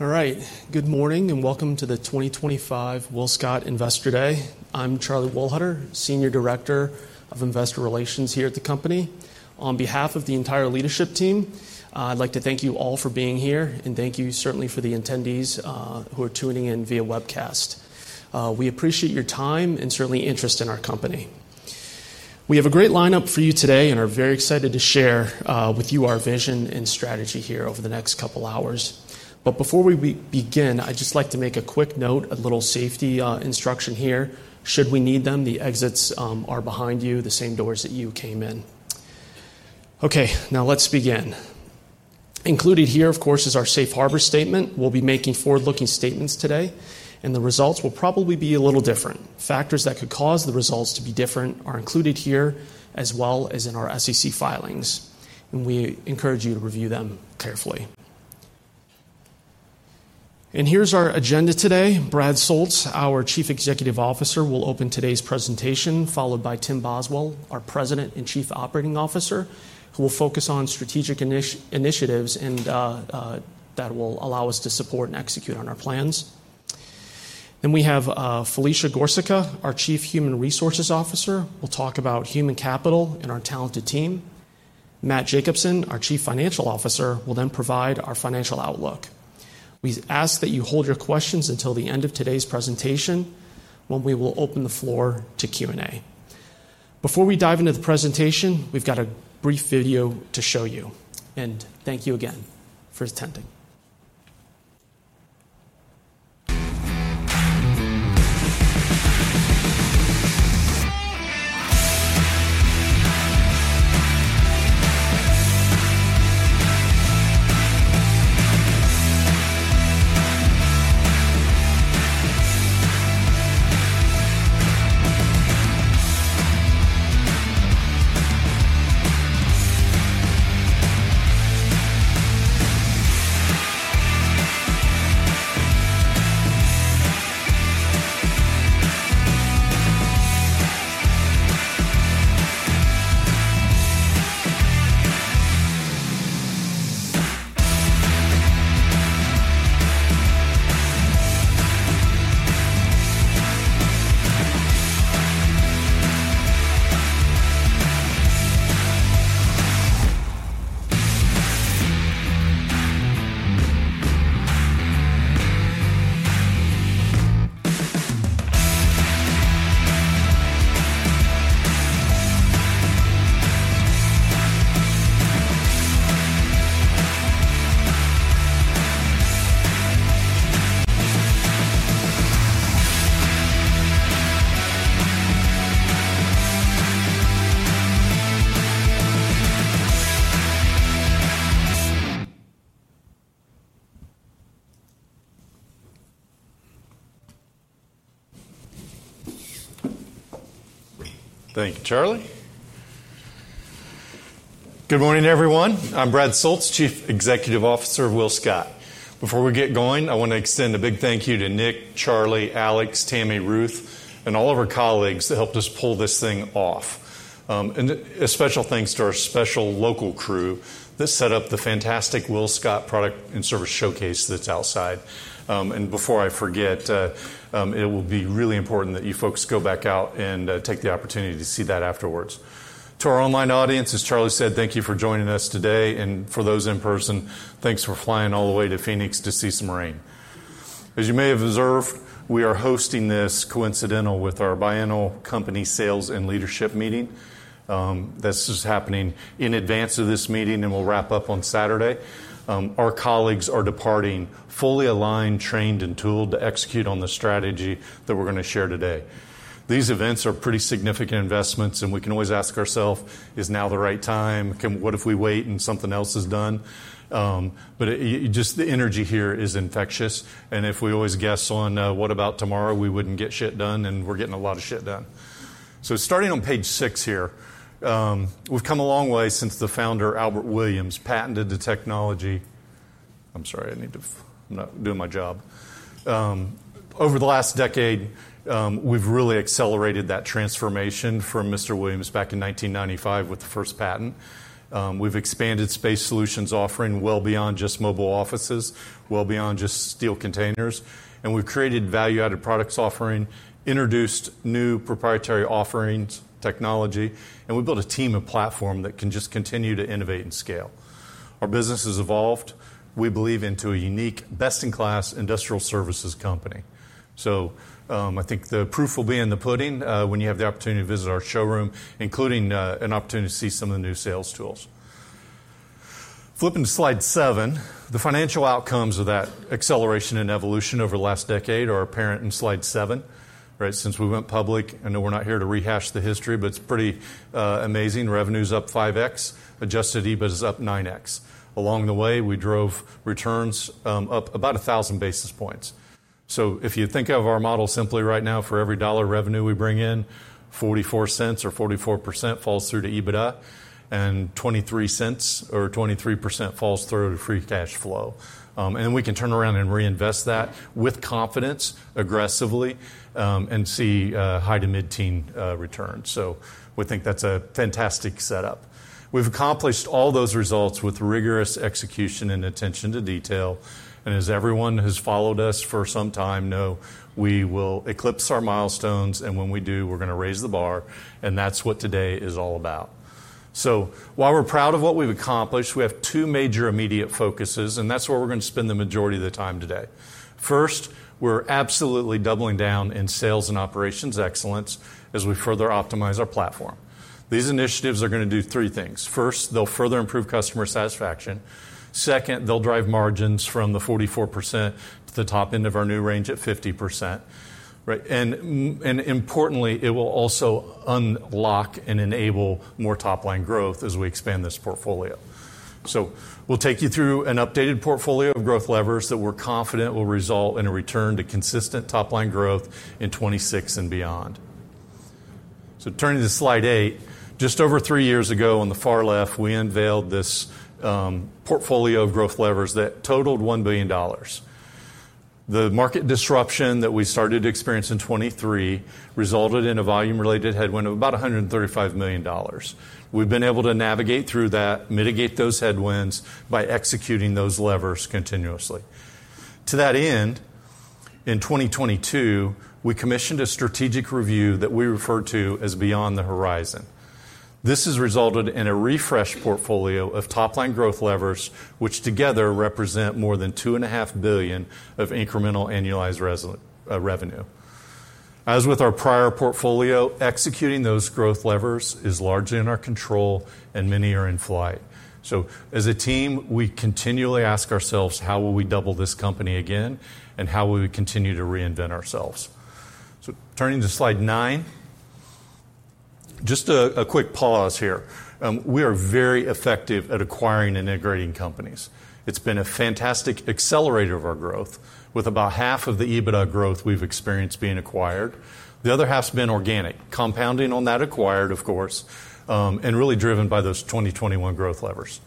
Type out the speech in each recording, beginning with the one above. All right. Good morning and welcome to the 2025 WillScot Investor Day. I'm Charlie Wohlhuter, Senior Director of Investor Relations here at the company. On behalf of the entire leadership team, I'd like to thank you all for being here, and thank you certainly for the attendees who are tuning in via webcast. We appreciate your time and certainly interest in our company. We have a great lineup for you today and are very excited to share with you our vision and strategy here over the next couple of hours. Before we begin, I'd just like to make a quick note, a little safety instruction here. Should we need them, the exits are behind you, the same doors that you came in. Okay, now let's begin. Included here, of course, is our Safe Harbor Statement. We'll be making forward-looking statements today, and the results will probably be a little different. Factors that could cause the results to be different are included here as well as in our SEC filings, and we encourage you to review them carefully. Here is our agenda today. Brad Soultz, our Chief Executive Officer, will open today's presentation, followed by Tim Boswell, our President and Chief Operating Officer, who will focus on strategic initiatives and that will allow us to support and execute on our plans. We have Felicia Gorsuchka, our Chief Human Resources Officer, who will talk about human capital and our talented team. Matt Jacobsen, our Chief Financial Officer, will then provide our financial outlook. We ask that you hold your questions until the end of today's presentation when we will open the floor to Q&A. Before we dive into the presentation, we've got a brief video to show you, and thank you again for attending. Thank you, Charlie. Good morning, everyone. I'm Brad Soultz, Chief Executive Officer of WillScot. Before we get going, I want to extend a big thank you to Nick, Charlie, Alex, Tammy, Ruth, and all of our colleagues that helped us pull this thing off. A special thanks to our special local crew that set up the fantastic WillScot product and service showcase that's outside. Before I forget, it will be really important that you folks go back out and take the opportunity to see that afterwards. To our online audience, as Charlie said, thank you for joining us today. For those in person, thanks for flying all the way to Phoenix to see some rain. As you may have observed, we are hosting this coincidental with our biannual company sales and leadership meeting. This is happening in advance of this meeting, and we'll wrap up on Saturday. Our colleagues are departing fully aligned, trained, and tooled to execute on the strategy that we're going to share today. These events are pretty significant investments, and we can always ask ourselves, is now the right time? What if we wait and something else is done? The energy here is infectious. If we always guess on what about tomorrow, we wouldn't get shit done, and we're getting a lot of shit done. Starting on page six here, we've come a long way since the founder, Albert Williams, patented the technology. I'm sorry, I need to—I'm not doing my job. Over the last decade, we've really accelerated that transformation from Mr. Williams back in 1995 with the first patent. We've expanded space solutions offering well beyond just mobile offices, well beyond just steel containers, and we've created value-added products offering, introduced new proprietary offerings, technology, and we built a team and platform that can just continue to innovate and scale. Our business has evolved. We believe into a unique, best-in-class industrial services company. I think the proof will be in the pudding when you have the opportunity to visit our showroom, including an opportunity to see some of the new sales tools. Flipping to slide seven, the financial outcomes of that acceleration and evolution over the last decade are apparent in slide seven. Right since we went public, I know we're not here to rehash the history, but it's pretty amazing. Revenue is up 5X, adjusted EBITDA is up 9X. Along the way, we drove returns up about 1,000 basis points. If you think of our model simply right now, for every dollar revenue we bring in, $0.44 or 44% falls through to EBITDA, and $0.23 or 23% falls through to free cash flow. We can turn around and reinvest that with confidence, aggressively, and see high to mid-teen returns. We think that's a fantastic setup. We've accomplished all those results with rigorous execution and attention to detail. As everyone who's followed us for some time know, we will eclipse our milestones, and when we do, we're going to raise the bar, and that's what today is all about. While we're proud of what we've accomplished, we have two major immediate focuses, and that's where we're going to spend the majority of the time today. First, we're absolutely doubling down in sales and operations excellence as we further optimize our platform. These initiatives are going to do three things. First, they'll further improve customer satisfaction. Second, they'll drive margins from the 44% to the top end of our new range at 50%. Importantly, it will also unlock and enable more top-line growth as we expand this portfolio. We'll take you through an updated portfolio of growth levers that we're confident will result in a return to consistent top-line growth in 2026 and beyond. Turning to slide eight, just over three years ago on the far left, we unveiled this portfolio of growth levers that totaled $1 billion. The market disruption that we started to experience in 2023 resulted in a volume-related headwind of about $135 million. We've been able to navigate through that, mitigate those headwinds by executing those levers continuously. To that end, in 2022, we commissioned a strategic review that we refer to as Beyond the Horizon. This has resulted in a refreshed portfolio of top-line growth levers, which together represent more than $2.5 billion of incremental annualized revenue. As with our prior portfolio, executing those growth levers is largely in our control, and many are in flight. As a team, we continually ask ourselves, how will we double this company again, and how will we continue to reinvent ourselves? Turning to slide nine, just a quick pause here. We are very effective at acquiring and integrating companies. It's been a fantastic accelerator of our growth, with about half of the EBITDA growth we've experienced being acquired. The other half's been organic, compounding on that acquired, of course, and really driven by those 2021 growth levers.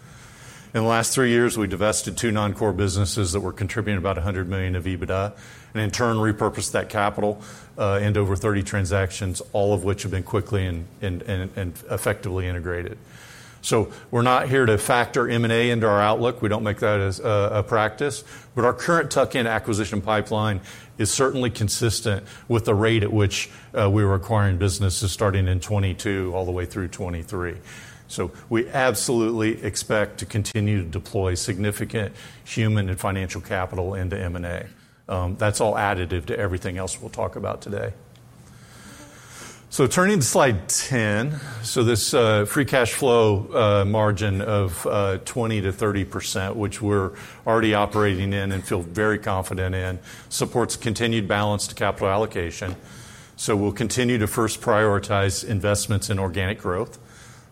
In the last three years, we divested two non-core businesses that were contributing about $100 million of EBITDA, and in turn, repurposed that capital into over 30 transactions, all of which have been quickly and effectively integrated. We are not here to factor M&A into our outlook. We do not make that a practice. Our current tuck-in acquisition pipeline is certainly consistent with the rate at which we were acquiring businesses starting in 2022 all the way through 2023. We absolutely expect to continue to deploy significant human and financial capital into M&A. That is all additive to everything else we will talk about today. Turning to slide 10, this free cash flow margin of 20%-30%, which we are already operating in and feel very confident in, supports continued balance to capital allocation. We will continue to first prioritize investments in organic growth.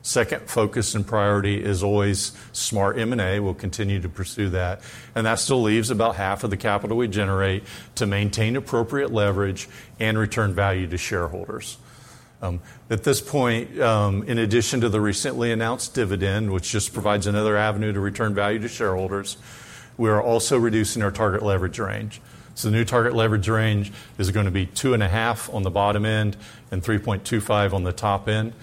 Second focus and priority is always smart M&A. We'll continue to pursue that. That still leaves about half of the capital we generate to maintain appropriate leverage and return value to shareholders. At this point, in addition to the recently announced dividend, which just provides another avenue to return value to shareholders, we are also reducing our target leverage range. The new target leverage range is going to be 2.5 on the bottom end and 3.25 on the top end.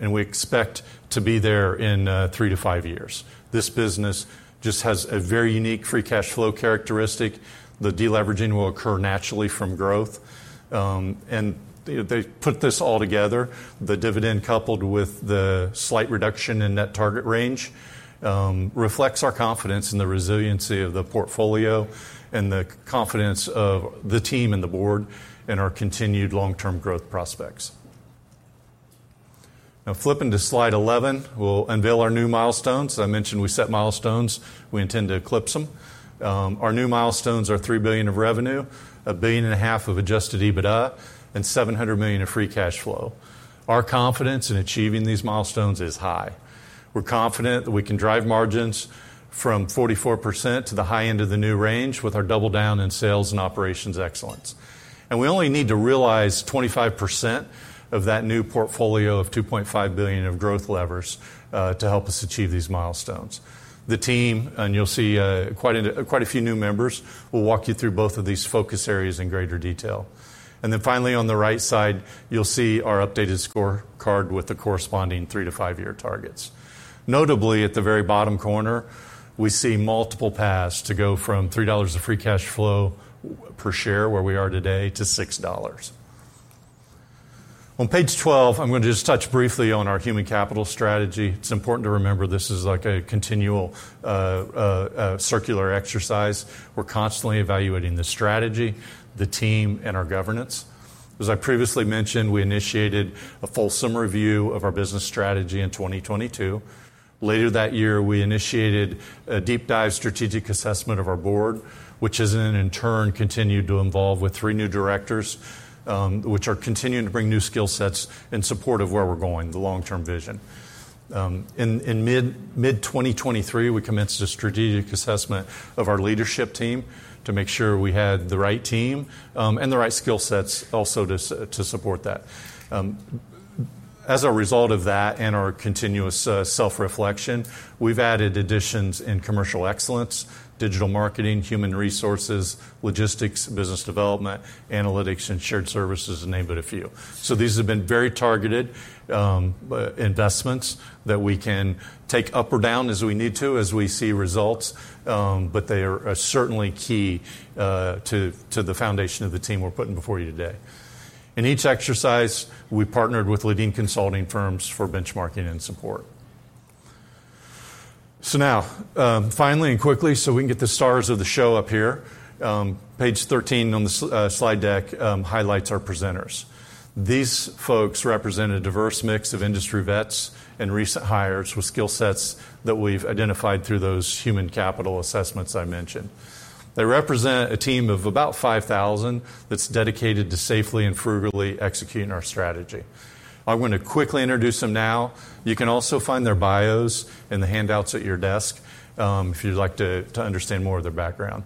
We expect to be there in three to five years. This business just has a very unique free cash flow characteristic. The deleveraging will occur naturally from growth. They put this all together. The dividend, coupled with the slight reduction in net target range, reflects our confidence in the resiliency of the portfolio and the confidence of the team and the board and our continued long-term growth prospects. Now, flipping to slide 11, we'll unveil our new milestones. I mentioned we set milestones. We intend to eclipse them. Our new milestones are $3 billion of revenue, $1.5 billion of adjusted EBITDA, and $700 million of free cash flow. Our confidence in achieving these milestones is high. We're confident that we can drive margins from 44% to the high end of the new range with our double down in sales and operations excellence. We only need to realize 25% of that new portfolio of $2.5 billion of growth levers to help us achieve these milestones. The team, and you'll see quite a few new members, will walk you through both of these focus areas in greater detail. Finally, on the right side, you'll see our updated scorecard with the corresponding three to five-year targets. Notably, at the very bottom corner, we see multiple paths to go from $3 of free cash flow per share, where we are today, to $6. On page 12, I'm going to just touch briefly on our human capital strategy. It's important to remember this is like a continual circular exercise. We're constantly evaluating the strategy, the team, and our governance. As I previously mentioned, we initiated a fulsome review of our business strategy in 2022. Later that year, we initiated a deep-dive strategic assessment of our board, which has in turn continued to evolve with three new directors, which are continuing to bring new skill sets in support of where we're going, the long-term vision. In mid-2023, we commenced a strategic assessment of our leadership team to make sure we had the right team and the right skill sets also to support that. As a result of that and our continuous self-reflection, we've added additions in commercial excellence, digital marketing, human resources, logistics, business development, analytics, and shared services, to name but a few. These have been very targeted investments that we can take up or down as we need to, as we see results, but they are certainly key to the foundation of the team we're putting before you today. In each exercise, we partnered with leading consulting firms for benchmarking and support. Now, finally and quickly, so we can get the stars of the show up here, page 13 on the slide deck highlights our presenters. These folks represent a diverse mix of industry vets and recent hires with skill sets that we've identified through those human capital assessments I mentioned. They represent a team of about 5,000 that's dedicated to safely and frugally executing our strategy. I'm going to quickly introduce them now. You can also find their bios in the handouts at your desk if you'd like to understand more of their background.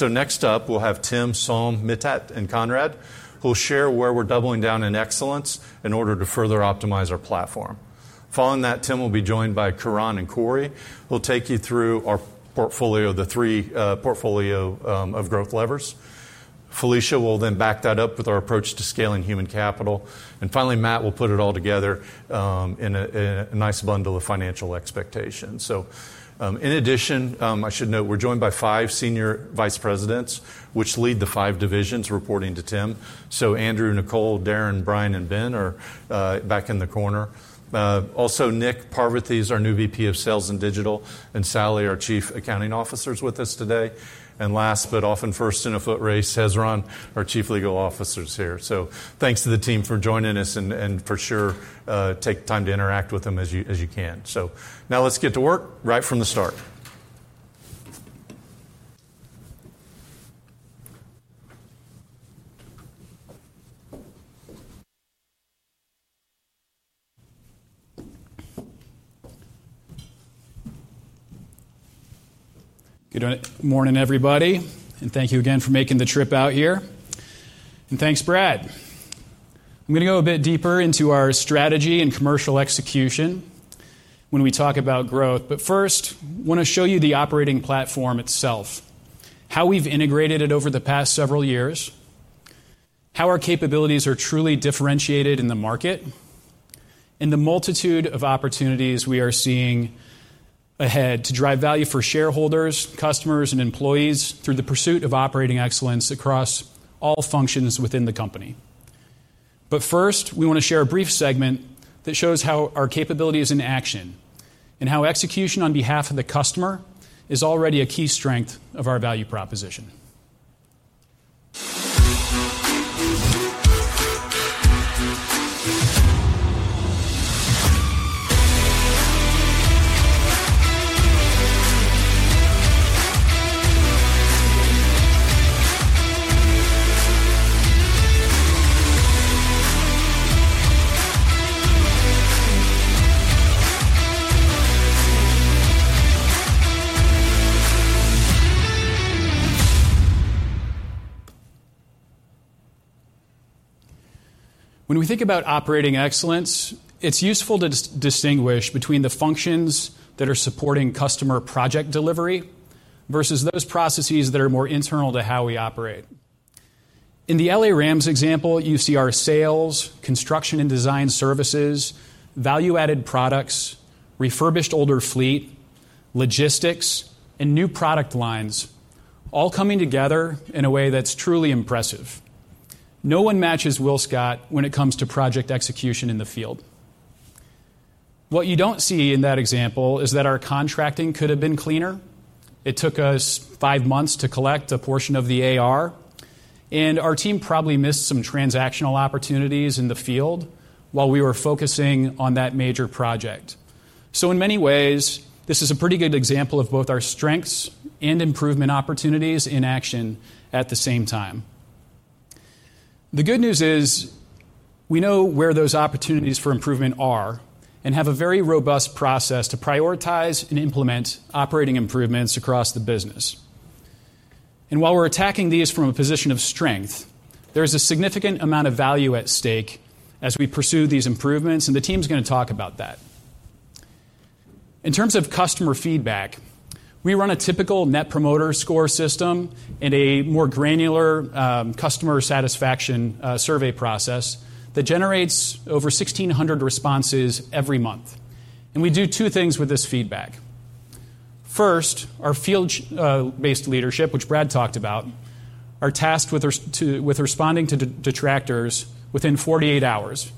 Next up, we'll have Tim, Saul, Mitat, and Conrad, who'll share where we're doubling down in excellence in order to further optimize our platform. Following that, Tim will be joined by Coron and Corey. We'll take you through our portfolio, the three portfolio of growth levers. Felicia will then back that up with our approach to scaling human capital. Finally, Matt will put it all together in a nice bundle of financial expectations. In addition, I should note we're joined by five senior vice presidents, which lead the five divisions reporting to Tim. Andrew, Nicole, Darren, Brian, and Ben are back in the corner. Also, Nick Parvathy is our new VP of Sales and Digital, and Sally, our Chief Accounting Officer, is with us today. Last but often first in a foot race, Hezron, our Chief Legal Officer, is here. Thanks to the team for joining us and for sure take time to interact with them as you can. Now let's get to work right from the start. Good morning, everybody. Thank you again for making the trip out here. Thanks, Brad. I'm going to go a bit deeper into our strategy and commercial execution when we talk about growth. First, I want to show you the operating platform itself, how we've integrated it over the past several years, how our capabilities are truly differentiated in the market, and the multitude of opportunities we are seeing ahead to drive value for shareholders, customers, and employees through the pursuit of operating excellence across all functions within the company. First, we want to share a brief segment that shows how our capability is in action and how execution on behalf of the customer is already a key strength of our value proposition. When we think about operating excellence, it's useful to distinguish between the functions that are supporting customer project delivery versus those processes that are more internal to how we operate. In the L.A. Rams example, you see our sales, construction and design services, value-added products, refurbished older fleet, logistics, and new product lines all coming together in a way that's truly impressive. No one matches WillScot when it comes to project execution in the field. What you don't see in that example is that our contracting could have been cleaner. It took us five months to collect a portion of the AR, and our team probably missed some transactional opportunities in the field while we were focusing on that major project. In many ways, this is a pretty good example of both our strengths and improvement opportunities in action at the same time. The good news is we know where those opportunities for improvement are and have a very robust process to prioritize and implement operating improvements across the business. While we're attacking these from a position of strength, there is a significant amount of value at stake as we pursue these improvements, and the team's going to talk about that. In terms of customer feedback, we run a typical Net Promoter Score system and a more granular customer satisfaction survey process that generates over 1,600 responses every month. We do two things with this feedback. First, our field-based leadership, which Brad talked about, are tasked with responding to detractors within 48 hours.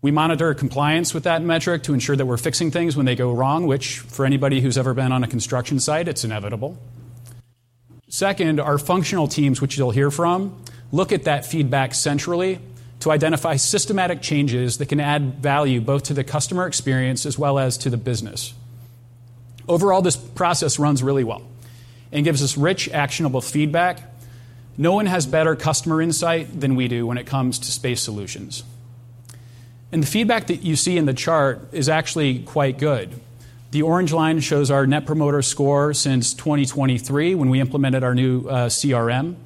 We monitor compliance with that metric to ensure that we're fixing things when they go wrong, which for anybody who's ever been on a construction site, it's inevitable. Second, our functional teams, which you'll hear from, look at that feedback centrally to identify systematic changes that can add value both to the customer experience as well as to the business. Overall, this process runs really well and gives us rich, actionable feedback. No one has better customer insight than we do when it comes to space solutions. The feedback that you see in the chart is actually quite good. The orange line shows our net promoter score since 2023 when we implemented our new CRM, and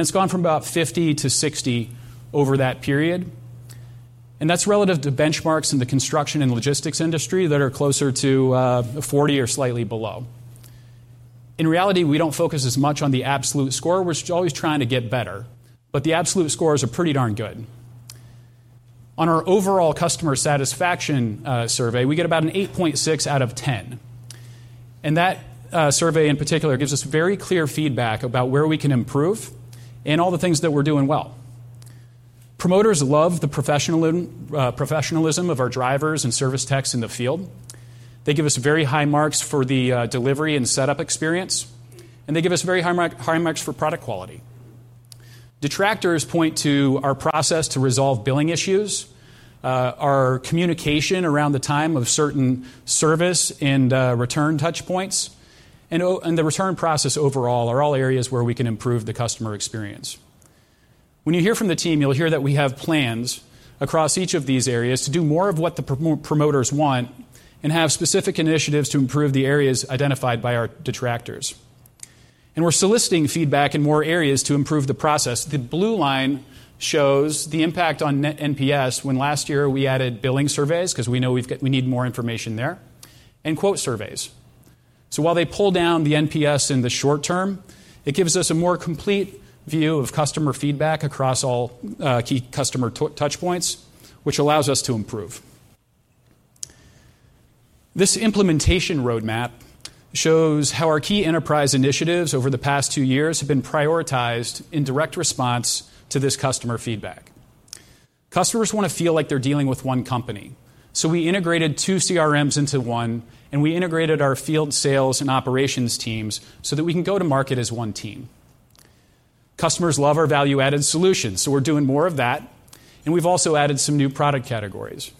it's gone from about 50-60 over that period. That's relative to benchmarks in the construction and logistics industry that are closer to 40 or slightly below. In reality, we don't focus as much on the absolute score. We're always trying to get better, but the absolute scores are pretty darn good. On our overall customer satisfaction survey, we get about an 8.6 out of 10. That survey, in particular, gives us very clear feedback about where we can improve and all the things that we're doing well. Promoters love the professionalism of our drivers and service techs in the field. They give us very high marks for the delivery and setup experience, and they give us very high marks for product quality. Detractors point to our process to resolve billing issues, our communication around the time of certain service and return touchpoints, and the return process overall are all areas where we can improve the customer experience. When you hear from the team, you'll hear that we have plans across each of these areas to do more of what the promoters want and have specific initiatives to improve the areas identified by our detractors. We are soliciting feedback in more areas to improve the process. The blue line shows the impact on net NPS when last year we added billing surveys because we know we need more information there and quote surveys. While they pull down the NPS in the short term, it gives us a more complete view of customer feedback across all key customer touchpoints, which allows us to improve. This implementation roadmap shows how our key enterprise initiatives over the past two years have been prioritized in direct response to this customer feedback. Customers want to feel like they're dealing with one company. We integrated two CRMs into one, and we integrated our field sales and operations teams so that we can go to market as one team. Customers love our value-added solutions, so we're doing more of that, and we've also added some new product categories.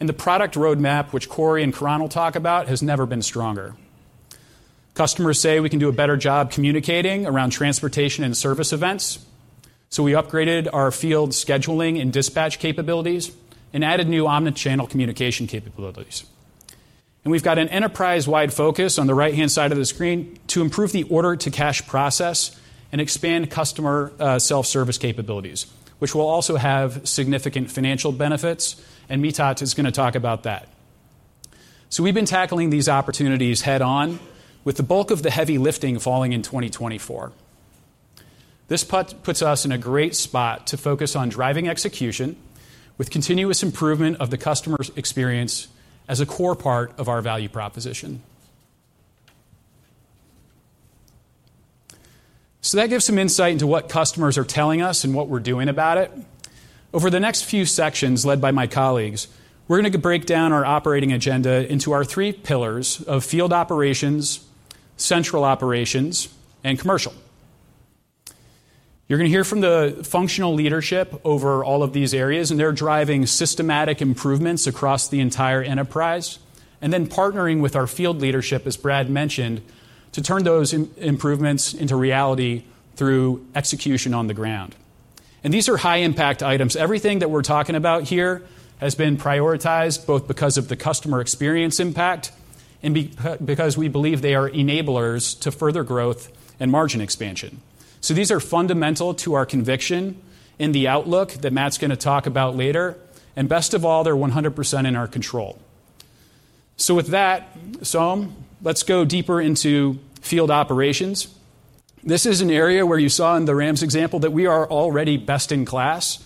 The product roadmap, which Corey and Coron will talk about, has never been stronger. Customers say we can do a better job communicating around transportation and service events. We upgraded our field scheduling and dispatch capabilities and added new omnichannel communication capabilities. We have an enterprise-wide focus on the right-hand side of the screen to improve the order-to-cash process and expand customer self-service capabilities, which will also have significant financial benefits, and Mitat is going to talk about that. We have been tackling these opportunities head-on with the bulk of the heavy lifting falling in 2024. This puts us in a great spot to focus on driving execution with continuous improvement of the customer's experience as a core part of our value proposition. That gives some insight into what customers are telling us and what we are doing about it. Over the next few sections led by my colleagues, we are going to break down our operating agenda into our three pillars of field operations, central operations, and commercial. You're going to hear from the functional leadership over all of these areas, and they're driving systematic improvements across the entire enterprise and then partnering with our field leadership, as Brad mentioned, to turn those improvements into reality through execution on the ground. These are high-impact items. Everything that we're talking about here has been prioritized both because of the customer experience impact and because we believe they are enablers to further growth and margin expansion. These are fundamental to our conviction in the outlook that Matt's going to talk about later. Best of all, they're 100% in our control. With that, Saul, let's go deeper into field operations. This is an area where you saw in the Rams example that we are already best in class.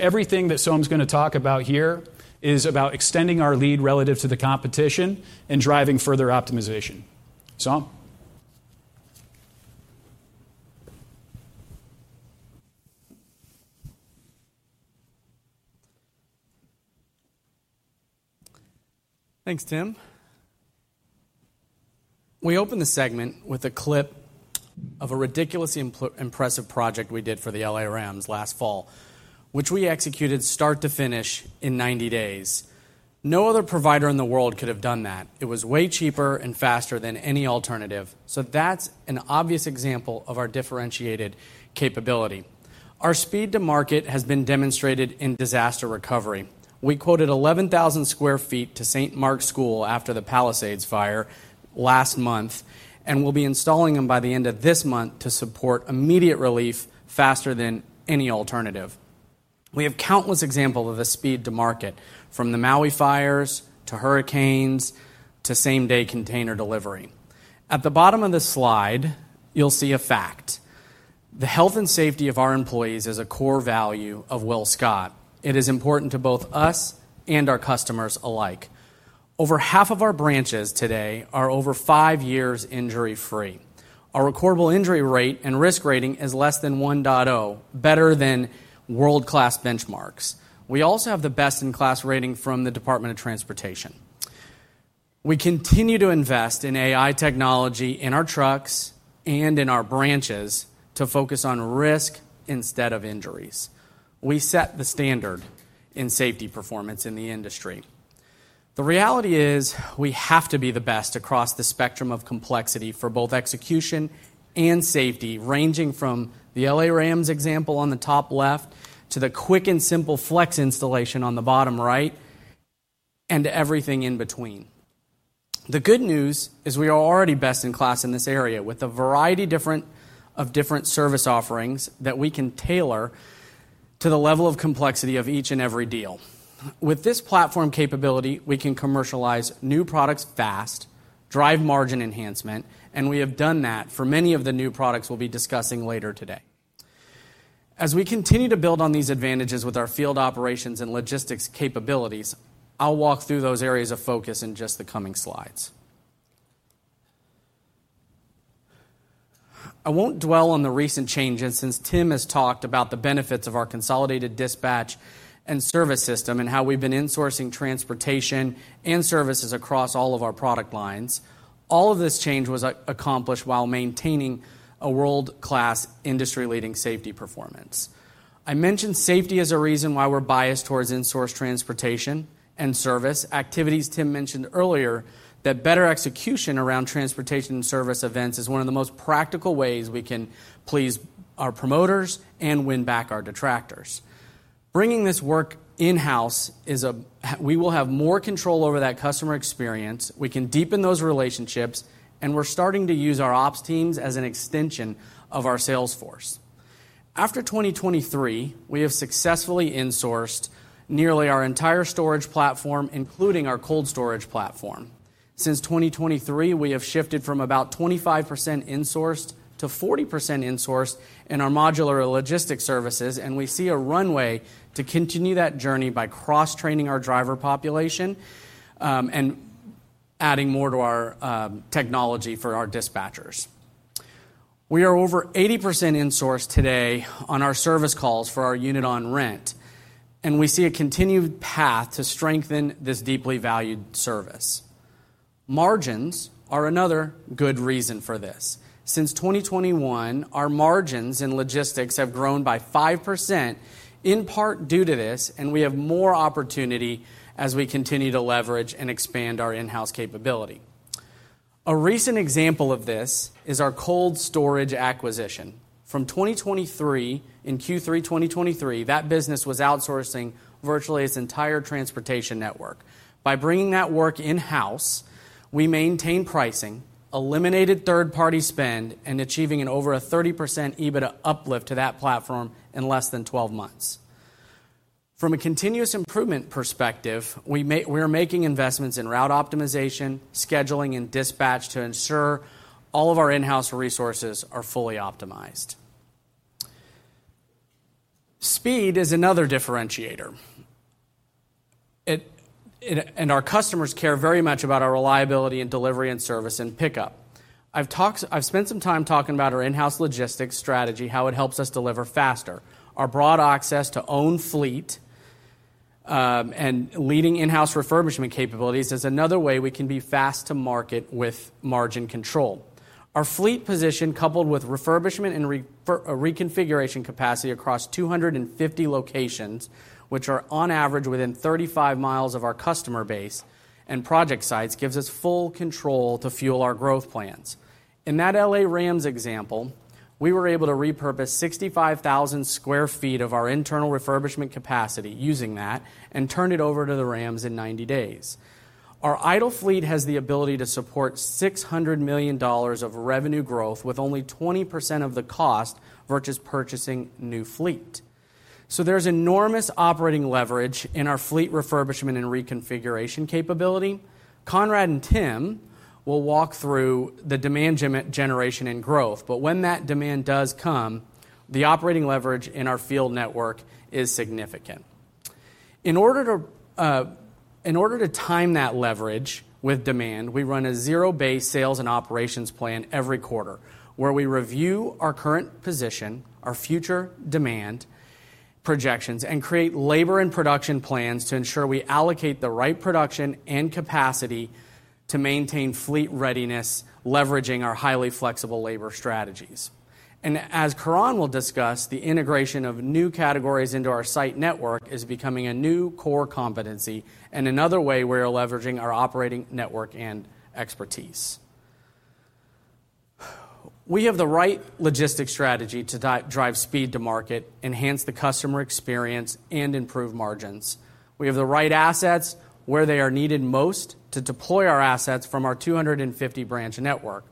Everything that Saul is going to talk about here is about extending our lead relative to the competition and driving further optimization. Saul? Thanks, Tim. We opened the segment with a clip of a ridiculously impressive project we did for the L.A. Rams last fall, which we executed start to finish in 90 days. No other provider in the world could have done that. It was way cheaper and faster than any alternative. That is an obvious example of our differentiated capability. Our speed to market has been demonstrated in disaster recovery. We quoted 11,000 sq ft to St. Mark's School after the Palisades fire last month, and we will be installing them by the end of this month to support immediate relief faster than any alternative. We have countless examples of the speed to market from the Maui fires to hurricanes to same-day container delivery. At the bottom of the slide, you'll see a fact. The health and safety of our employees is a core value of WillScot. It is important to both us and our customers alike. Over half of our branches today are over five years injury-free. Our recordable injury rate and risk rating is less than 1.0, better than world-class benchmarks. We also have the best-in-class rating from the Department of Transportation. We continue to invest in AI technology in our trucks and in our branches to focus on risk instead of injuries. We set the standard in safety performance in the industry. The reality is we have to be the best across the spectrum of complexity for both execution and safety, ranging from the L.A. Rams example on the top left to the quick and simple FLEX installation on the bottom right and everything in between. The good news is we are already best in class in this area with a variety of different service offerings that we can tailor to the level of complexity of each and every deal. With this platform capability, we can commercialize new products fast, drive margin enhancement, and we have done that for many of the new products we'll be discussing later today. As we continue to build on these advantages with our field operations and logistics capabilities, I'll walk through those areas of focus in just the coming slides. I won't dwell on the recent changes since Tim has talked about the benefits of our consolidated dispatch and service system and how we've been insourcing transportation and services across all of our product lines. All of this change was accomplished while maintaining a world-class industry-leading safety performance. I mentioned safety as a reason why we're biased towards insource transportation and service activities. Tim mentioned earlier that better execution around transportation and service events is one of the most practical ways we can please our promoters and win back our detractors. Bringing this work in-house is a way we will have more control over that customer experience. We can deepen those relationships, and we're starting to use our ops teams as an extension of our sales force. After 2023, we have successfully insourced nearly our entire storage platform, including our cold storage platform. Since 2023, we have shifted from about 25% insourced to 40% insourced in our modular logistics services, and we see a runway to continue that journey by cross-training our driver population and adding more to our technology for our dispatchers. We are over 80% insourced today on our service calls for our unit on rent, and we see a continued path to strengthen this deeply valued service. Margins are another good reason for this. Since 2021, our margins in logistics have grown by 5%, in part due to this, and we have more opportunity as we continue to leverage and expand our in-house capability. A recent example of this is our cold storage acquisition. From 2023, in Q3 2023, that business was outsourcing virtually its entire transportation network. By bringing that work in-house, we maintained pricing, eliminated third-party spend, and achieved an over 30% EBITDA uplift to that platform in less than 12 months. From a continuous improvement perspective, we are making investments in route optimization, scheduling, and dispatch to ensure all of our in-house resources are fully optimized. Speed is another differentiator, and our customers care very much about our reliability in delivery and service and pickup. I've spent some time talking about our in-house logistics strategy, how it helps us deliver faster. Our broad access to own fleet and leading in-house refurbishment capabilities is another way we can be fast to market with margin control. Our fleet position, coupled with refurbishment and reconfiguration capacity across 250 locations, which are on average within 35 mi of our customer base and project sites, gives us full control to fuel our growth plans. In that Los Angeles Rams example, we were able to repurpose 65,000 sq ft of our internal refurbishment capacity using that and turned it over to the Rams in 90 days. Our idle fleet has the ability to support $600 million of revenue growth with only 20% of the cost versus purchasing new fleet. There is enormous operating leverage in our fleet refurbishment and reconfiguration capability. Conrad and Tim will walk through the demand generation and growth, but when that demand does come, the operating leverage in our field network is significant. In order to time that leverage with demand, we run a zero-based sales and operations plan every quarter where we review our current position, our future demand projections, and create labor and production plans to ensure we allocate the right production and capacity to maintain fleet readiness, leveraging our highly flexible labor strategies. As Coran will discuss, the integration of new categories into our site network is becoming a new core competency and another way we are leveraging our operating network and expertise. We have the right logistics strategy to drive speed to market, enhance the customer experience, and improve margins. We have the right assets where they are needed most to deploy our assets from our 250-branch network,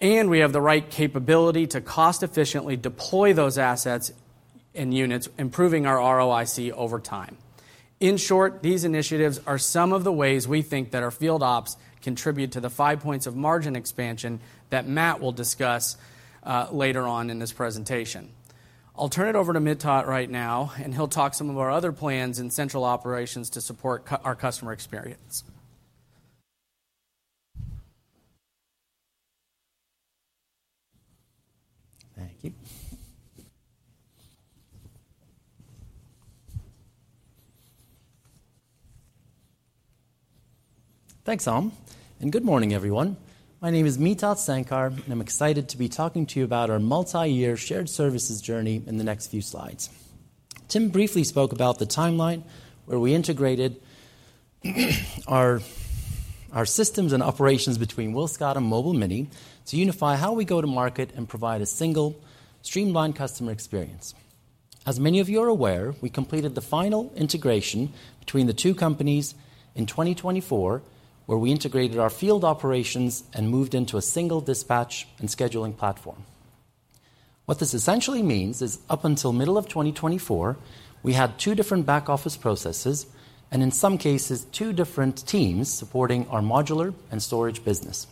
and we have the right capability to cost-efficiently deploy those assets and units, improving our ROIC over time. In short, these initiatives are some of the ways we think that our field ops contribute to the five points of margin expansion that Matt will discuss later on in this presentation. I'll turn it over to Mitat right now, and he'll talk some of our other plans and central operations to support our customer experience. Thank you. Thanks, all. Good morning, everyone. My name is Mitat Sankar, and I'm excited to be talking to you about our multi-year shared services journey in the next few slides. Tim briefly spoke about the timeline where we integrated our systems and operations between WillScot and Mobile Mini to unify how we go to market and provide a single, streamlined customer experience. As many of you are aware, we completed the final integration between the two companies in 2024, where we integrated our field operations and moved into a single dispatch and scheduling platform. What this essentially means is up until the middle of 2024, we had two different back-office processes and, in some cases, two different teams supporting our modular and storage business.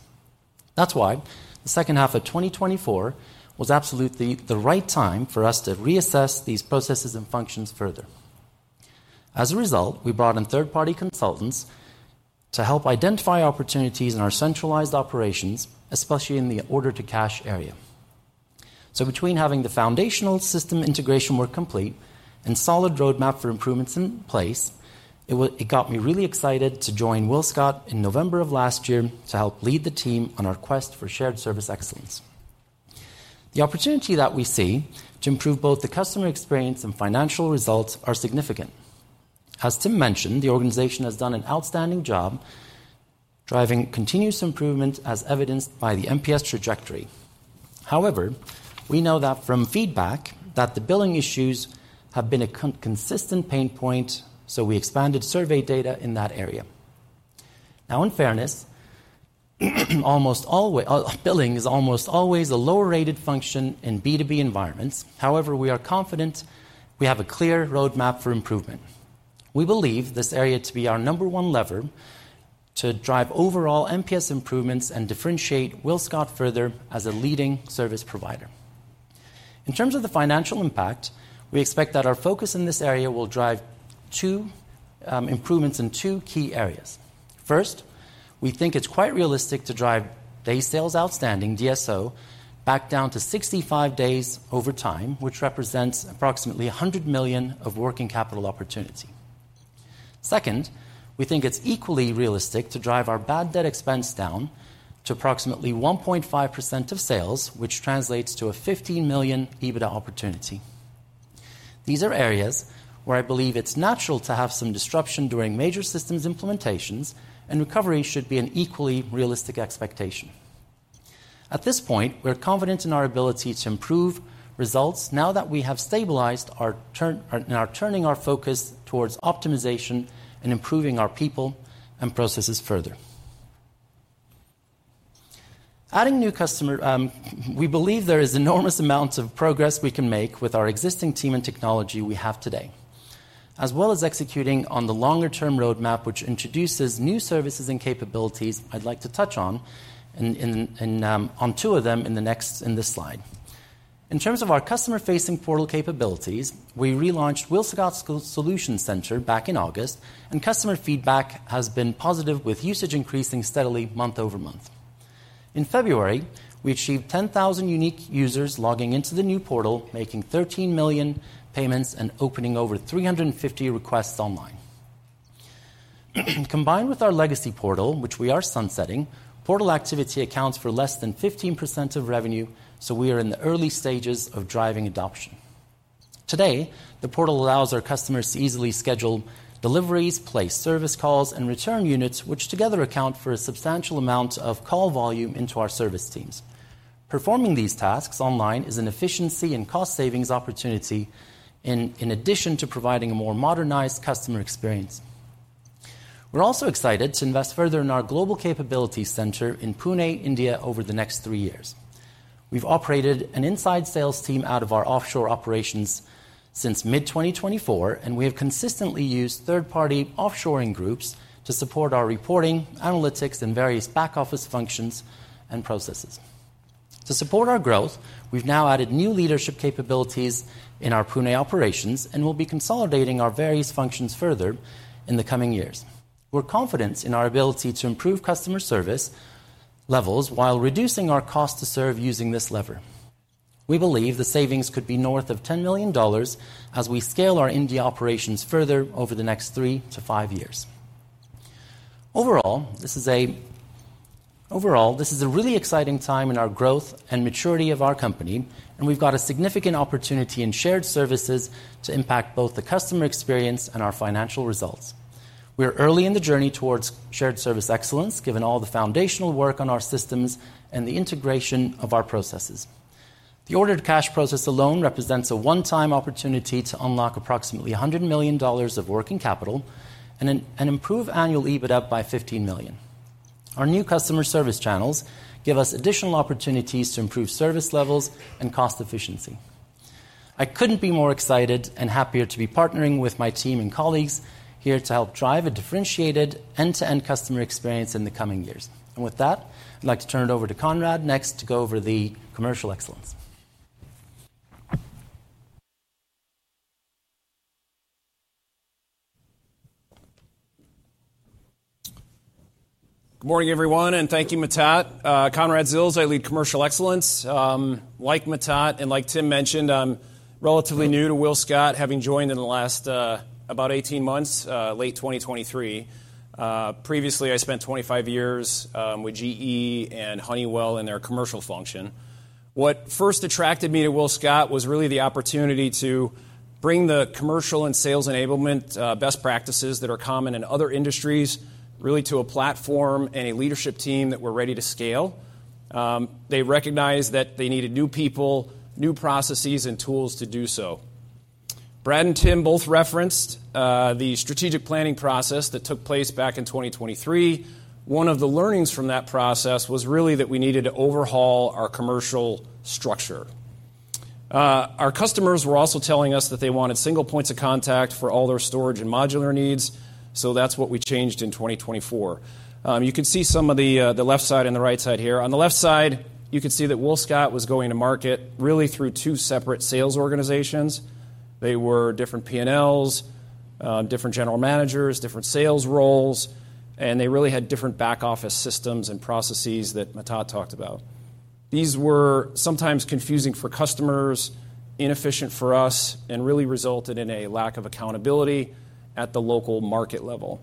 That is why the second half of 2024 was absolutely the right time for us to reassess these processes and functions further. As a result, we brought in third-party consultants to help identify opportunities in our centralized operations, especially in the order-to-cash area. Between having the foundational system integration work complete and a solid roadmap for improvements in place, it got me really excited to join WillScot in November of last year to help lead the team on our quest for shared service excellence. The opportunity that we see to improve both the customer experience and financial results is significant. As Tim mentioned, the organization has done an outstanding job driving continuous improvement, as evidenced by the NPS trajectory. However, we know that from feedback that the billing issues have been a consistent pain point, so we expanded survey data in that area. In fairness, billing is almost always a lower-rated function in B2B environments. However, we are confident we have a clear roadmap for improvement. We believe this area to be our number one lever to drive overall MPS improvements and differentiate WillScot further as a leading service provider. In terms of the financial impact, we expect that our focus in this area will drive two improvements in two key areas. First, we think it's quite realistic to drive days sales outstanding, DSO, back down to 65 days over time, which represents approximately $100 million of working capital opportunity. Second, we think it's equally realistic to drive our bad debt expense down to approximately 1.5% of sales, which translates to a $15 million EBITDA opportunity. These are areas where I believe it's natural to have some disruption during major systems implementations, and recovery should be an equally realistic expectation. At this point, we're confident in our ability to improve results now that we have stabilized our turning our focus towards optimization and improving our people and processes further. We believe there is enormous amounts of progress we can make with our existing team and technology we have today, as well as executing on the longer-term roadmap, which introduces new services and capabilities I'd like to touch on on two of them in this slide. In terms of our customer-facing portal capabilities, we relaunched WillScot Solution Center back in August, and customer feedback has been positive, with usage increasing steadily month over month. In February, we achieved 10,000 unique users logging into the new portal, making 13 million payments and opening over 350 requests online. Combined with our legacy portal, which we are sunsetting, portal activity accounts for less than 15% of revenue, so we are in the early stages of driving adoption. Today, the portal allows our customers to easily schedule deliveries, place service calls, and return units, which together account for a substantial amount of call volume into our service teams. Performing these tasks online is an efficiency and cost savings opportunity, in addition to providing a more modernized customer experience. We are also excited to invest further in our global capability center in Pune, India, over the next three years. We have operated an inside sales team out of our offshore operations since mid-2024, and we have consistently used third-party offshoring groups to support our reporting, analytics, and various back-office functions and processes. To support our growth, we've now added new leadership capabilities in our Pune operations and will be consolidating our various functions further in the coming years. We're confident in our ability to improve customer service levels while reducing our cost to serve using this lever. We believe the savings could be north of $10 million as we scale our India operations further over the next three to five years. Overall, this is a really exciting time in our growth and maturity of our company, and we've got a significant opportunity in shared services to impact both the customer experience and our financial results. We're early in the journey towards shared service excellence, given all the foundational work on our systems and the integration of our processes. The order-to-cash process alone represents a one-time opportunity to unlock approximately $100 million of working capital and improve annual EBITDA by $15 million. Our new customer service channels give us additional opportunities to improve service levels and cost efficiency. I couldn't be more excited and happier to be partnering with my team and colleagues here to help drive a differentiated end-to-end customer experience in the coming years. I would like to turn it over to Conrad next to go over the commercial excellence. Good morning, everyone, and thank you, Mitat. Conrad Zyls, I lead commercial excellence. Like Mitat and like Tim mentioned, I'm relatively new to WillScot, having joined in the last about 18 months, late 2023. Previously, I spent 25 years with GE and Honeywell in their commercial function. What first attracted me to WillScot was really the opportunity to bring the commercial and sales enablement best practices that are common in other industries really to a platform and a leadership team that were ready to scale. They recognized that they needed new people, new processes, and tools to do so. Brad and Tim both referenced the strategic planning process that took place back in 2023. One of the learnings from that process was really that we needed to overhaul our commercial structure. Our customers were also telling us that they wanted single points of contact for all their storage and modular needs, so that's what we changed in 2024. You can see some of the left side and the right side here. On the left side, you can see that WillScot was going to market really through two separate sales organizations. They were different P&Ls, different general managers, different sales roles, and they really had different back-office systems and processes that Mitat talked about. These were sometimes confusing for customers, inefficient for us, and really resulted in a lack of accountability at the local market level.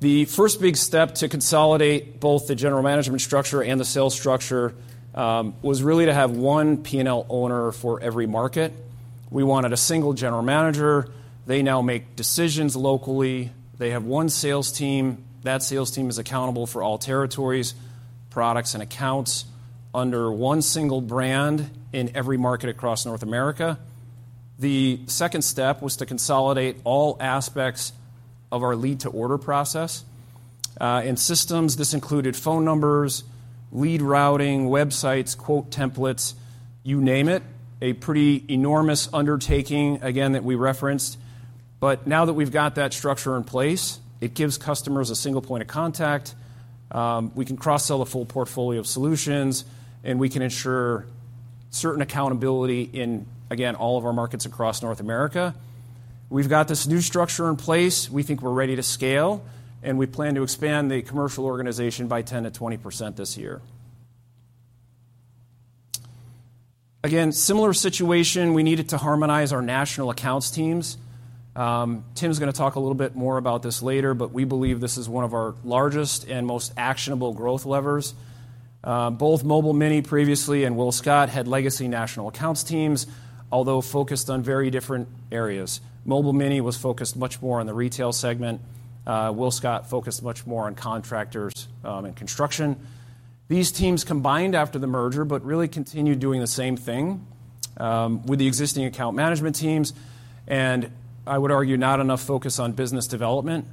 The first big step to consolidate both the general management structure and the sales structure was really to have one P&L owner for every market. We wanted a single general manager. They now make decisions locally. They have one sales team. That sales team is accountable for all territories, products, and accounts under one single brand in every market across North America. The second step was to consolidate all aspects of our lead-to-order process. In systems, this included phone numbers, lead routing, websites, quote templates, you name it, a pretty enormous undertaking, again, that we referenced. Now that we've got that structure in place, it gives customers a single point of contact. We can cross-sell a full portfolio of solutions, and we can ensure certain accountability in, again, all of our markets across North America. We've got this new structure in place. We think we're ready to scale, and we plan to expand the commercial organization by 10%-20% this year. Again, similar situation, we needed to harmonize our national accounts teams. Tim's going to talk a little bit more about this later, but we believe this is one of our largest and most actionable growth levers. Both Mobile Mini previously and WillScot had legacy national accounts teams, although focused on very different areas. Mobile Mini was focused much more on the retail segment. WillScot focused much more on contractors and construction. These teams combined after the merger, but really continued doing the same thing with the existing account management teams, and I would argue not enough focus on business development.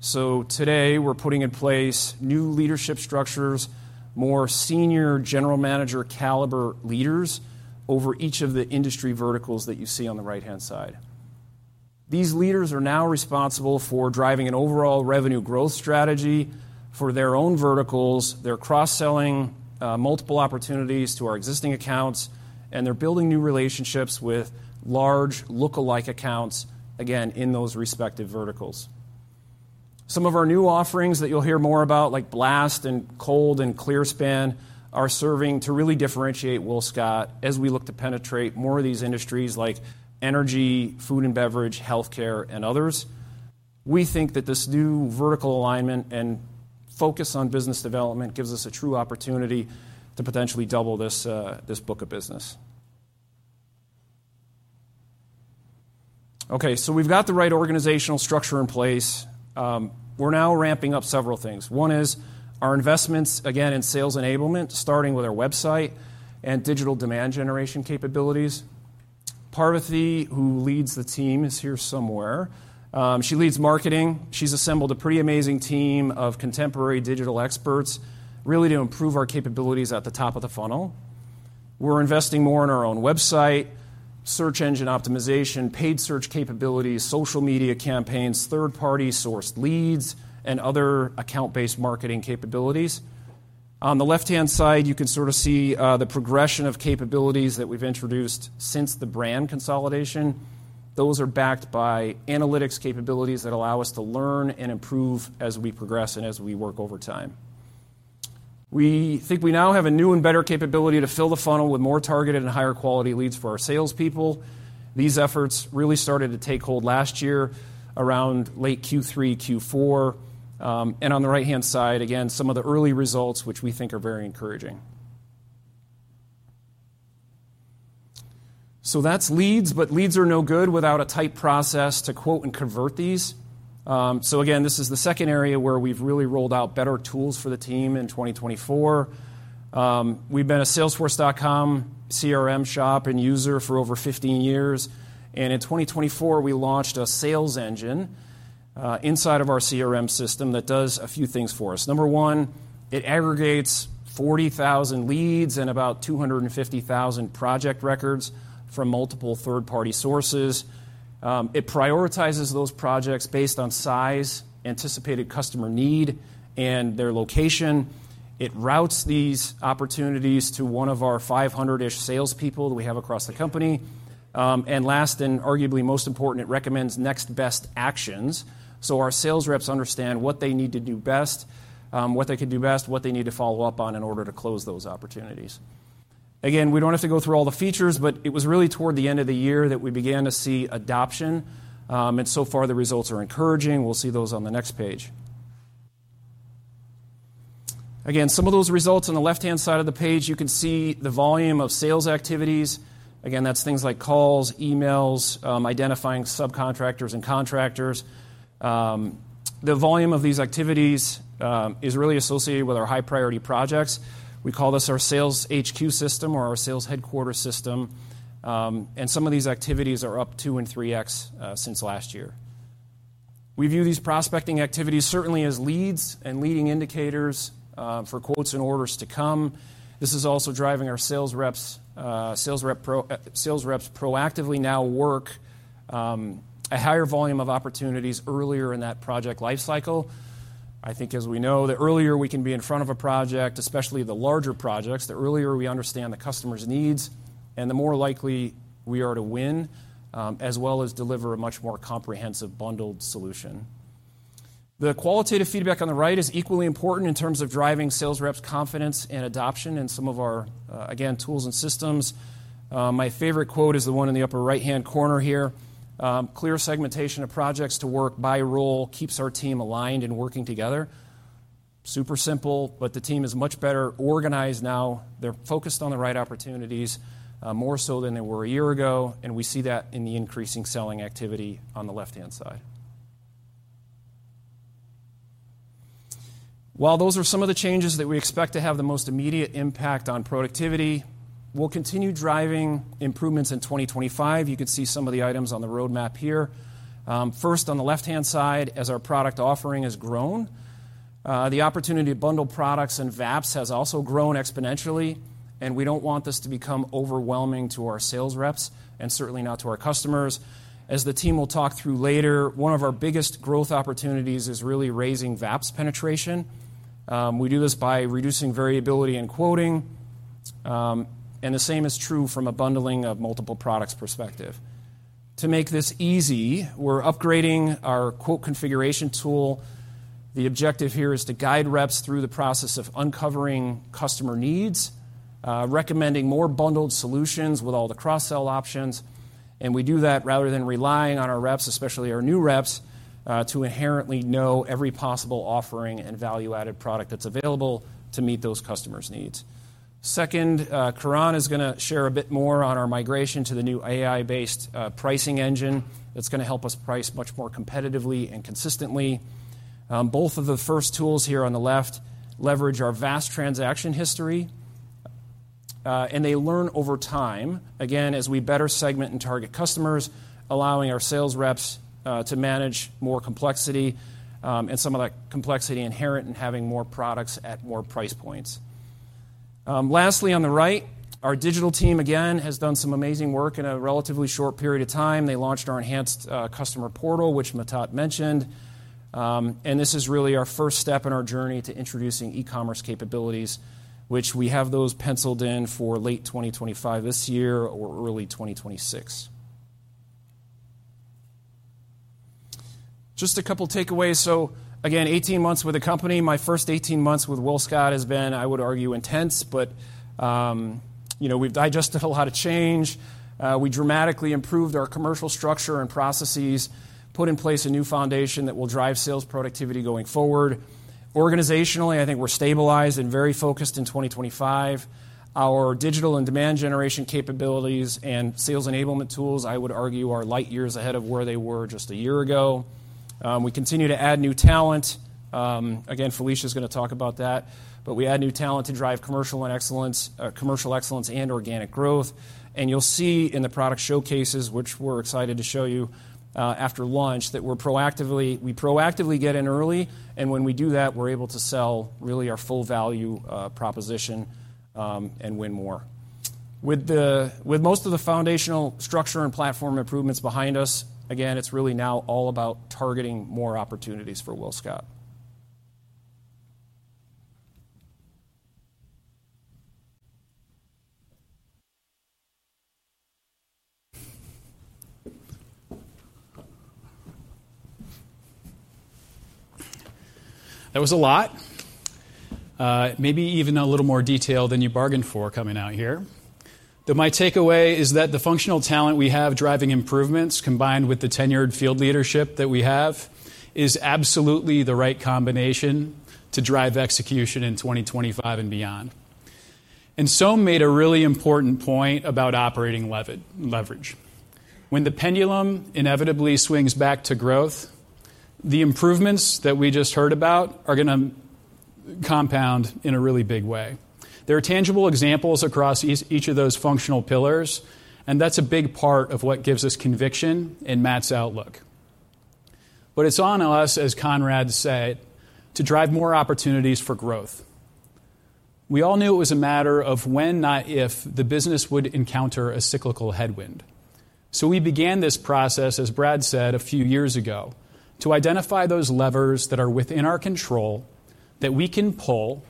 Today, we're putting in place new leadership structures, more senior general manager caliber leaders over each of the industry verticals that you see on the right-hand side. These leaders are now responsible for driving an overall revenue growth strategy for their own verticals, they're cross-selling multiple opportunities to our existing accounts, and they're building new relationships with large lookalike accounts, again, in those respective verticals. Some of our new offerings that you'll hear more about, like Blast and Cold and ClearSpan, are serving to really differentiate WillScot as we look to penetrate more of these industries like energy, food and beverage, healthcare, and others. We think that this new vertical alignment and focus on business development gives us a true opportunity to potentially double this book of business. Okay, we've got the right organizational structure in place. We're now ramping up several things. One is our investments, again, in sales enablement, starting with our website and digital demand generation capabilities. Parvathy, who leads the team, is here somewhere. She leads marketing. She's assembled a pretty amazing team of contemporary digital experts really to improve our capabilities at the top of the funnel. We're investing more in our own website, search engine optimization, paid search capabilities, social media campaigns, third-party sourced leads, and other account-based marketing capabilities. On the left-hand side, you can sort of see the progression of capabilities that we've introduced since the brand consolidation. Those are backed by analytics capabilities that allow us to learn and improve as we progress and as we work over time. We think we now have a new and better capability to fill the funnel with more targeted and higher quality leads for our salespeople. These efforts really started to take hold last year around late Q3, Q4, and on the right-hand side, again, some of the early results, which we think are very encouraging. That is leads, but leads are no good without a tight process to quote and convert these. Again, this is the second area where we have really rolled out better tools for the team in 2024. We have been a Salesforce.com CRM shop and user for over 15 years, and in 2024, we launched a sales engine inside of our CRM system that does a few things for us. Number one, it aggregates 40,000 leads and about 250,000 project records from multiple third-party sources. It prioritizes those projects based on size, anticipated customer need, and their location. It routes these opportunities to one of our 500-ish salespeople that we have across the company. Last, and arguably most important, it recommends next best actions. Our sales reps understand what they need to do best, what they could do best, what they need to follow up on in order to close those opportunities. Again, we don't have to go through all the features, but it was really toward the end of the year that we began to see adoption, and so far the results are encouraging. We'll see those on the next page. Again, some of those results on the left-hand side of the page, you can see the volume of sales activities. Again, that's things like calls, emails, identifying subcontractors and contractors. The volume of these activities is really associated with our high-priority projects. We call this our sales HQ system or our sales headquarters system, and some of these activities are up two and three X since last year. We view these prospecting activities certainly as leads and leading indicators for quotes and orders to come. This is also driving our sales reps proactively now work a higher volume of opportunities earlier in that project life cycle. I think, as we know, the earlier we can be in front of a project, especially the larger projects, the earlier we understand the customer's needs, and the more likely we are to win, as well as deliver a much more comprehensive bundled solution. The qualitative feedback on the right is equally important in terms of driving sales reps' confidence and adoption in some of our, again, tools and systems. My favorite quote is the one in the upper right-hand corner here. Clear segmentation of projects to work by role keeps our team aligned and working together. Super simple, but the team is much better organized now. They're focused on the right opportunities more so than they were a year ago, and we see that in the increasing selling activity on the left-hand side. While those are some of the changes that we expect to have the most immediate impact on productivity, we'll continue driving improvements in 2025. You can see some of the items on the roadmap here. First, on the left-hand side, as our product offering has grown, the opportunity to bundle products and VAPs has also grown exponentially, and we don't want this to become overwhelming to our sales reps and certainly not to our customers. As the team will talk through later, one of our biggest growth opportunities is really raising VAPs penetration. We do this by reducing variability in quoting, and the same is true from a bundling of multiple products perspective. To make this easy, we're upgrading our quote configuration tool. The objective here is to guide reps through the process of uncovering customer needs, recommending more bundled solutions with all the cross-sell options, and we do that rather than relying on our reps, especially our new reps, to inherently know every possible offering and value-added product that's available to meet those customers' needs. Second, Coron is going to share a bit more on our migration to the new AI-based pricing engine that's going to help us price much more competitively and consistently. Both of the first tools here on the left leverage our vast transaction history, and they learn over time, again, as we better segment and target customers, allowing our sales reps to manage more complexity and some of that complexity inherent in having more products at more price points. Lastly, on the right, our digital team, again, has done some amazing work in a relatively short period of time. They launched our enhanced customer portal, which Mitat mentioned, and this is really our first step in our journey to introducing e-commerce capabilities, which we have those penciled in for late 2025 this year or early 2026. Just a couple of takeaways. Again, 18 months with the company. My first 18 months with WillScot has been, I would argue, intense, but we have digested a lot of change. We dramatically improved our commercial structure and processes, put in place a new foundation that will drive sales productivity going forward. Organizationally, I think we are stabilized and very focused in 2025. Our digital and demand generation capabilities and sales enablement tools, I would argue, are light years ahead of where they were just a year ago. We continue to add new talent. Again, Felicia is going to talk about that, but we add new talent to drive commercial excellence and organic growth. You'll see in the product showcases, which we're excited to show you after lunch, that we proactively get in early, and when we do that, we're able to sell really our full value proposition and win more. With most of the foundational structure and platform improvements behind us, again, it's really now all about targeting more opportunities for WillScot. That was a lot. Maybe even a little more detail than you bargained for coming out here. My takeaway is that the functional talent we have driving improvements, combined with the tenured field leadership that we have, is absolutely the right combination to drive execution in 2025 and beyond. Soam made a really important point about operating leverage. When the pendulum inevitably swings back to growth, the improvements that we just heard about are going to compound in a really big way. There are tangible examples across each of those functional pillars, and that's a big part of what gives us conviction in Matt's outlook. What is on us, as Conrad said, is to drive more opportunities for growth. We all knew it was a matter of when, not if, the business would encounter a cyclical headwind. We began this process, as Brad said, a few years ago, to identify those levers that are within our control that we can pull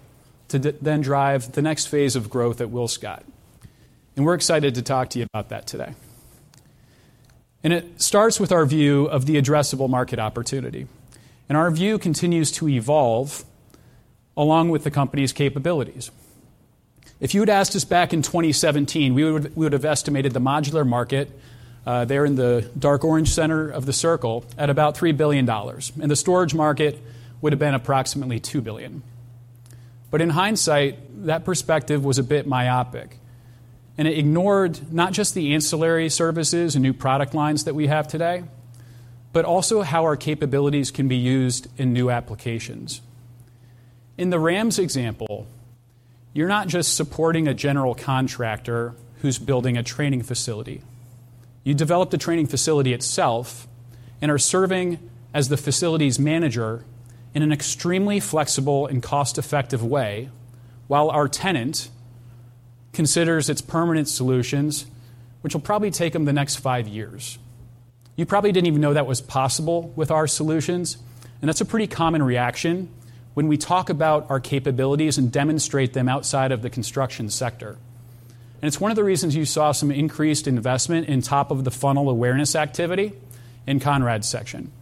to then drive the next phase of growth at WillScot. We are excited to talk to you about that today. It starts with our view of the addressable market opportunity. Our view continues to evolve along with the company's capabilities. If you had asked us back in 2017, we would have estimated the modular market there in the dark orange center of the circle at about $3 billion, and the storage market would have been approximately $2 billion. In hindsight, that perspective was a bit myopic, and it ignored not just the ancillary services and new product lines that we have today, but also how our capabilities can be used in new applications. In the Rams example, you're not just supporting a general contractor who's building a training facility. You develop the training facility itself and are serving as the facility's manager in an extremely flexible and cost-effective way while our tenant considers its permanent solutions, which will probably take them the next five years. You probably did not even know that was possible with our solutions, and that is a pretty common reaction when we talk about our capabilities and demonstrate them outside of the construction sector. It is one of the reasons you saw some increased investment in top of the funnel awareness activity in Conrad's section.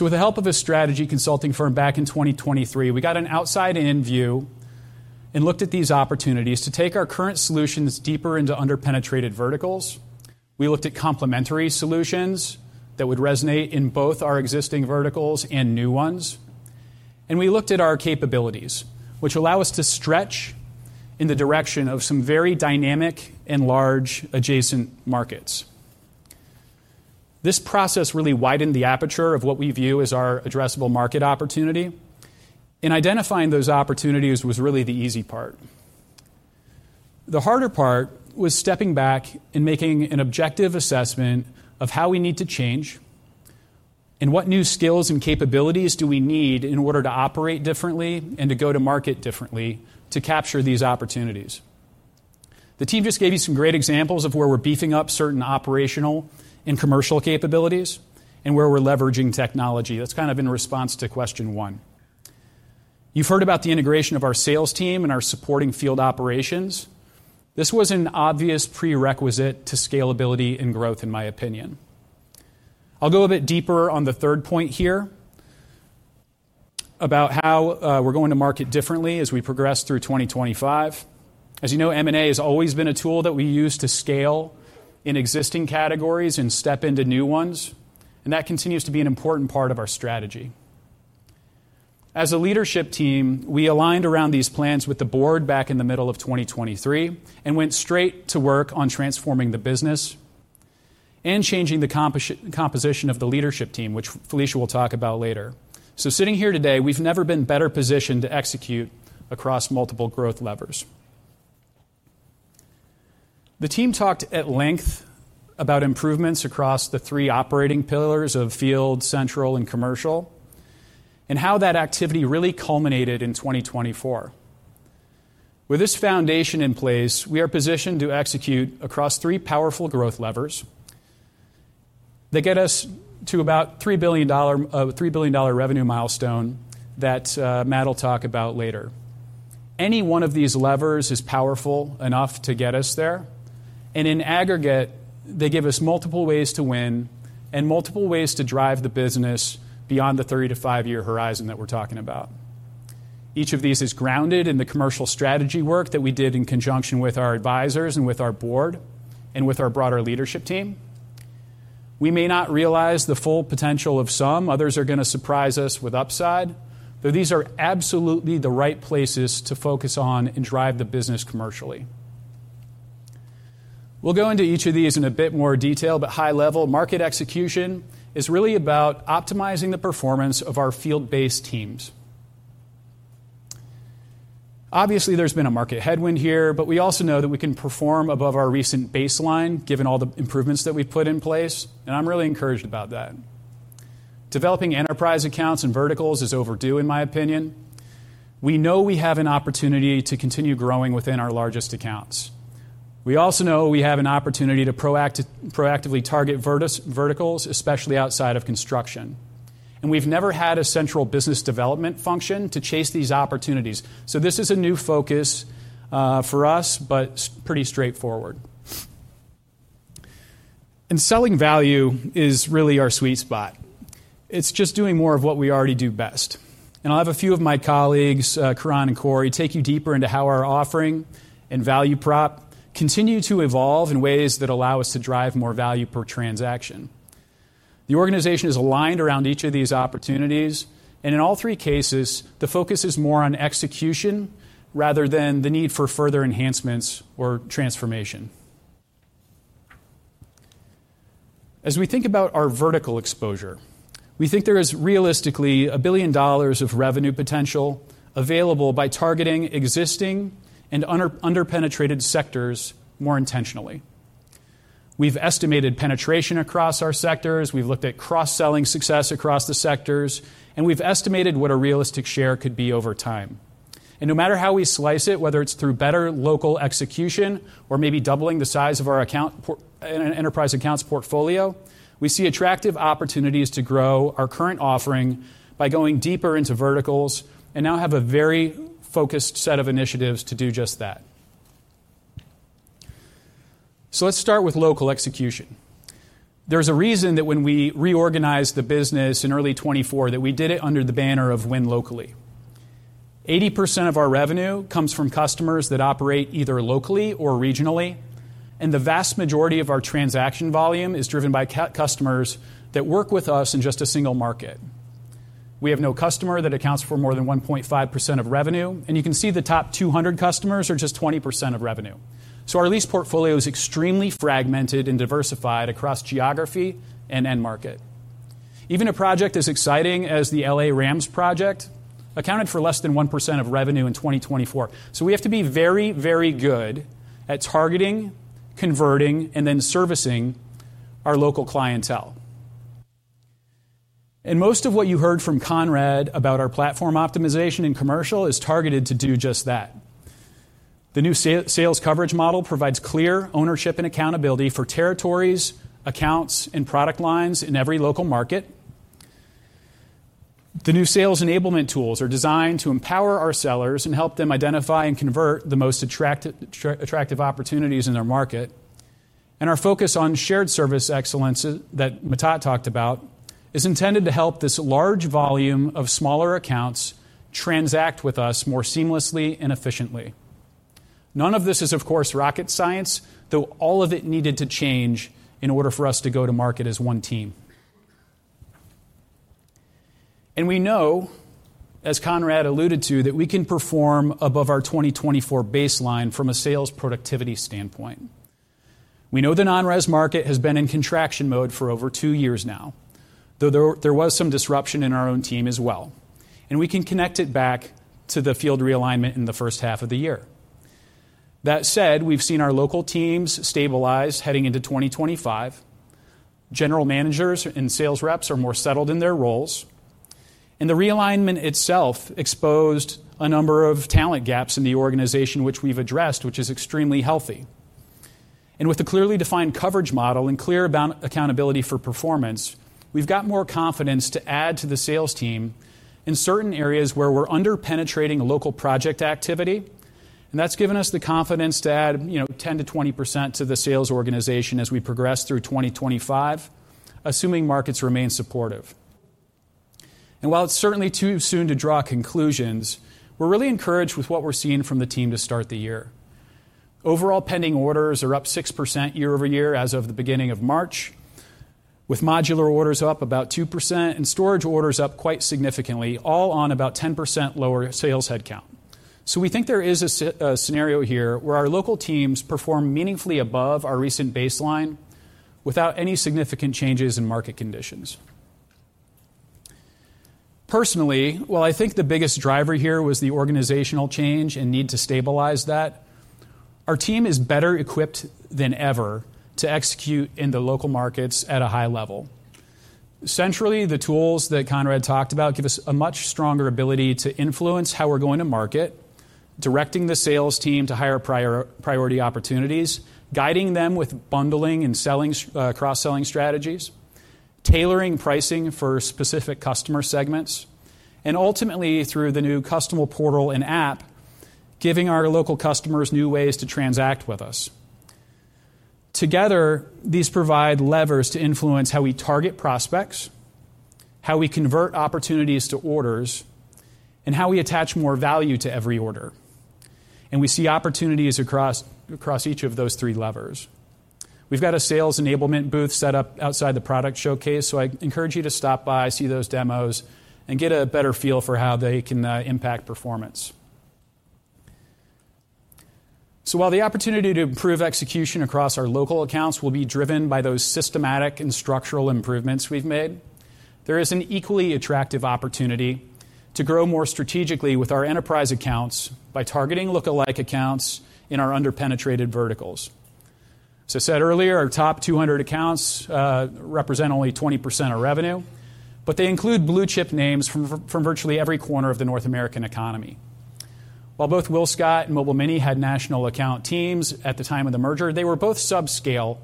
With the help of a strategy consulting firm back in 2023, we got an outside-in view and looked at these opportunities to take our current solutions deeper into under-penetrated verticals. We looked at complementary solutions that would resonate in both our existing verticals and new ones. We looked at our capabilities, which allow us to stretch in the direction of some very dynamic and large adjacent markets. This process really widened the aperture of what we view as our addressable market opportunity, and identifying those opportunities was really the easy part. The harder part was stepping back and making an objective assessment of how we need to change and what new skills and capabilities do we need in order to operate differently and to go to market differently to capture these opportunities. The team just gave you some great examples of where we're beefing up certain operational and commercial capabilities and where we're leveraging technology. That's kind of in response to question one. You've heard about the integration of our sales team and our supporting field operations. This was an obvious prerequisite to scalability and growth, in my opinion. I'll go a bit deeper on the third point here about how we're going to market differently as we progress through 2025. As you know, M&A has always been a tool that we use to scale in existing categories and step into new ones, and that continues to be an important part of our strategy. As a leadership team, we aligned around these plans with the board back in the middle of 2023 and went straight to work on transforming the business and changing the composition of the leadership team, which Felicia will talk about later. Sitting here today, we've never been better positioned to execute across multiple growth levers. The team talked at length about improvements across the three operating pillars of field, central, and commercial, and how that activity really culminated in 2024. With this foundation in place, we are positioned to execute across three powerful growth levers that get us to about $3 billion revenue milestone that Matt will talk about later. Any one of these levers is powerful enough to get us there, and in aggregate, they give us multiple ways to win and multiple ways to drive the business beyond the three to five-year horizon that we're talking about. Each of these is grounded in the commercial strategy work that we did in conjunction with our advisors and with our board and with our broader leadership team. We may not realize the full potential of some. Others are going to surprise us with upside, but these are absolutely the right places to focus on and drive the business commercially. We'll go into each of these in a bit more detail, but high-level market execution is really about optimizing the performance of our field-based teams. Obviously, there's been a market headwind here, but we also know that we can perform above our recent baseline given all the improvements that we've put in place, and I'm really encouraged about that. Developing enterprise accounts and verticals is overdue, in my opinion. We know we have an opportunity to continue growing within our largest accounts. We also know we have an opportunity to proactively target verticals, especially outside of construction. We have never had a central business development function to chase these opportunities. This is a new focus for us, but pretty straightforward. Selling value is really our sweet spot. It's just doing more of what we already do best. I'll have a few of my colleagues, Coron and Corey, take you deeper into how our offering and value prop continue to evolve in ways that allow us to drive more value per transaction. The organization is aligned around each of these opportunities, and in all three cases, the focus is more on execution rather than the need for further enhancements or transformation. As we think about our vertical exposure, we think there is realistically a billion dollars of revenue potential available by targeting existing and under-penetrated sectors more intentionally. We've estimated penetration across our sectors. We've looked at cross-selling success across the sectors, and we've estimated what a realistic share could be over time. No matter how we slice it, whether it's through better local execution or maybe doubling the size of our enterprise accounts portfolio, we see attractive opportunities to grow our current offering by going deeper into verticals and now have a very focused set of initiatives to do just that. Let's start with local execution. There's a reason that when we reorganized the business in early 2024, that we did it under the banner of win locally. 80% of our revenue comes from customers that operate either locally or regionally, and the vast majority of our transaction volume is driven by customers that work with us in just a single market. We have no customer that accounts for more than 1.5% of revenue, and you can see the top 200 customers are just 20% of revenue. Our lease portfolio is extremely fragmented and diversified across geography and end market. Even a project as exciting as the Los Angeles Rams project accounted for less than 1% of revenue in 2024. We have to be very, very good at targeting, converting, and then servicing our local clientele. Most of what you heard from Conrad about our platform optimization in commercial is targeted to do just that. The new sales coverage model provides clear ownership and accountability for territories, accounts, and product lines in every local market. The new sales enablement tools are designed to empower our sellers and help them identify and convert the most attractive opportunities in their market. Our focus on shared service excellence that Mitat talked about is intended to help this large volume of smaller accounts transact with us more seamlessly and efficiently. None of this is, of course, rocket science, though all of it needed to change in order for us to go to market as one team. We know, as Conrad alluded to, that we can perform above our 2024 baseline from a sales productivity standpoint. We know the non-RES market has been in contraction mode for over two years now, though there was some disruption in our own team as well. We can connect it back to the field realignment in the first half of the year. That said, we've seen our local teams stabilize heading into 2025. General managers and sales reps are more settled in their roles. The realignment itself exposed a number of talent gaps in the organization, which we've addressed, which is extremely healthy. With a clearly defined coverage model and clear accountability for performance, we've got more confidence to add to the sales team in certain areas where we're under-penetrating local project activity. That's given us the confidence to add 10%-20% to the sales organization as we progress through 2025, assuming markets remain supportive. While it's certainly too soon to draw conclusions, we're really encouraged with what we're seeing from the team to start the year. Overall pending orders are up 6% year-over-year as of the beginning of March, with modular orders up about 2% and storage orders up quite significantly, all on about 10% lower sales headcount. We think there is a scenario here where our local teams perform meaningfully above our recent baseline without any significant changes in market conditions. Personally, while I think the biggest driver here was the organizational change and need to stabilize that, our team is better equipped than ever to execute in the local markets at a high level. Centrally, the tools that Conrad talked about give us a much stronger ability to influence how we're going to market, directing the sales team to higher priority opportunities, guiding them with bundling and cross-selling strategies, tailoring pricing for specific customer segments, and ultimately, through the new customer portal and app, giving our local customers new ways to transact with us. Together, these provide levers to influence how we target prospects, how we convert opportunities to orders, and how we attach more value to every order. We see opportunities across each of those three levers. We've got a sales enablement booth set up outside the product showcase, so I encourage you to stop by, see those demos, and get a better feel for how they can impact performance. While the opportunity to improve execution across our local accounts will be driven by those systematic and structural improvements we've made, there is an equally attractive opportunity to grow more strategically with our enterprise accounts by targeting lookalike accounts in our under-penetrated verticals. As I said earlier, our top 200 accounts represent only 20% of revenue, but they include blue-chip names from virtually every corner of the North American economy. While both WillScot and Mobile Mini had national account teams at the time of the merger, they were both subscale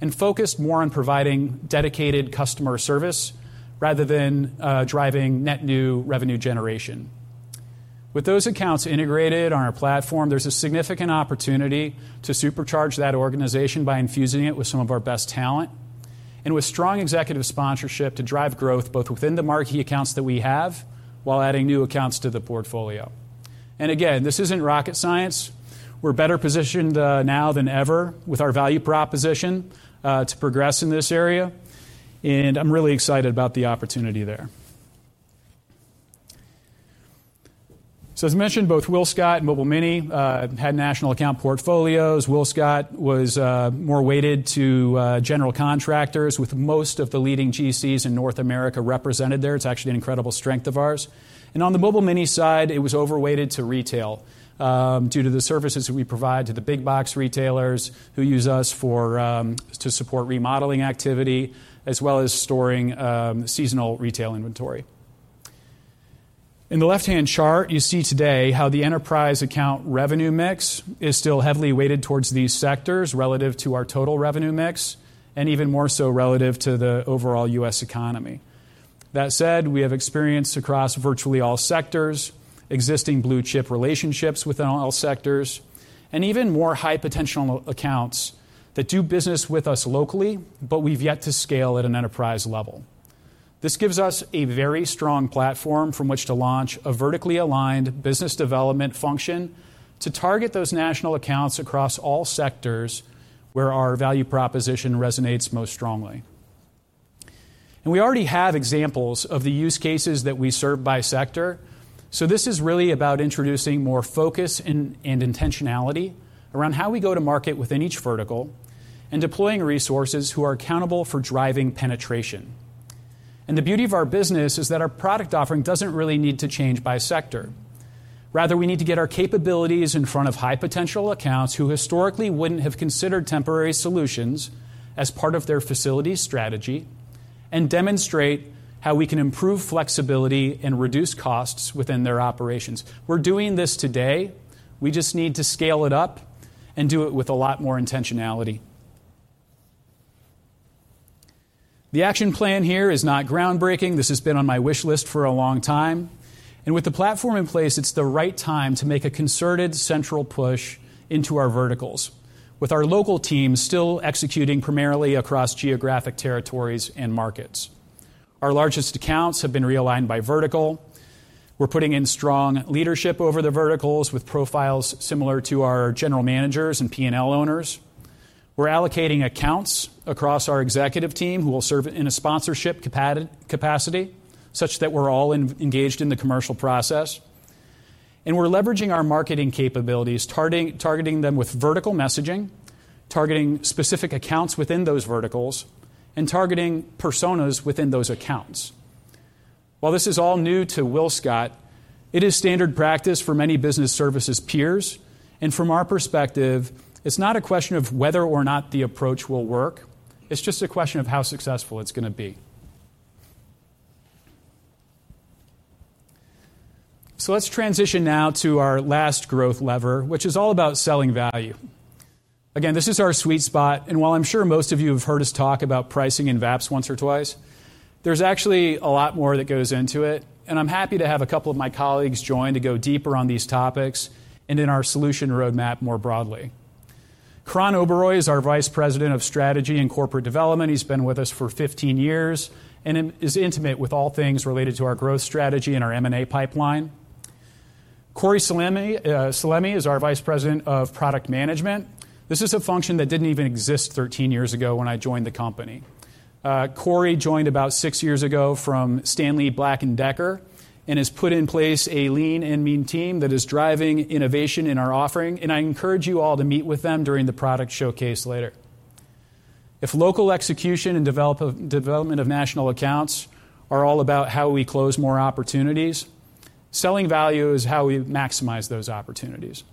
and focused more on providing dedicated customer service rather than driving net new revenue generation. With those accounts integrated on our platform, there's a significant opportunity to supercharge that organization by infusing it with some of our best talent and with strong executive sponsorship to drive growth both within the marquee accounts that we have while adding new accounts to the portfolio. Again, this isn't rocket science. We're better positioned now than ever with our value proposition to progress in this area, and I'm really excited about the opportunity there. As mentioned, both WillScot and Mobile Mini had national account portfolios. WillScot was more weighted to general contractors with most of the leading GCs in North America represented there. It's actually an incredible strength of ours. On the Mobile Mini side, it was overweighted to retail due to the services that we provide to the big box retailers who use us to support remodeling activity as well as storing seasonal retail inventory. In the left-hand chart, you see today how the enterprise account revenue mix is still heavily weighted towards these sectors relative to our total revenue mix and even more so relative to the overall U.S. economy. That said, we have experience across virtually all sectors, existing blue-chip relationships within all sectors, and even more high-potential accounts that do business with us locally, but we've yet to scale at an enterprise level. This gives us a very strong platform from which to launch a vertically aligned business development function to target those national accounts across all sectors where our value proposition resonates most strongly. We already have examples of the use cases that we serve by sector, so this is really about introducing more focus and intentionality around how we go to market within each vertical and deploying resources who are accountable for driving penetration. The beauty of our business is that our product offering does not really need to change by sector. Rather, we need to get our capabilities in front of high-potential accounts who historically would not have considered temporary solutions as part of their facility strategy and demonstrate how we can improve flexibility and reduce costs within their operations. We are doing this today. We just need to scale it up and do it with a lot more intentionality. The action plan here is not groundbreaking. This has been on my wish list for a long time. With the platform in place, it's the right time to make a concerted central push into our verticals with our local teams still executing primarily across geographic territories and markets. Our largest accounts have been realigned by vertical. We're putting in strong leadership over the verticals with profiles similar to our general managers and P&L owners. We're allocating accounts across our executive team who will serve in a sponsorship capacity such that we're all engaged in the commercial process. We're leveraging our marketing capabilities, targeting them with vertical messaging, targeting specific accounts within those verticals, and targeting personas within those accounts. While this is all new to WillScot, it is standard practice for many business services peers. From our perspective, it's not a question of whether or not the approach will work. It's just a question of how successful it's going to be. Let's transition now to our last growth lever, which is all about selling value. Again, this is our sweet spot. While I'm sure most of you have heard us talk about pricing and VAPs once or twice, there's actually a lot more that goes into it. I'm happy to have a couple of my colleagues join to go deeper on these topics and in our solution roadmap more broadly. Coron Oberoy is our Vice President of Strategy and Corporate Development. He's been with us for 15 years and is intimate with all things related to our growth strategy and our M&A pipeline. Corey Salemi is our Vice President of Product Management. This is a function that didn't even exist 13 years ago when I joined the company. Corey joined about six years ago from Stanley Black & Decker and has put in place a lean and mean team that is driving innovation in our offering. I encourage you all to meet with them during the product showcase later. If local execution and development of national accounts are all about how we close more opportunities, selling value is how we maximize those opportunities.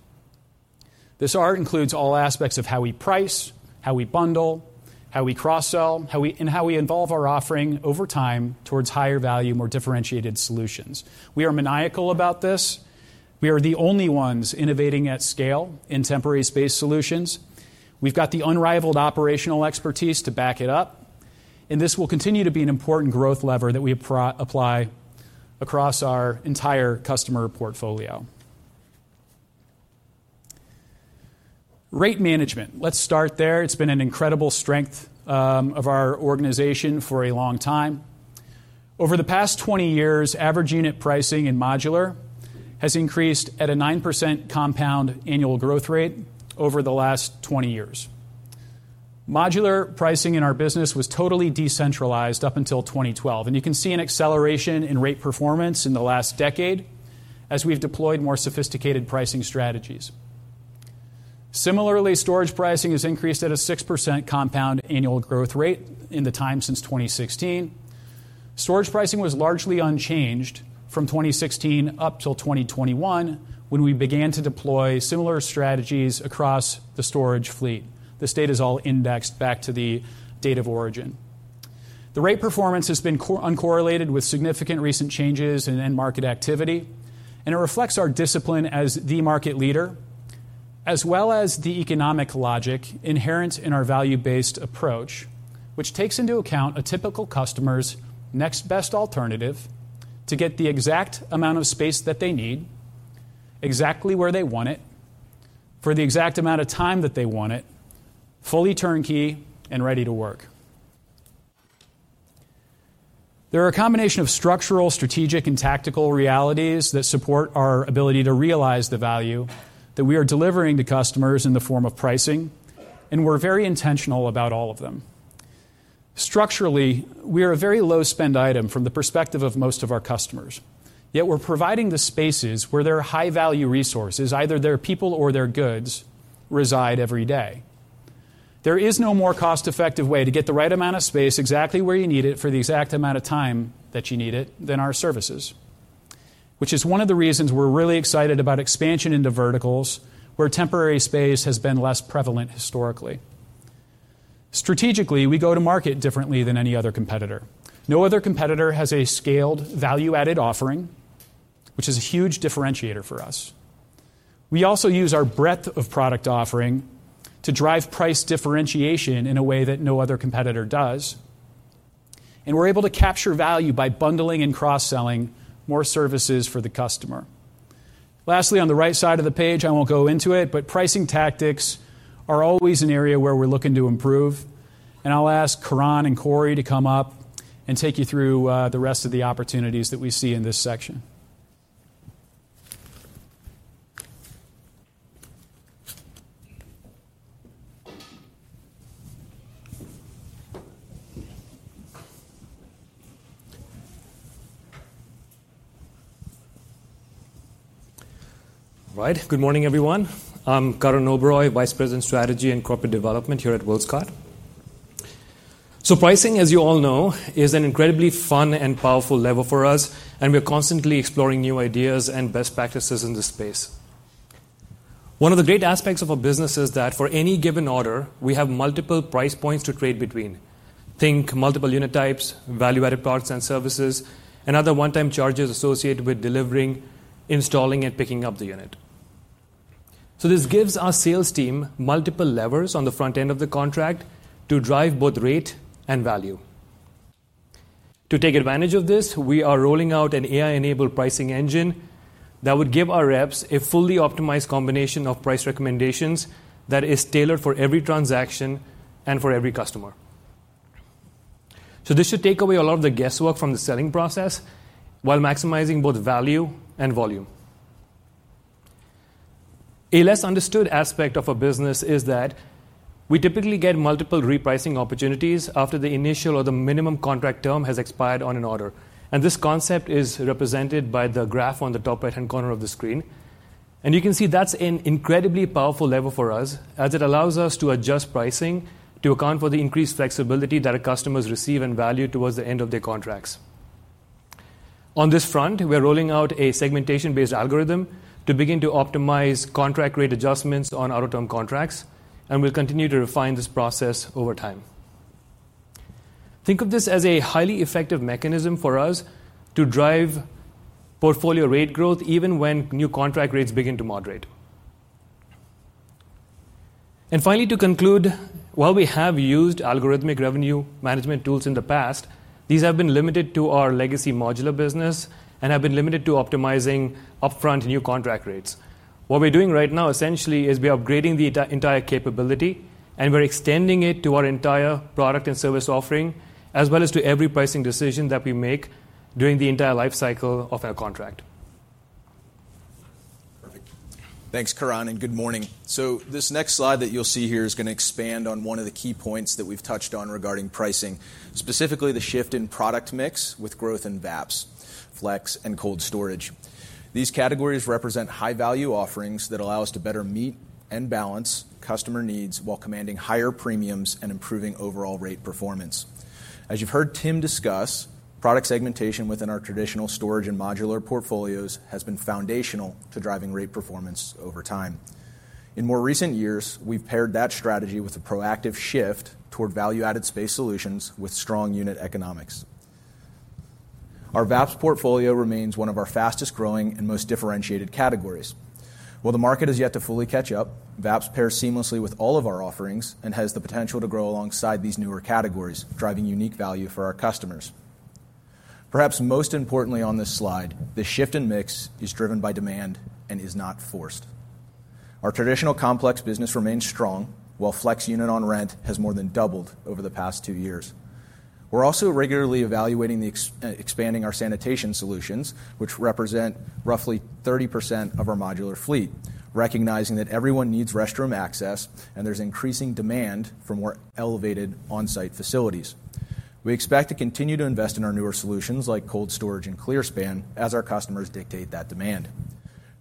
This art includes all aspects of how we price, how we bundle, how we cross-sell, and how we evolve our offering over time towards higher value, more differentiated solutions. We are maniacal about this. We are the only ones innovating at scale in temporary space solutions. We have got the unrivaled operational expertise to back it up. This will continue to be an important growth lever that we apply across our entire customer portfolio. Rate management, let's start there. It's been an incredible strength of our organization for a long time. Over the past 20 years, average unit pricing in modular has increased at a 9% compound annual growth rate over the last 20 years. Modular pricing in our business was totally decentralized up until 2012. You can see an acceleration in rate performance in the last decade as we've deployed more sophisticated pricing strategies. Similarly, storage pricing has increased at a 6% compound annual growth rate in the time since 2016. Storage pricing was largely unchanged from 2016 up till 2021 when we began to deploy similar strategies across the storage fleet. This data is all indexed back to the date of origin. The rate performance has been uncorrelated with significant recent changes in end market activity. It reflects our discipline as the market leader, as well as the economic logic inherent in our value-based approach, which takes into account a typical customer's next best alternative to get the exact amount of space that they need, exactly where they want it, for the exact amount of time that they want it, fully turnkey and ready to work. There are a combination of structural, strategic, and tactical realities that support our ability to realize the value that we are delivering to customers in the form of pricing. We are very intentional about all of them. Structurally, we are a very low-spend item from the perspective of most of our customers. Yet we are providing the spaces where their high-value resources, either their people or their goods, reside every day. There is no more cost-effective way to get the right amount of space exactly where you need it for the exact amount of time that you need it than our services, which is one of the reasons we're really excited about expansion into verticals where temporary space has been less prevalent historically. Strategically, we go to market differently than any other competitor. No other competitor has a scaled value-added offering, which is a huge differentiator for us. We also use our breadth of product offering to drive price differentiation in a way that no other competitor does. We are able to capture value by bundling and cross-selling more services for the customer. Lastly, on the right side of the page, I won't go into it, but pricing tactics are always an area where we're looking to improve. I'll ask Coron and Corey to come up and take you through the rest of the opportunities that we see in this section. All right. Good morning, everyone. I'm Coron Oberoy, Vice President of Strategy and Corporate Development here at WillScot. Pricing, as you all know, is an incredibly fun and powerful lever for us. We're constantly exploring new ideas and best practices in this space. One of the great aspects of our business is that for any given order, we have multiple price points to trade between. Think multiple unit types, value-added products and services, and other one-time charges associated with delivering, installing, and picking up the unit. This gives our sales team multiple levers on the front end of the contract to drive both rate and value. To take advantage of this, we are rolling out an AI-enabled pricing engine that would give our reps a fully optimized combination of price recommendations that is tailored for every transaction and for every customer. This should take away a lot of the guesswork from the selling process while maximizing both value and volume. A less understood aspect of our business is that we typically get multiple repricing opportunities after the initial or the minimum contract term has expired on an order. This concept is represented by the graph on the top right-hand corner of the screen. You can see that's an incredibly powerful lever for us as it allows us to adjust pricing to account for the increased flexibility that our customers receive and value towards the end of their contracts. On this front, we're rolling out a segmentation-based algorithm to begin to optimize contract rate adjustments on our term contracts. We'll continue to refine this process over time. Think of this as a highly effective mechanism for us to drive portfolio rate growth even when new contract rates begin to moderate. Finally, to conclude, while we have used algorithmic revenue management tools in the past, these have been limited to our legacy modular business and have been limited to optimizing upfront new contract rates. What we're doing right now essentially is we're upgrading the entire capability, and we're extending it to our entire product and service offering as well as to every pricing decision that we make during the entire life cycle of our contract. Perfect. Thanks, Coron. Good morning. This next slide that you'll see here is going to expand on one of the key points that we've touched on regarding pricing, specifically the shift in product mix with growth in VAPs, FLEX, and cold storage. These categories represent high-value offerings that allow us to better meet and balance customer needs while commanding higher premiums and improving overall rate performance. As you've heard Tim discuss, product segmentation within our traditional storage and modular portfolios has been foundational to driving rate performance over time. In more recent years, we've paired that strategy with a proactive shift toward value-added space solutions with strong unit economics. Our VAPs portfolio remains one of our fastest-growing and most differentiated categories. While the market has yet to fully catch up, VAPs pair seamlessly with all of our offerings and has the potential to grow alongside these newer categories, driving unique value for our customers. Perhaps most importantly on this slide, the shift in mix is driven by demand and is not forced. Our traditional complex business remains strong while FLEX unit on rent has more than doubled over the past two years. We're also regularly evaluating and expanding our sanitation solutions, which represent roughly 30% of our modular fleet, recognizing that everyone needs restroom access and there's increasing demand for more elevated on-site facilities. We expect to continue to invest in our newer solutions like cold storage and ClearSpan as our customers dictate that demand.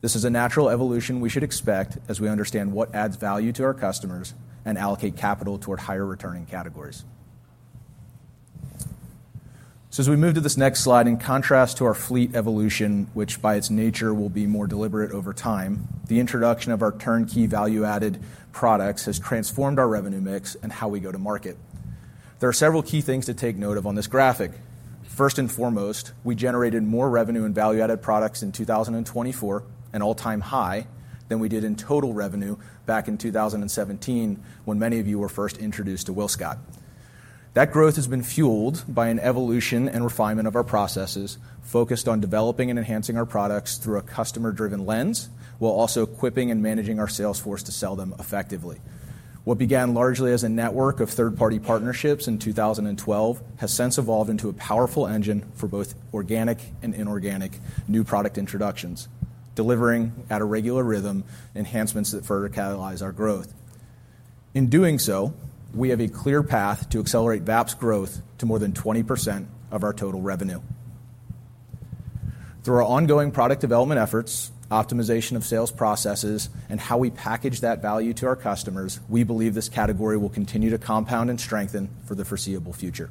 This is a natural evolution we should expect as we understand what adds value to our customers and allocate capital toward higher returning categories. As we move to this next slide, in contrast to our fleet evolution, which by its nature will be more deliberate over time, the introduction of our turnkey value-added products has transformed our revenue mix and how we go to market. There are several key things to take note of on this graphic. First and foremost, we generated more revenue in value-added products in 2024, an all-time high, than we did in total revenue back in 2017 when many of you were first introduced to WillScot. That growth has been fueled by an evolution and refinement of our processes focused on developing and enhancing our products through a customer-driven lens while also equipping and managing our sales force to sell them effectively. What began largely as a network of third-party partnerships in 2012 has since evolved into a powerful engine for both organic and inorganic new product introductions, delivering at a regular rhythm enhancements that further catalyze our growth. In doing so, we have a clear path to accelerate VAPs growth to more than 20% of our total revenue. Through our ongoing product development efforts, optimization of sales processes, and how we package that value to our customers, we believe this category will continue to compound and strengthen for the foreseeable future.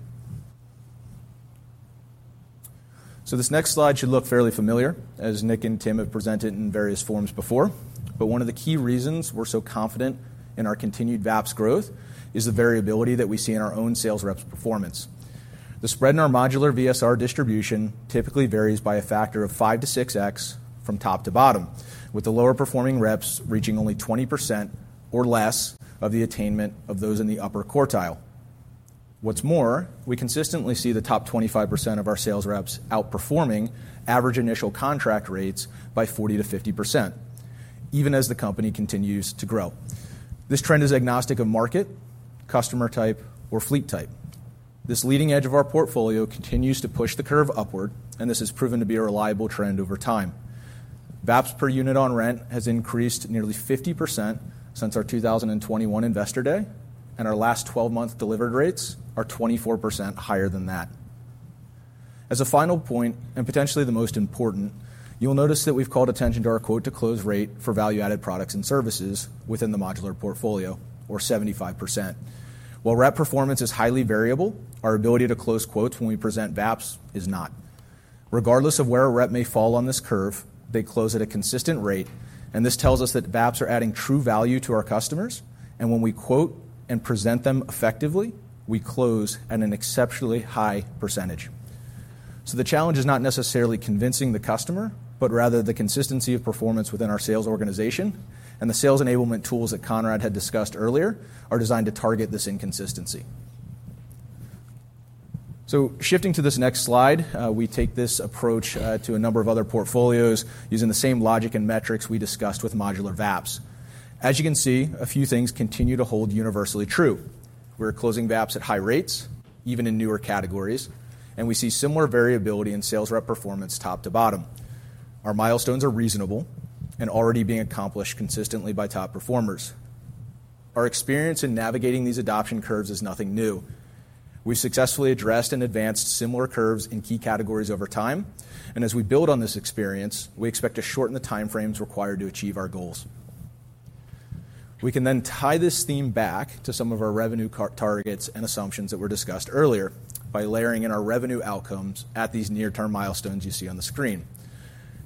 This next slide should look fairly familiar as Nick and Tim have presented in various forms before. One of the key reasons we are so confident in our continued VAPs growth is the variability that we see in our own sales reps' performance. The spread in our modular VSR distribution typically varies by a factor of 5X-6X from top to bottom, with the lower-performing reps reaching only 20% or less of the attainment of those in the upper quartile. What's more, we consistently see the top 25% of our sales reps outperforming average initial contract rates by 40%-50%, even as the company continues to grow. This trend is agnostic of market, customer type, or fleet type. This leading edge of our portfolio continues to push the curve upward, and this has proven to be a reliable trend over time. VAPs per unit on rent has increased nearly 50% since our 2021 investor day, and our last 12-month delivered rates are 24% higher than that. As a final point, and potentially the most important, you'll notice that we've called attention to our quote-to-close rate for value-added products and services within the modular portfolio, or 75%. While rep performance is highly variable, our ability to close quotes when we present VAPs is not. Regardless of where a rep may fall on this curve, they close at a consistent rate. This tells us that VAPs are adding true value to our customers. When we quote and present them effectively, we close at an exceptionally high percentage. The challenge is not necessarily convincing the customer, but rather the consistency of performance within our sales organization. The sales enablement tools that Conrad had discussed earlier are designed to target this inconsistency. Shifting to this next slide, we take this approach to a number of other portfolios using the same logic and metrics we discussed with modular VAPs. As you can see, a few things continue to hold universally true. We're closing VAPs at high rates, even in newer categories. We see similar variability in sales rep performance top to bottom. Our milestones are reasonable and already being accomplished consistently by top performers. Our experience in navigating these adoption curves is nothing new. We've successfully addressed and advanced similar curves in key categories over time. As we build on this experience, we expect to shorten the time frames required to achieve our goals. We can then tie this theme back to some of our revenue targets and assumptions that were discussed earlier by layering in our revenue outcomes at these near-term milestones you see on the screen.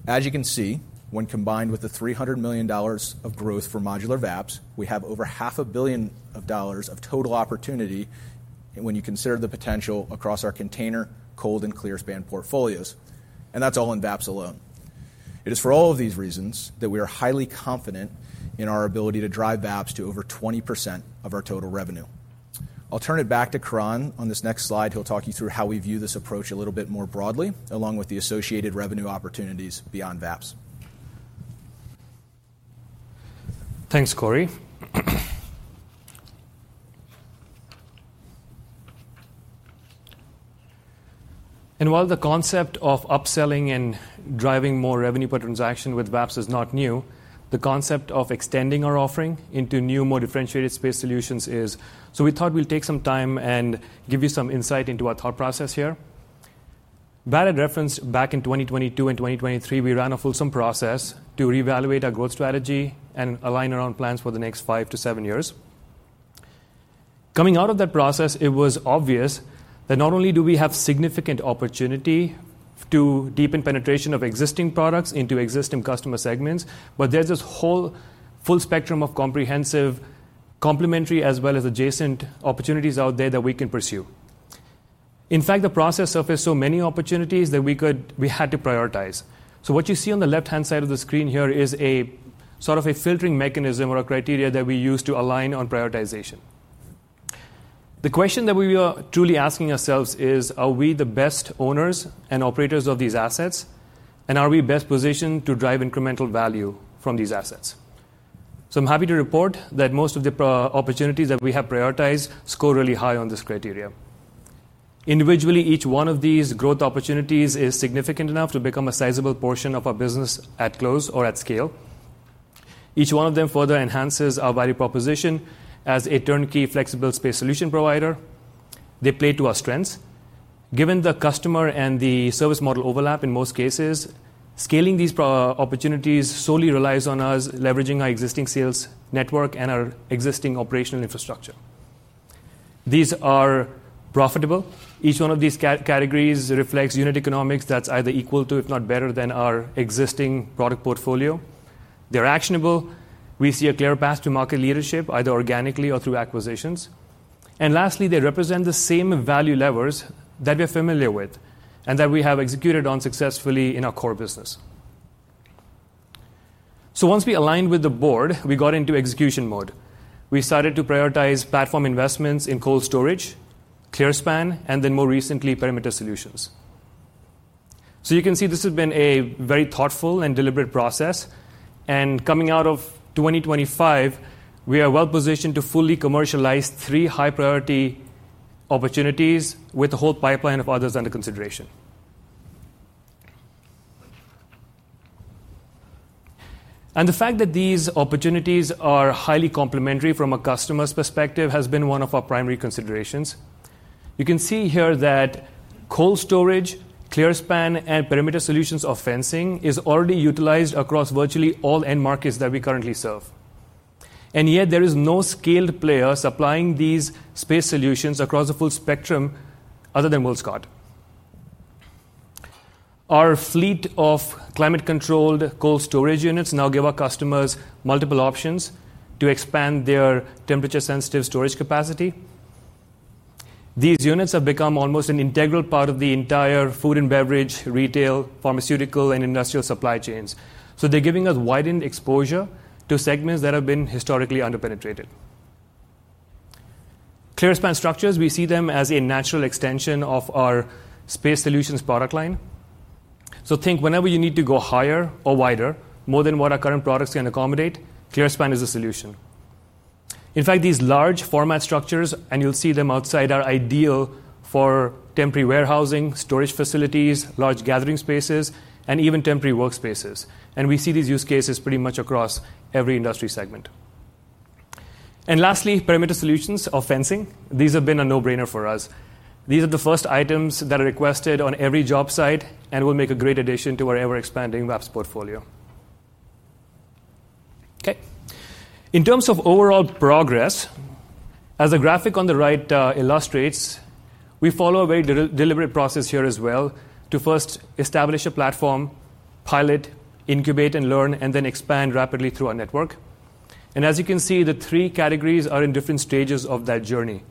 As you can see, when combined with the $300 million of growth for modular VAPs, we have over half a billion dollars of total opportunity when you consider the potential across our container, cold, and ClearSpan portfolios. And that's all in VAPs alone. It is for all of these reasons that we are highly confident in our ability to drive VAPs to over 20% of our total revenue. I'll turn it back to Coron on this next slide. He'll talk you through how we view this approach a little bit more broadly, along with the associated revenue opportunities beyond VAPs. Thanks, Corey. And while the concept of upselling and driving more revenue per transaction with VAPs is not new, the concept of extending our offering into new, more differentiated space solutions is. So we thought we'd take some time and give you some insight into our thought process here. Brad had referenced back in 2022 and 2023, we ran a fulsome process to reevaluate our growth strategy and align our own plans for the next five to seven years. Coming out of that process, it was obvious that not only do we have significant opportunity to deepen penetration of existing products into existing customer segments, but there's this whole full spectrum of comprehensive complementary as well as adjacent opportunities out there that we can pursue. In fact, the process surfaced so many opportunities that we had to prioritize. What you see on the left-hand side of the screen here is sort of a filtering mechanism or a criteria that we use to align on prioritization. The question that we are truly asking ourselves is, are we the best owners and operators of these assets? And are we best positioned to drive incremental value from these assets? I'm happy to report that most of the opportunities that we have prioritized score really high on this criteria. Individually, each one of these growth opportunities is significant enough to become a sizable portion of our business at close or at scale. Each one of them further enhances our value proposition as a turnkey flexible space solution provider. They play to our strengths. Given the customer and the service model overlap in most cases, scaling these opportunities solely relies on us leveraging our existing sales network and our existing operational infrastructure. These are profitable. Each one of these categories reflects unit economics that's either equal to, if not better, than our existing product portfolio. They're actionable. We see a clear path to market leadership, either organically or through acquisitions. Lastly, they represent the same value levers that we're familiar with and that we have executed on successfully in our core business. Once we aligned with the board, we got into execution mode. We started to prioritize platform investments in cold storage, ClearSpan, and then more recently, perimeter solutions. You can see this has been a very thoughtful and deliberate process. Coming out of 2025, we are well positioned to fully commercialize three high-priority opportunities with a whole pipeline of others under consideration. The fact that these opportunities are highly complementary from a customer's perspective has been one of our primary considerations. You can see here that cold storage, ClearSpan, and perimeter solutions offensing is already utilized across virtually all end markets that we currently serve. Yet, there is no scaled player supplying these space solutions across the full spectrum other than WillScot. Our fleet of climate-controlled cold storage units now give our customers multiple options to expand their temperature-sensitive storage capacity. These units have become almost an integral part of the entire food and beverage, retail, pharmaceutical, and industrial supply chains. They're giving us widened exposure to segments that have been historically underpenetrated. ClearSpan structures, we see them as a natural extension of our space solutions product line. Think whenever you need to go higher or wider, more than what our current products can accommodate, ClearSpan is a solution. In fact, these large format structures, and you'll see them outside, are ideal for temporary warehousing, storage facilities, large gathering spaces, and even temporary workspaces. We see these use cases pretty much across every industry segment. Lastly, perimeter solutions offensing. These have been a no-brainer for us. These are the first items that are requested on every job site and will make a great addition to our ever-expanding VAPs portfolio. Okay. In terms of overall progress, as the graphic on the right illustrates, we follow a very deliberate process here as well to first establish a platform, pilot, incubate, and learn, and then expand rapidly through our network. As you can see, the three categories are in different stages of that journey.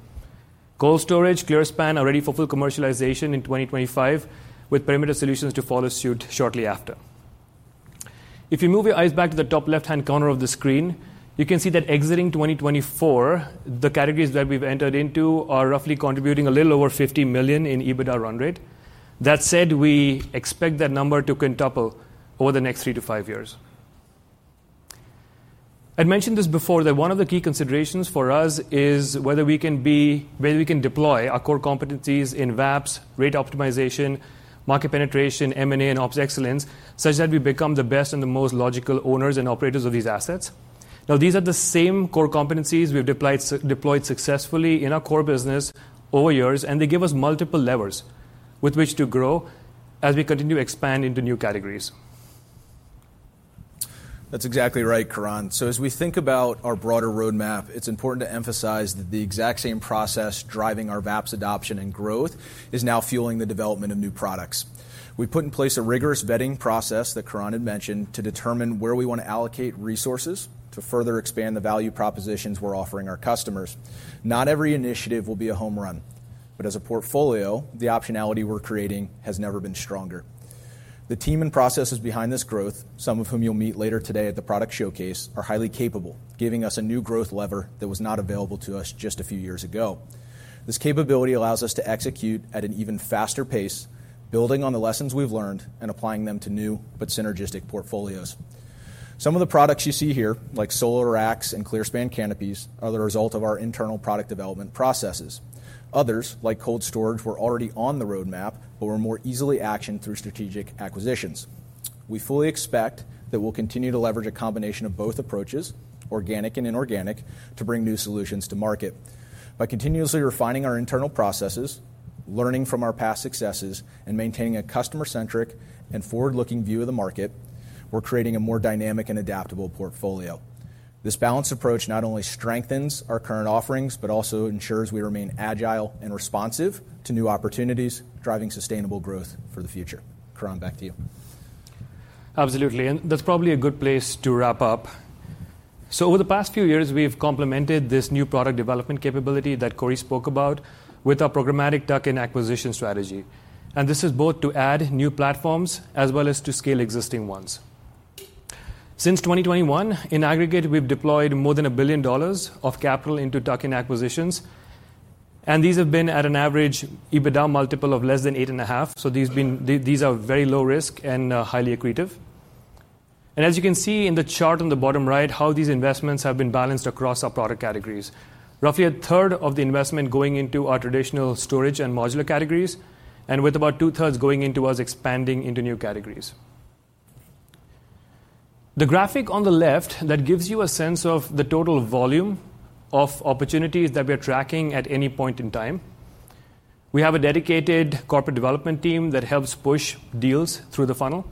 Cold storage, ClearSpan are ready for full commercialization in 2025, with perimeter solutions to follow suit shortly after. If you move your eyes back to the top left-hand corner of the screen, you can see that exiting 2024, the categories that we've entered into are roughly contributing a little over $50 million in EBITDA run rate. That said, we expect that number to quintuple over the next three to five years. I'd mentioned this before, that one of the key considerations for us is whether we can deploy our core competencies in VAPs, rate optimization, market penetration, M&A, and ops excellence such that we become the best and the most logical owners and operators of these assets. Now, these are the same core competencies we've deployed successfully in our core business over years, and they give us multiple levers with which to grow as we continue to expand into new categories. That's exactly right, Coron. As we think about our broader roadmap, it's important to emphasize that the exact same process driving our VAPs adoption and growth is now fueling the development of new products. We put in place a rigorous vetting process that Coron had mentioned to determine where we want to allocate resources to further expand the value propositions we're offering our customers. Not every initiative will be a home run. As a portfolio, the optionality we're creating has never been stronger. The team and processes behind this growth, some of whom you'll meet later today at the product showcase, are highly capable, giving us a new growth lever that was not available to us just a few years ago. This capability allows us to execute at an even faster pace, building on the lessons we've learned and applying them to new but synergistic portfolios. Some of the products you see here, like solar racks and ClearSpan canopies, are the result of our internal product development processes. Others, like cold storage, were already on the roadmap, but were more easily actioned through strategic acquisitions. We fully expect that we'll continue to leverage a combination of both approaches, organic and inorganic, to bring new solutions to market. By continuously refining our internal processes, learning from our past successes, and maintaining a customer-centric and forward-looking view of the market, we're creating a more dynamic and adaptable portfolio. This balanced approach not only strengthens our current offerings, but also ensures we remain agile and responsive to new opportunities, driving sustainable growth for the future. Coron, back to you. Absolutely. That's probably a good place to wrap up. Over the past few years, we've complemented this new product development capability that Corey spoke about with our programmatic tuck-in acquisition strategy. This is both to add new platforms as well as to scale existing ones. Since 2021, in aggregate, we've deployed more than $1 billion of capital into tuck-in acquisitions. These have been at an average EBITDA multiple of less than 8.5. These are very low risk and highly accretive. As you can see in the chart on the bottom right, how these investments have been balanced across our product categories. Roughly a third of the investment going into our traditional storage and modular categories, and with about two-thirds going into us expanding into new categories. The graphic on the left gives you a sense of the total volume of opportunities that we are tracking at any point in time. We have a dedicated corporate development team that helps push deals through the funnel.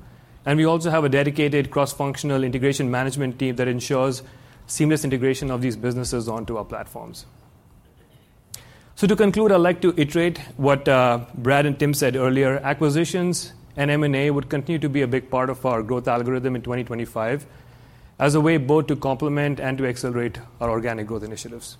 We also have a dedicated cross-functional integration management team that ensures seamless integration of these businesses onto our platforms. To conclude, I'd like to iterate what Brad and Tim said earlier. Acquisitions and M&A would continue to be a big part of our growth algorithm in 2025 as a way both to complement and to accelerate our organic growth initiatives.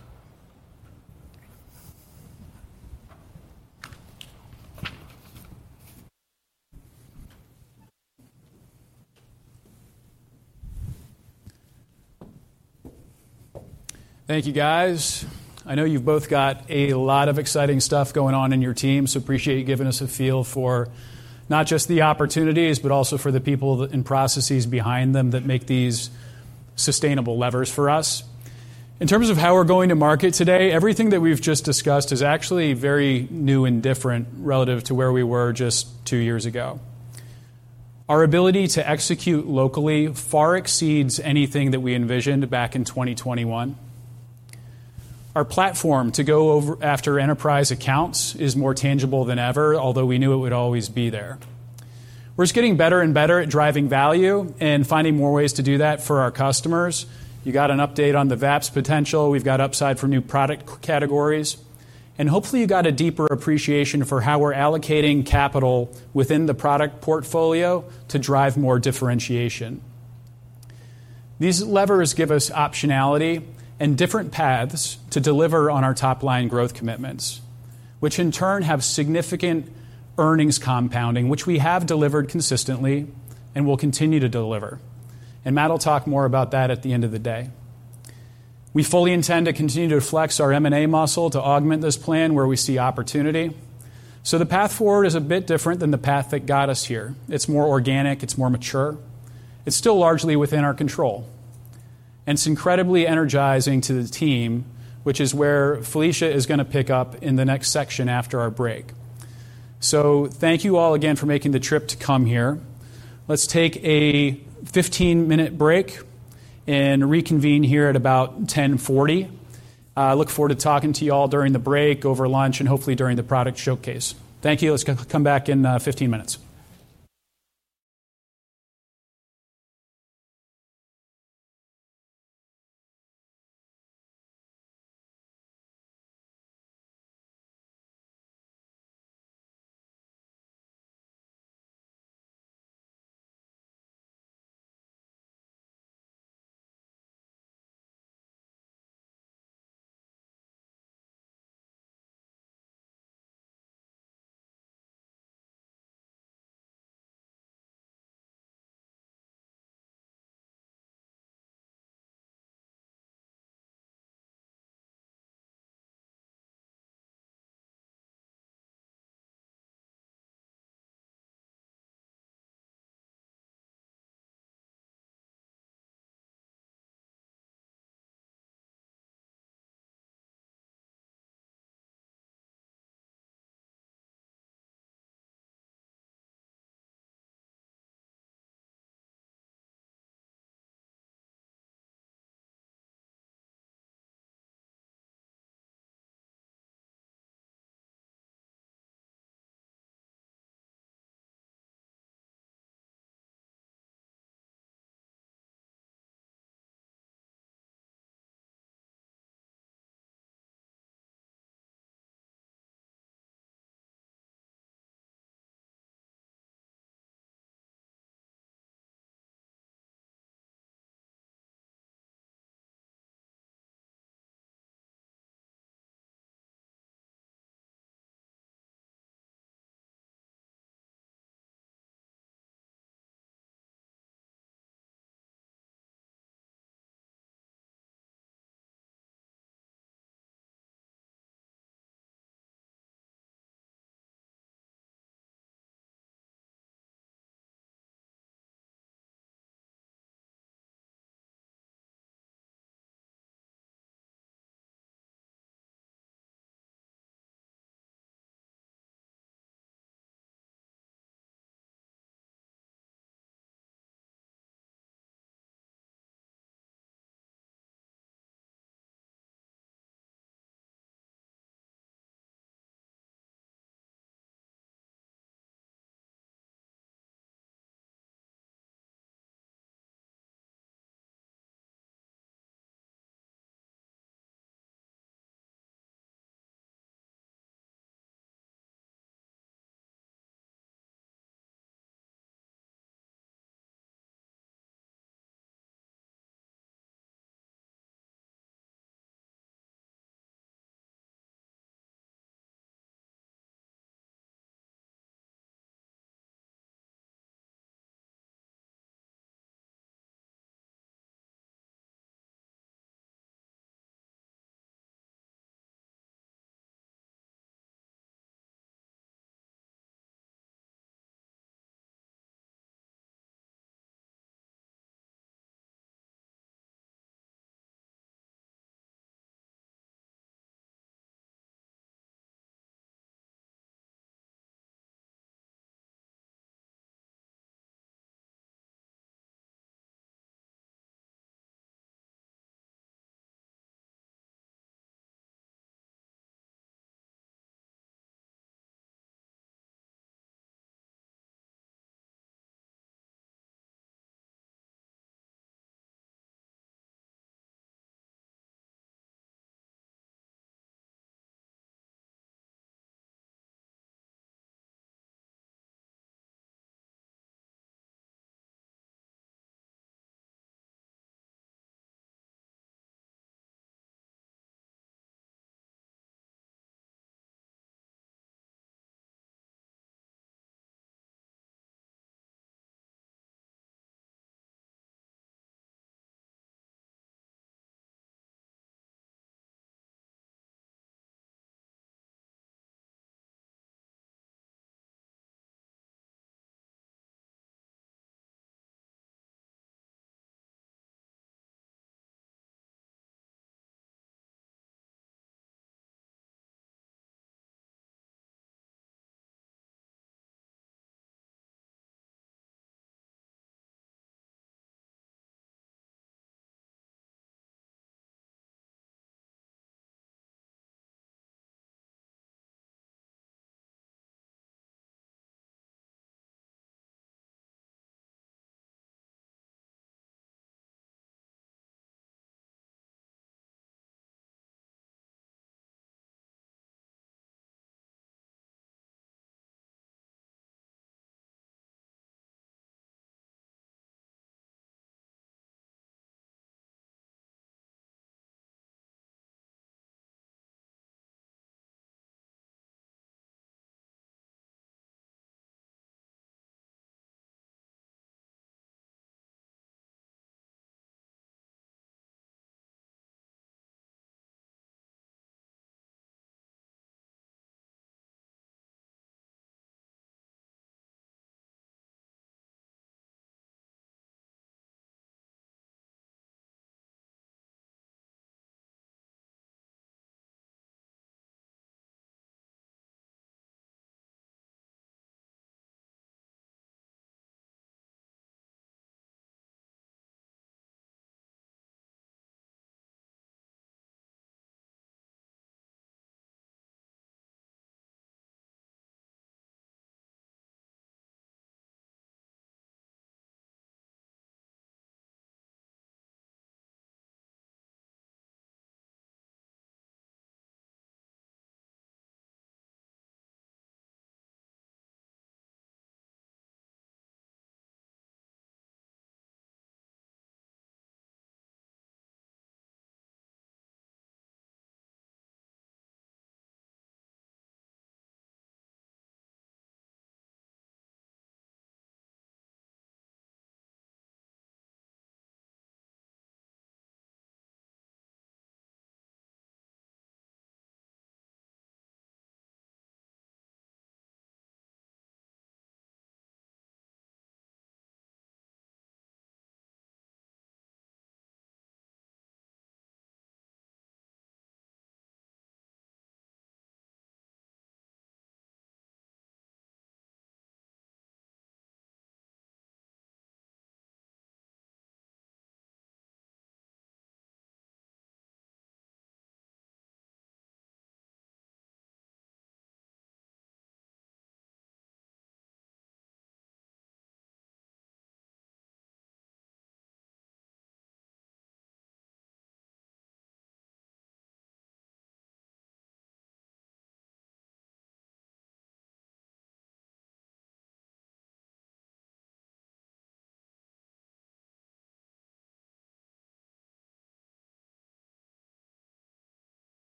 Thank you, guys. I know you've both got a lot of exciting stuff going on in your team. Appreciate you giving us a feel for not just the opportunities, but also for the people and processes behind them that make these sustainable levers for us. In terms of how we're going to market today, everything that we've just discussed is actually very new and different relative to where we were just two years ago. Our ability to execute locally far exceeds anything that we envisioned back in 2021. Our platform to go after enterprise accounts is more tangible than ever, although we knew it would always be there. We're just getting better and better at driving value and finding more ways to do that for our customers. You got an update on the VAPs potential. We've got upside for new product categories. Hopefully, you got a deeper appreciation for how we're allocating capital within the product portfolio to drive more differentiation. These levers give us optionality and different paths to deliver on our top-line growth commitments, which in turn have significant earnings compounding, which we have delivered consistently and will continue to deliver. Matt will talk more about that at the end of the day. We fully intend to continue to flex our M&A muscle to augment this plan where we see opportunity. The path forward is a bit different than the path that got us here. It's more organic. It's more mature. It's still largely within our control. It's incredibly energizing to the team, which is where Felicia is going to pick up in the next section after our break. Thank you all again for making the trip to come here. Let's take a 15-minute break and reconvene here at about 10:40. I look forward to talking to you all during the break, over lunch, and hopefully during the product showcase. Thank you. Let's come back in 15 minutes.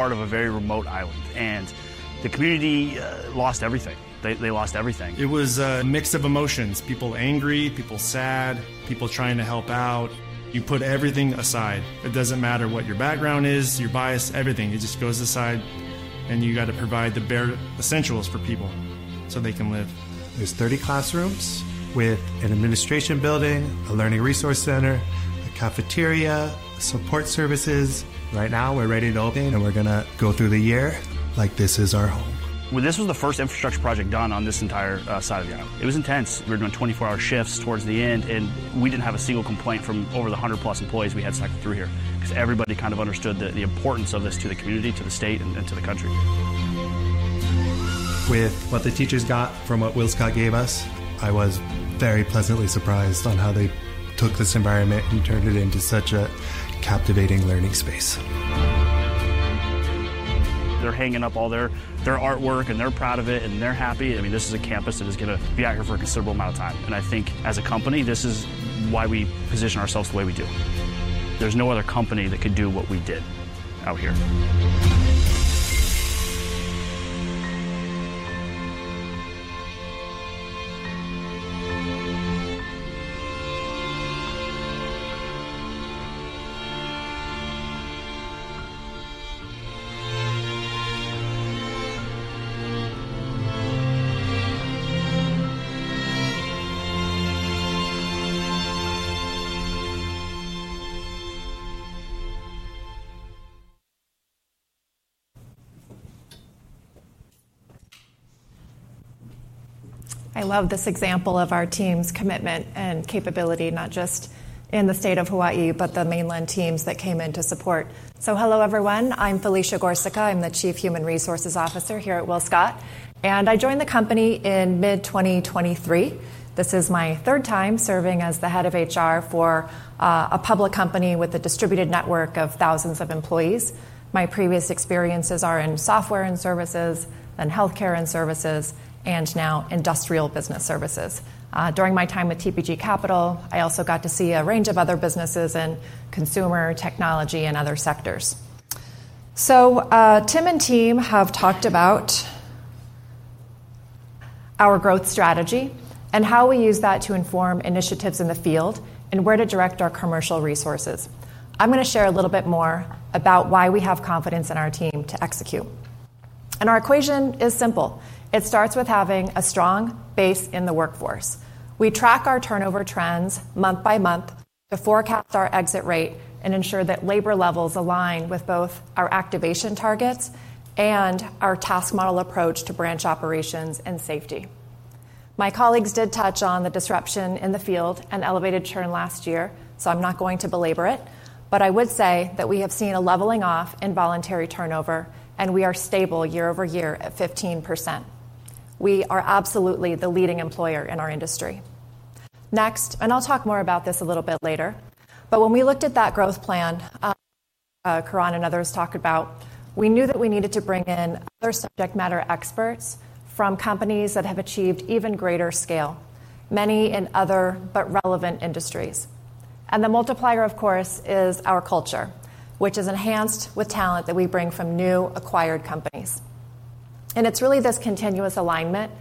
This is a remote part of a very remote island, and the community lost everything. They lost everything. It was a mix of emotions: people angry, people sad, people trying to help out. You put everything aside. It doesn't matter what your background is, your bias, everything. It just goes aside, and you got to provide the bare essentials for people so they can live. There's 30 classrooms with an administration building, a learning resource center, a cafeteria, support services. Right now, we're ready to build things, and we're going to go through the year like this is our home. This was the first infrastructure project done on this entire side of the island. It was intense. We were doing 24-hour shifts towards the end, and we did not have a single complaint from over the 100+ employees we had selected through here because everybody kind of understood the importance of this to the community, to the state, and to the country. With what the teachers got from what WillScot gave us, I was very pleasantly surprised on how they took this environment and turned it into such a captivating learning space. They are hanging up all their artwork, and they are proud of it, and they are happy. I mean, this is a campus that is going to be out here for a considerable amount of time. I think, as a company, this is why we position ourselves the way we do. There's no other company that could do what we did out here. I love this example of our team's commitment and capability, not just in the state of Hawaii, but the mainland teams that came in to support. Hello, everyone. I'm Felicia Gorsuchka. I'm the Chief Human Resources Officer here at WillScot, and I joined the company in mid-2023. This is my third time serving as the head of HR for a public company with a distributed network of thousands of employees. My previous experiences are in software and services, then healthcare and services, and now industrial business services. During my time with TPG Capital, I also got to see a range of other businesses in consumer technology and other sectors. Tim and team have talked about our growth strategy and how we use that to inform initiatives in the field and where to direct our commercial resources. I'm going to share a little bit more about why we have confidence in our team to execute. Our equation is simple. It starts with having a strong base in the workforce. We track our turnover trends month by month to forecast our exit rate and ensure that labor levels align with both our activation targets and our task model approach to branch operations and safety. My colleagues did touch on the disruption in the field and elevated churn last year, so I'm not going to belabor it. I would say that we have seen a leveling off in voluntary turnover, and we are stable year-over-year at 15%. We are absolutely the leading employer in our industry. Next, and I'll talk more about this a little bit later, but when we looked at that growth plan, Coron and others talked about, we knew that we needed to bring in other subject matter experts from companies that have achieved even greater scale, many in other but relevant industries. The multiplier, of course, is our culture, which is enhanced with talent that we bring from new acquired companies. It is really this continuous alignment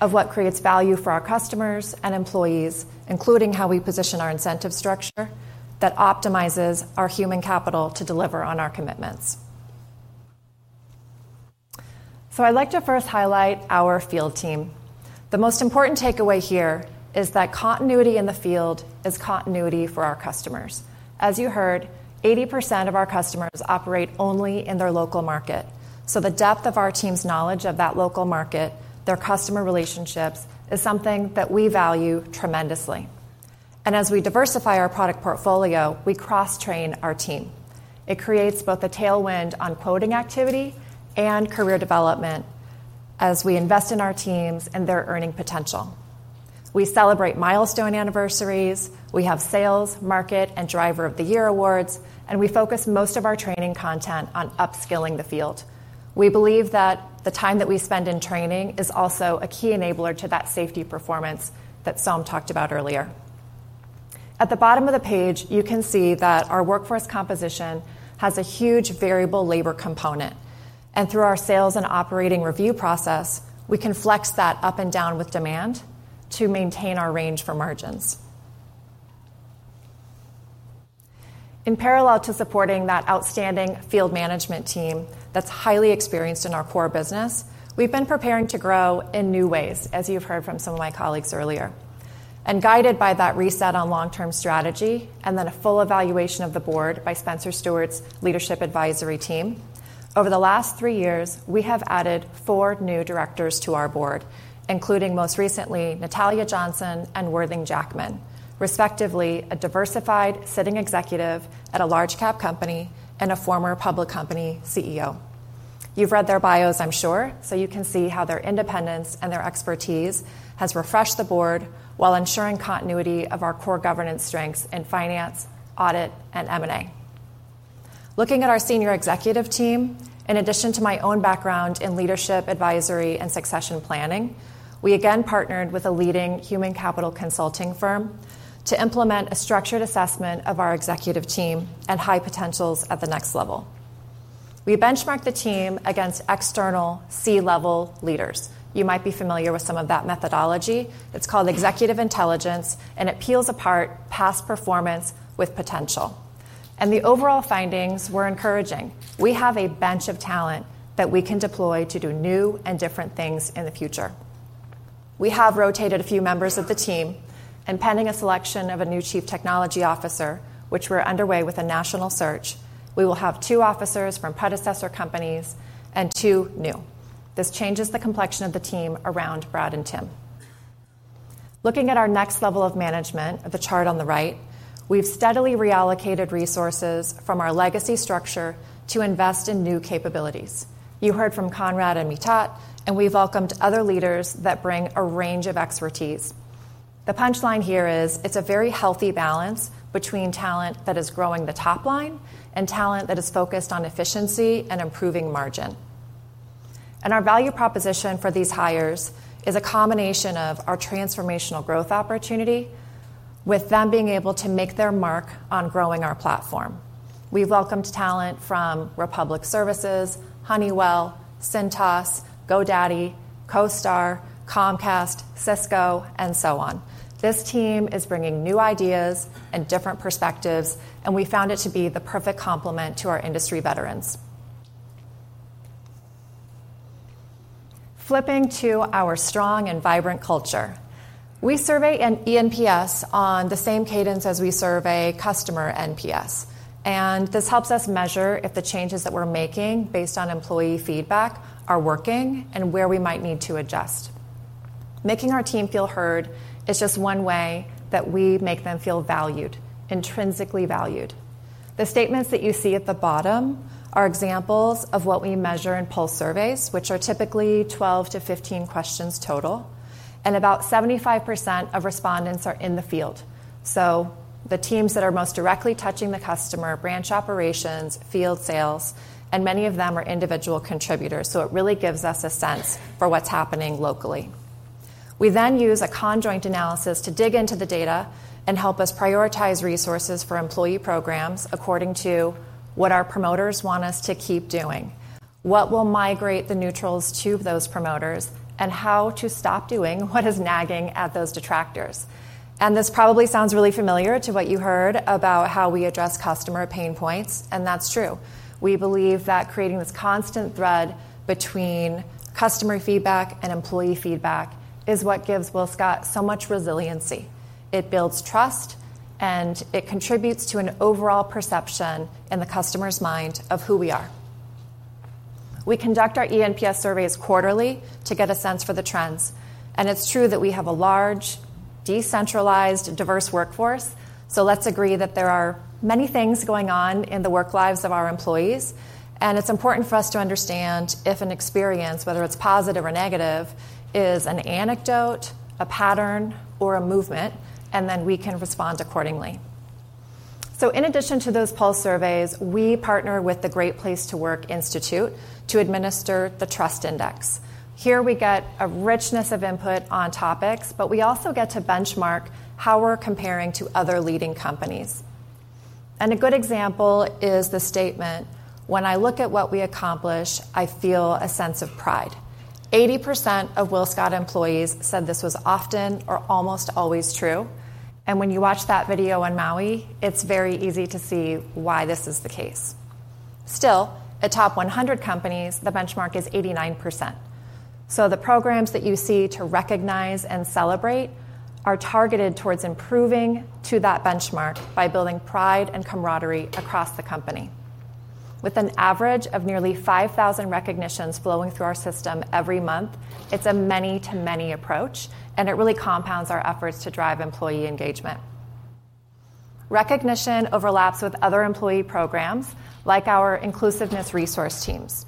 of what creates value for our customers and employees, including how we position our incentive structure that optimizes our human capital to deliver on our commitments. I'd like to first highlight our field team. The most important takeaway here is that continuity in the field is continuity for our customers. As you heard, 80% of our customers operate only in their local market. The depth of our team's knowledge of that local market, their customer relationships, is something that we value tremendously. As we diversify our product portfolio, we cross-train our team. It creates both a tailwind on quoting activity and career development as we invest in our teams and their earning potential. We celebrate milestone anniversaries. We have Sales, Market, and Driver of the Year awards, and we focus most of our training content on upskilling the field. We believe that the time that we spend in training is also a key enabler to that safety performance that Saul talked about earlier. At the bottom of the page, you can see that our workforce composition has a huge variable labor component. Through our sales and operating review process, we can flex that up and down with demand to maintain our range for margins. In parallel to supporting that outstanding field management team that's highly experienced in our core business, we've been preparing to grow in new ways, as you've heard from some of my colleagues earlier. Guided by that reset on long-term strategy and then a full evaluation of the board by Spencer Stuart's leadership advisory team, over the last three years, we have added four new directors to our board, including most recently Natalia Johnson and Worthing Jackman, respectively a diversified sitting executive at a large-cap company and a former public company CEO. You've read their bios, I'm sure, so you can see how their independence and their expertise has refreshed the board while ensuring continuity of our core governance strengths in finance, audit, and M&A. Looking at our senior executive team, in addition to my own background in leadership advisory and succession planning, we again partnered with a leading human capital consulting firm to implement a structured assessment of our executive team and high potentials at the next level. We benchmarked the team against external C-level leaders. You might be familiar with some of that methodology. It's called executive intelligence, and it peels apart past performance with potential. The overall findings were encouraging. We have a bench of talent that we can deploy to do new and different things in the future. We have rotated a few members of the team, and pending a selection of a new Chief Technology Officer, which we're underway with a national search, we will have two officers from predecessor companies and two new. This changes the complexion of the team around Brad and Tim. Looking at our next level of management of the chart on the right, we've steadily reallocated resources from our legacy structure to invest in new capabilities. You heard from Conrad and Mitat, and we've welcomed other leaders that bring a range of expertise. The punchline here is it's a very healthy balance between talent that is growing the top line and talent that is focused on efficiency and improving margin. Our value proposition for these hires is a combination of our transformational growth opportunity with them being able to make their mark on growing our platform. We've welcomed talent from Republic Services, Honeywell, Cintas, GoDaddy, CoStar, Comcast, Cisco, and so on. This team is bringing new ideas and different perspectives, and we found it to be the perfect complement to our industry veterans. Flipping to our strong and vibrant culture, we survey an ENPS on the same cadence as we survey customer NPS. This helps us measure if the changes that we're making based on employee feedback are working and where we might need to adjust. Making our team feel heard is just one way that we make them feel valued, intrinsically valued. The statements that you see at the bottom are examples of what we measure in pulse surveys, which are typically 12-15 questions total, and about 75% of respondents are in the field. The teams that are most directly touching the customer, branch operations, field sales, and many of them are individual contributors. It really gives us a sense for what's happening locally. We then use a conjoint analysis to dig into the data and help us prioritize resources for employee programs according to what our promoters want us to keep doing, what will migrate the neutrals to those promoters, and how to stop doing what is nagging at those detractors. This probably sounds really familiar to what you heard about how we address customer pain points, and that's true. We believe that creating this constant thread between customer feedback and employee feedback is what gives WillScot so much resiliency. It builds trust, and it contributes to an overall perception in the customer's mind of who we are. We conduct our ENPS surveys quarterly to get a sense for the trends. It's true that we have a large, decentralized, diverse workforce. Let's agree that there are many things going on in the work lives of our employees. It is important for us to understand if an experience, whether it is positive or negative, is an anecdote, a pattern, or a movement, and then we can respond accordingly. In addition to those pulse surveys, we partner with the Great Place to Work Institute to administer the Trust Index. Here, we get a richness of input on topics, but we also get to benchmark how we are comparing to other leading companies. A good example is the statement, "When I look at what we accomplish, I feel a sense of pride." 80% of WillScot employees said this was often or almost always true. When you watch that video on Maui, it is very easy to see why this is the case. Still, at top 100 companies, the benchmark is 89%. The programs that you see to recognize and celebrate are targeted towards improving to that benchmark by building pride and camaraderie across the company. With an average of nearly 5,000 recognitions flowing through our system every month, it's a many-to-many approach, and it really compounds our efforts to drive employee engagement. Recognition overlaps with other employee programs like our inclusiveness resource teams.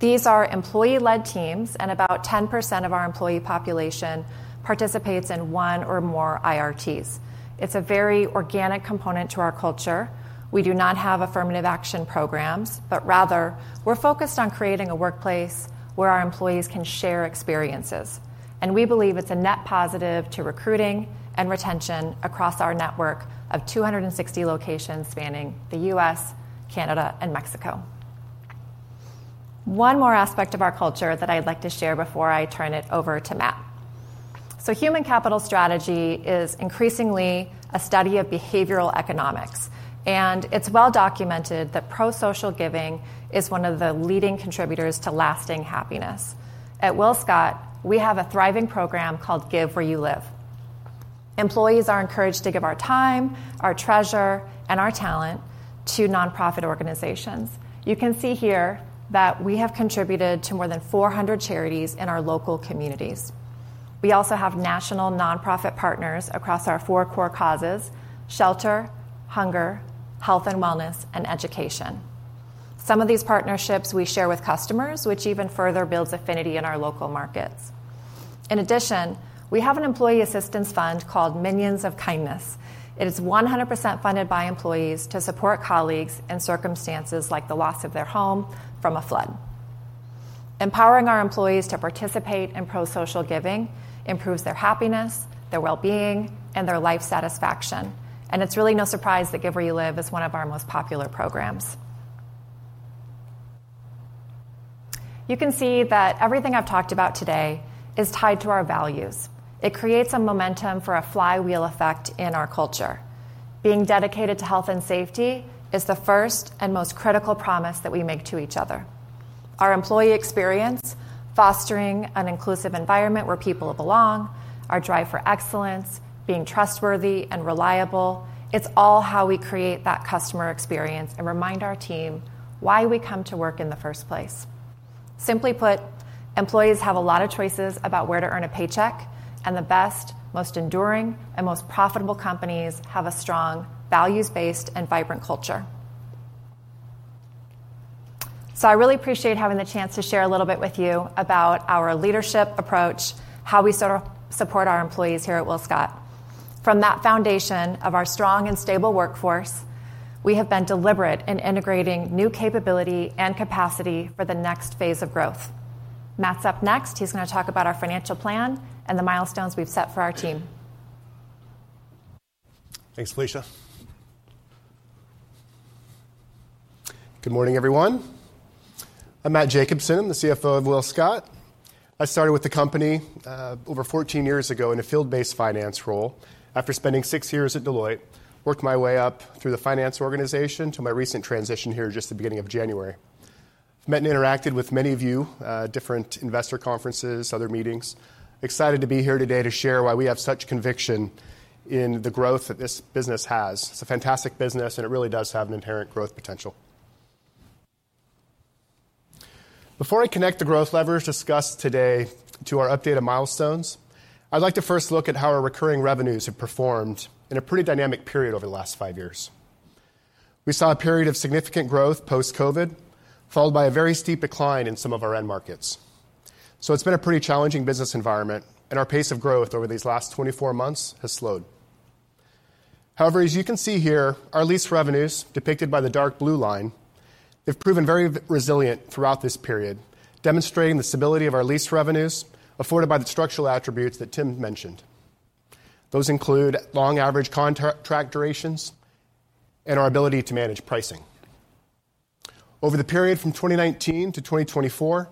These are employee-led teams, and about 10% of our employee population participates in one or more IRTs. It's a very organic component to our culture. We do not have affirmative action programs, but rather, we're focused on creating a workplace where our employees can share experiences. We believe it's a net positive to recruiting and retention across our network of 260 locations spanning the U.S., Canada, and Mexico. One more aspect of our culture that I'd like to share before I turn it over to Matt. Human capital strategy is increasingly a study of behavioral economics, and it's well documented that pro-social giving is one of the leading contributors to lasting happiness. At WillScot, we have a thriving program called Give Where You Live. Employees are encouraged to give our time, our treasure, and our talent to nonprofit organizations. You can see here that we have contributed to more than 400 charities in our local communities. We also have national nonprofit partners across our four core causes: shelter, hunger, health and wellness, and education. Some of these partnerships we share with customers, which even further builds affinity in our local markets. In addition, we have an employee assistance fund called Minions of Kindness. It is 100% funded by employees to support colleagues in circumstances like the loss of their home from a flood. Empowering our employees to participate in pro-social giving improves their happiness, their well-being, and their life satisfaction. It is really no surprise that Give Where You Live is one of our most popular programs. You can see that everything I have talked about today is tied to our values. It creates a momentum for a flywheel effect in our culture. Being dedicated to health and safety is the first and most critical promise that we make to each other. Our employee experience, fostering an inclusive environment where people belong, our drive for excellence, being trustworthy and reliable, it is all how we create that customer experience and remind our team why we come to work in the first place. Simply put, employees have a lot of choices about where to earn a paycheck, and the best, most enduring, and most profitable companies have a strong, values-based, and vibrant culture. I really appreciate having the chance to share a little bit with you about our leadership approach, how we support our employees here at WillScot. From that foundation of our strong and stable workforce, we have been deliberate in integrating new capability and capacity for the next phase of growth. Matt's up next. He's going to talk about our financial plan and the milestones we've set for our team. Thanks, Felicia. Good morning, everyone. I'm Matt Jacobsen. I'm the CFO of WillScot. I started with the company over 14 years ago in a field-based finance role. After spending six years at Deloitte, I worked my way up through the finance organization to my recent transition here just at the beginning of January. I've met and interacted with many of you, different investor conferences, other meetings. Excited to be here today to share why we have such conviction in the growth that this business has. It's a fantastic business, and it really does have an inherent growth potential. Before I connect the growth levers discussed today to our updated milestones, I'd like to first look at how our recurring revenues have performed in a pretty dynamic period over the last five years. We saw a period of significant growth post-COVID, followed by a very steep decline in some of our end markets. It's been a pretty challenging business environment, and our pace of growth over these last 24 months has slowed. However, as you can see here, our lease revenues, depicted by the dark blue line, have proven very resilient throughout this period, demonstrating the stability of our lease revenues afforded by the structural attributes that Tim mentioned. Those include long average contract durations and our ability to manage pricing. Over the period from 2019 to 2024,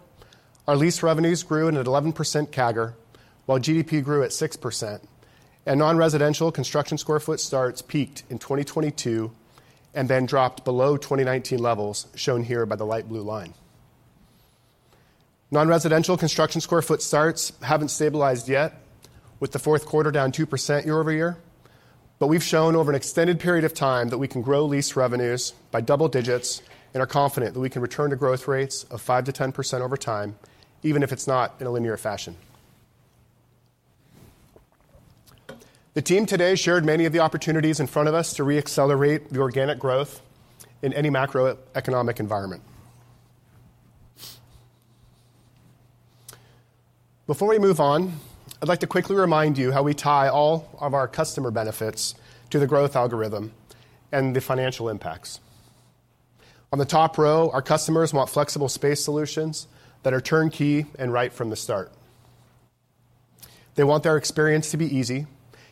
our lease revenues grew in an 11% CAGR, while GDP grew at 6%. Non-residential construction square foot starts peaked in 2022 and then dropped below 2019 levels shown here by the light blue line. Non-residential construction square foot starts have not stabilized yet, with the fourth quarter down 2% year-over-year. We have shown over an extended period of time that we can grow lease revenues by double digits, and are confident that we can return to growth rates of 5%-10% over time, even if it is not in a linear fashion. The team today shared many of the opportunities in front of us to re-accelerate the organic growth in any macroeconomic environment. Before we move on, I'd like to quickly remind you how we tie all of our customer benefits to the growth algorithm and the financial impacts. On the top row, our customers want flexible space solutions that are turnkey and right from the start. They want their experience to be easy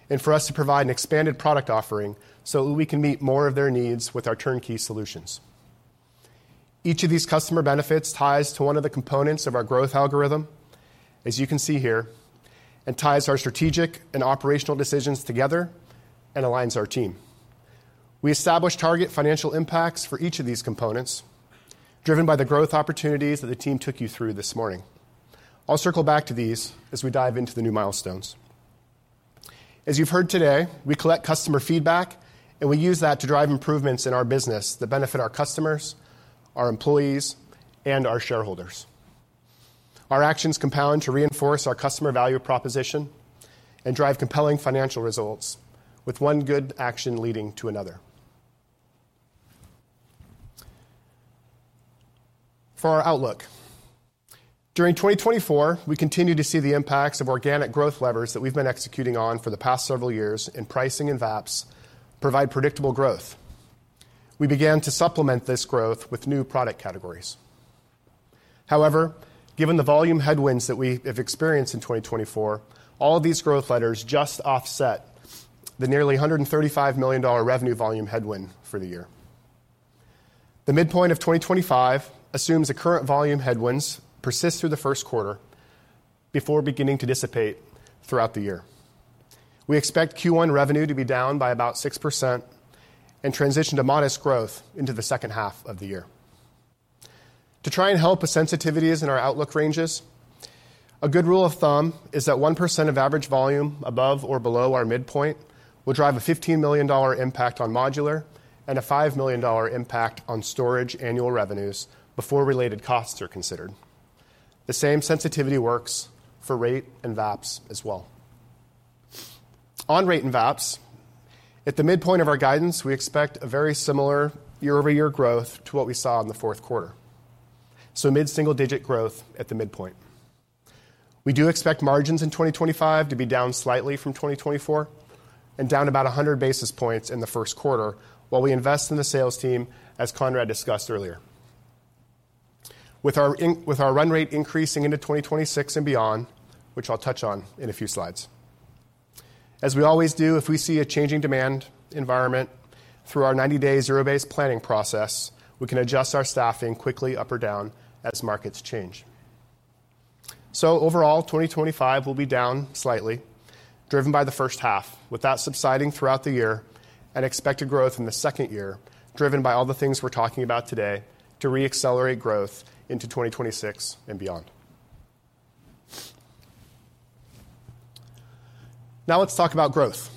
and for us to provide an expanded product offering so that we can meet more of their needs with our turnkey solutions. Each of these customer benefits ties to one of the components of our growth algorithm, as you can see here, and ties our strategic and operational decisions together and aligns our team. We establish target financial impacts for each of these components, driven by the growth opportunities that the team took you through this morning. I'll circle back to these as we dive into the new milestones. As you've heard today, we collect customer feedback, and we use that to drive improvements in our business that benefit our customers, our employees, and our shareholders. Our actions compound to reinforce our customer value proposition and drive compelling financial results, with one good action leading to another. For our outlook, during 2024, we continue to see the impacts of organic growth levers that we've been executing on for the past several years in pricing and VAPS provide predictable growth. We began to supplement this growth with new product categories. However, given the volume headwinds that we have experienced in 2024, all of these growth levers just offset the nearly $135 million revenue volume headwind for the year. The midpoint of 2025 assumes the current volume headwinds persist through the first quarter before beginning to dissipate throughout the year. We expect Q1 revenue to be down by about 6% and transition to modest growth into the second half of the year. To try and help with sensitivities in our outlook ranges, a good rule of thumb is that 1% of average volume above or below our midpoint will drive a $15 million impact on modular and a $5 million impact on storage annual revenues before related costs are considered. The same sensitivity works for rate and VAPS as well. On rate and VAPS, at the midpoint of our guidance, we expect a very similar year-over-year growth to what we saw in the fourth quarter. Mid-single-digit growth at the midpoint. We do expect margins in 2025 to be down slightly from 2024 and down about 100 basis points in the first quarter, while we invest in the sales team, as Conrad discussed earlier. With our run rate increasing into 2026 and beyond, which I'll touch on in a few slides. As we always do, if we see a changing demand environment through our 90-day zero-based planning process, we can adjust our staffing quickly up or down as markets change. Overall, 2025 will be down slightly, driven by the first half, with that subsiding throughout the year and expected growth in the second year, driven by all the things we're talking about today to re-accelerate growth into 2026 and beyond. Now, let's talk about growth.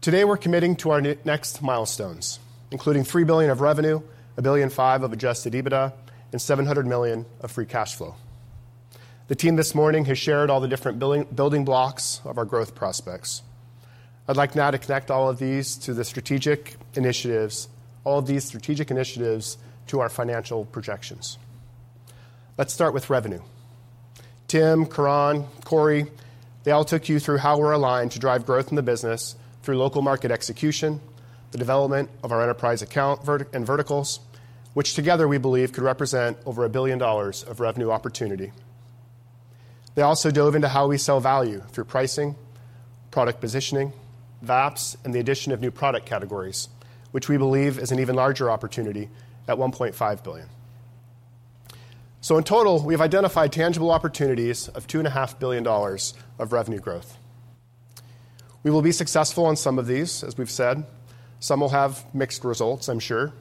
Today, we're committing to our next milestones, including $3 billion of revenue, $1.5 billion of adjusted EBITDA, and $700 million of free cash flow. The team this morning has shared all the different building blocks of our growth prospects. I'd like now to connect all of these to the strategic initiatives, all of these strategic initiatives to our financial projections. Let's start with revenue. Tim, Coron, Corey, they all took you through how we're aligned to drive growth in the business through local market execution, the development of our enterprise account and verticals, which together we believe could represent over $1 billion of revenue opportunity. They also dove into how we sell value through pricing, product positioning, VAPs, and the addition of new product categories, which we believe is an even larger opportunity at $1.5 billion. In total, we've identified tangible opportunities of $2.5 billion of revenue growth. We will be successful on some of these, as we've said. Some will have mixed results, I'm sure,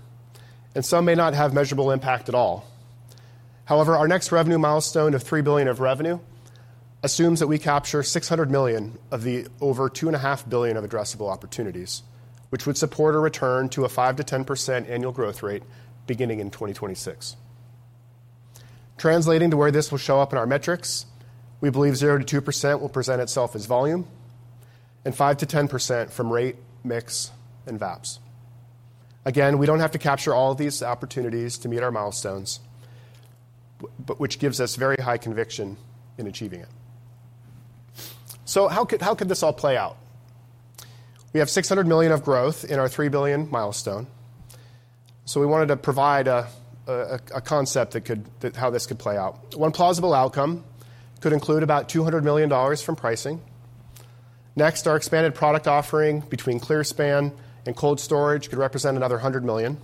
and some may not have measurable impact at all. However, our next revenue milestone of $3 billion of revenue assumes that we capture $600 million of the over $2.5 billion of addressable opportunities, which would support a return to a 5%-10% annual growth rate beginning in 2026. Translating to where this will show up in our metrics, we believe 0%-2% will present itself as volume and 5-10% from rate, mix, and VAPS. Again, we don't have to capture all of these opportunities to meet our milestones, which gives us very high conviction in achieving it. How could this all play out? We have $600 million of growth in our $3 billion milestone. We wanted to provide a concept that could show how this could play out. One plausible outcome could include about $200 million from pricing. Next, our expanded product offering between ClearSpan and Cold Storage could represent another $100 million.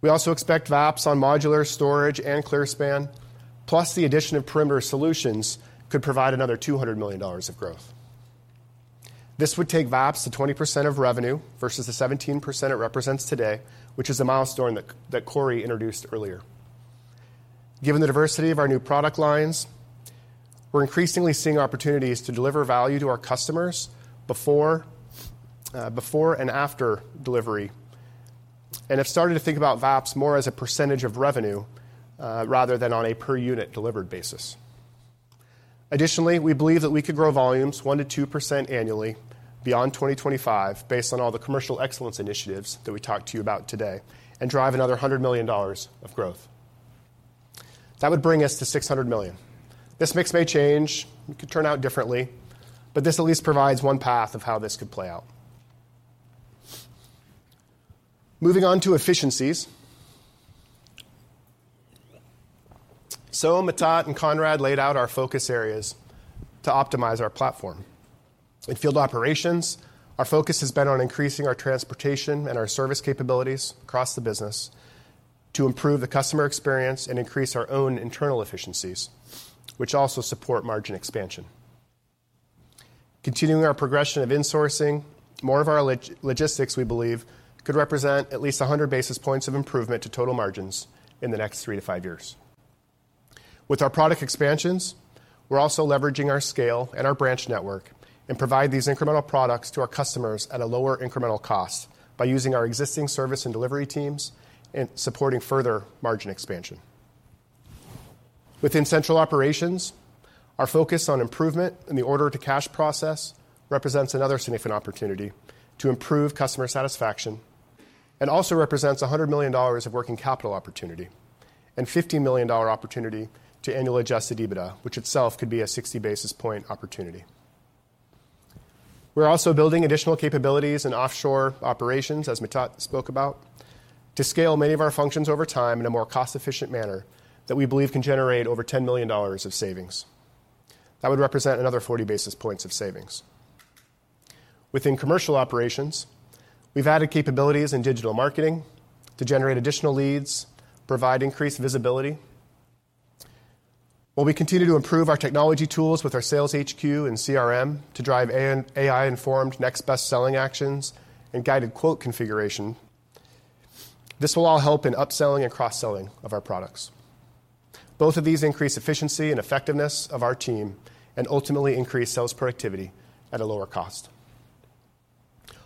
We also expect VAPs on modular storage and ClearSpan, + the addition of perimeter solutions could provide another $200 million of growth. This would take VAPs to 20% of revenue versus the 17% it represents today, which is a milestone that Corey introduced earlier. Given the diversity of our new product lines, we're increasingly seeing opportunities to deliver value to our customers before and after delivery and have started to think about VAPs more as a percentage of revenue rather than on a per-unit delivered basis. Additionally, we believe that we could grow volumes 1%-2% annually beyond 2025, based on all the commercial excellence initiatives that we talked to you about today, and drive another $100 million of growth. That would bring us to $600 million. This mix may change. It could turn out differently, but this at least provides one path of how this could play out. Moving on to efficiencies. Matat and Conrad laid out our focus areas to optimize our platform. In field operations, our focus has been on increasing our transportation and our service capabilities across the business to improve the customer experience and increase our own internal efficiencies, which also support margin expansion. Continuing our progression of insourcing more of our logistics, we believe, could represent at least 100 basis points of improvement to total margins in the next three to five years. With our product expansions, we're also leveraging our scale and our branch network and provide these incremental products to our customers at a lower incremental cost by using our existing service and delivery teams and supporting further margin expansion. Within central operations, our focus on improvement in the order-to-cash process represents another significant opportunity to improve customer satisfaction and also represents $100 million of working capital opportunity and $15 million opportunity to annual adjusted EBITDA, which itself could be a 60 basis point opportunity. We're also building additional capabilities in offshore operations, as Mitat spoke about, to scale many of our functions over time in a more cost-efficient manner that we believe can generate over $10 million of savings. That would represent another 40 basis points of savings. Within commercial operations, we've added capabilities in digital marketing to generate additional leads, provide increased visibility. While we continue to improve our technology tools with our sales HQ and CRM to drive AI-informed next best-selling actions and guided quote configuration, this will all help in upselling and cross-selling of our products. Both of these increase efficiency and effectiveness of our team and ultimately increase sales productivity at a lower cost.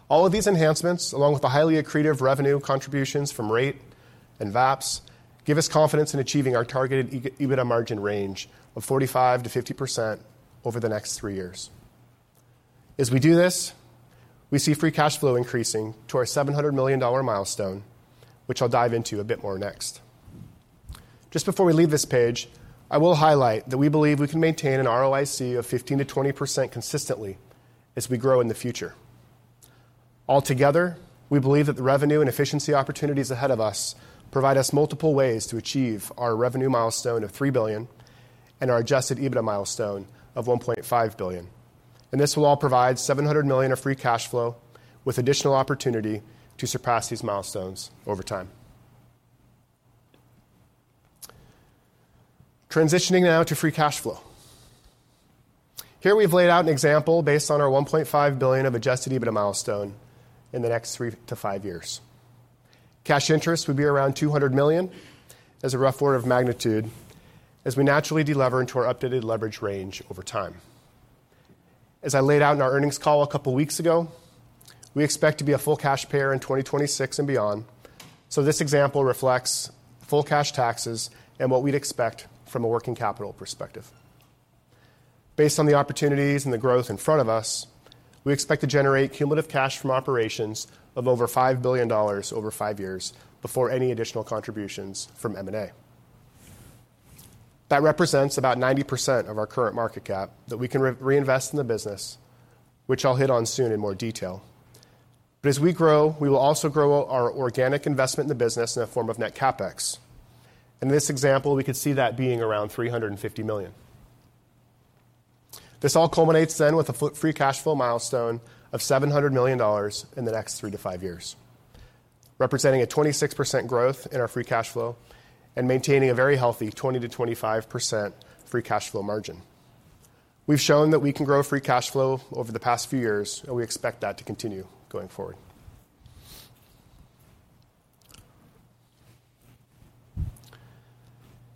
All of these enhancements, along with the highly accretive revenue contributions from rate and VAPS, give us confidence in achieving our targeted EBITDA margin range of 45%-50% over the next three years. As we do this, we see free cash flow increasing to our $700 million milestone, which I'll dive into a bit more next. Just before we leave this page, I will highlight that we believe we can maintain an ROIC of 15%-20% consistently as we grow in the future. Altogether, we believe that the revenue and efficiency opportunities ahead of us provide us multiple ways to achieve our revenue milestone of $3 billion and our adjusted EBITDA milestone of $1.5 billion. This will all provide $700 million of free cash flow with additional opportunity to surpass these milestones over time. Transitioning now to free cash flow. Here we have laid out an example based on our $1.5 billion of adjusted EBITDA milestone in the next three to five years. Cash interest would be around $200 million as a rough order of magnitude as we naturally deleverage into our updated leverage range over time. As I laid out in our earnings call a couple of weeks ago, we expect to be a full cash payer in 2026 and beyond. This example reflects full cash taxes and what we would expect from a working capital perspective. Based on the opportunities and the growth in front of us, we expect to generate cumulative cash from operations of over $5 billion over five years before any additional contributions from M&A. That represents about 90% of our current market cap that we can reinvest in the business, which I'll hit on soon in more detail. As we grow, we will also grow our organic investment in the business in the form of net CapEx. In this example, we could see that being around $350 million. This all culminates then with a free cash flow milestone of $700 million in the next three to five years, representing a 26% growth in our free cash flow and maintaining a very healthy 20%-25% free cash flow margin. We've shown that we can grow free cash flow over the past few years, and we expect that to continue going forward.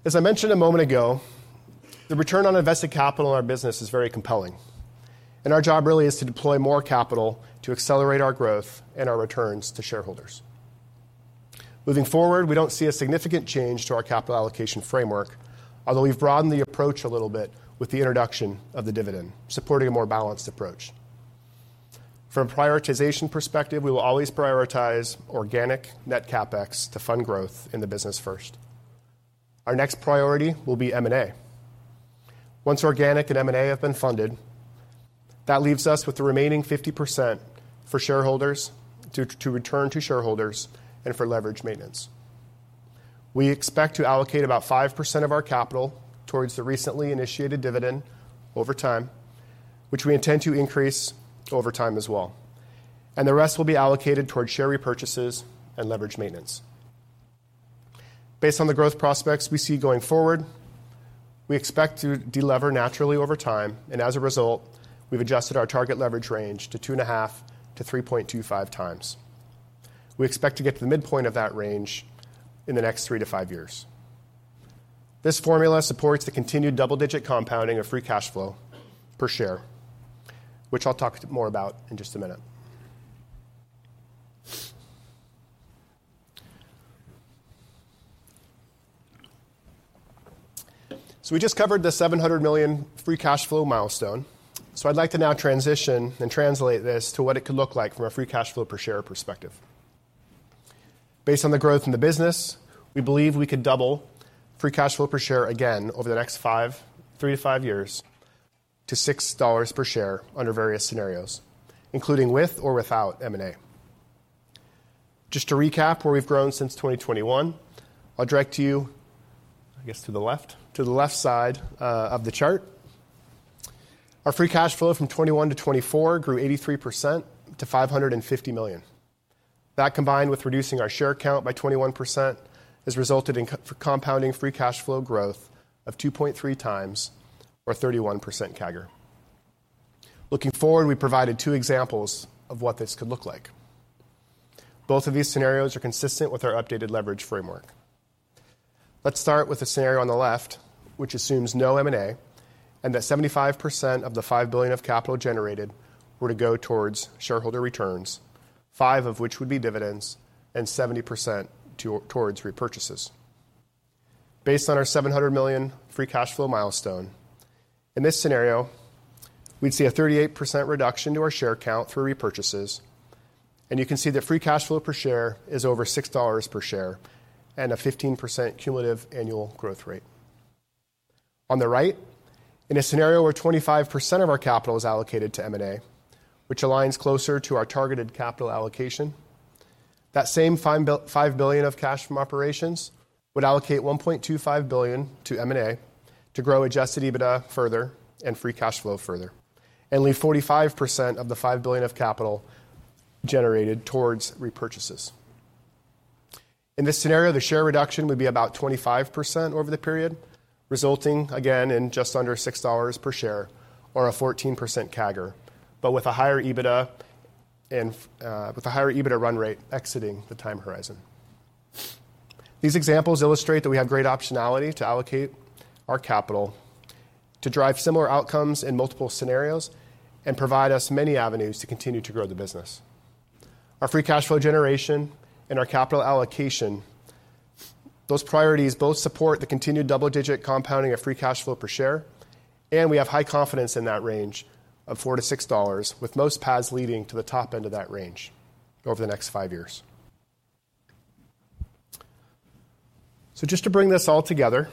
As I mentioned a moment ago, the return on invested capital in our business is very compelling. Our job really is to deploy more capital to accelerate our growth and our returns to shareholders. Moving forward, we do not see a significant change to our capital allocation framework, although we have broadened the approach a little bit with the introduction of the dividend, supporting a more balanced approach. From a prioritization perspective, we will always prioritize organic net CapEx to fund growth in the business first. Our next priority will be M&A. Once organic and M&A have been funded, that leaves us with the remaining 50% for shareholders to return to shareholders and for leverage maintenance. We expect to allocate about 5% of our capital towards the recently initiated dividend over time, which we intend to increase over time as well. The rest will be allocated towards share repurchases and leverage maintenance. Based on the growth prospects we see going forward, we expect to delever naturally over time. As a result, we've adjusted our target leverage range to 2.5x-3.25x. We expect to get to the midpoint of that range in the next three to five years. This formula supports the continued double-digit compounding of free cash flow per share, which I'll talk more about in just a minute. We just covered the $700 million free cash flow milestone. I would like to now transition and translate this to what it could look like from a free cash flow per share perspective. Based on the growth in the business, we believe we could double free cash flow per share again over the next three to five years to $6 per share under various scenarios, including with or without M&A. Just to recap where we've grown since 2021, I'll direct you, I guess, to the left, to the left side of the chart. Our free cash flow from 2021-2024 grew 83% to $550 million. That combined with reducing our share count by 21% has resulted in compounding free cash flow growth of 2.3x or 31% CAGR. Looking forward, we provided two examples of what this could look like. Both of these scenarios are consistent with our updated leverage framework. Let's start with the scenario on the left, which assumes no M&A and that 75% of the $5 billion of capital generated were to go towards shareholder returns, 5% of which would be dividends and 70% towards repurchases. Based on our $700 million free cash flow milestone, in this scenario, we'd see a 38% reduction to our share count through repurchases. You can see that free cash flow per share is over $6 per share and a 15% cumulative annual growth rate. On the right, in a scenario where 25% of our capital is allocated to M&A, which aligns closer to our targeted capital allocation, that same $5 billion of cash from operations would allocate $1.25 billion to M&A to grow adjusted EBITDA further and free cash flow further, and leave 45% of the $5 billion of capital generated towards repurchases. In this scenario, the share reduction would be about 25% over the period, resulting again in just under $6 per share or a 14% CAGR, but with a higher EBITDA and with a higher EBITDA run rate exiting the time horizon. These examples illustrate that we have great optionality to allocate our capital to drive similar outcomes in multiple scenarios and provide us many avenues to continue to grow the business. Our free cash flow generation and our capital allocation, those priorities both support the continued double-digit compounding of free cash flow per share, and we have high confidence in that range of $4-$6, with most paths leading to the top end of that range over the next five years. Just to bring this all together,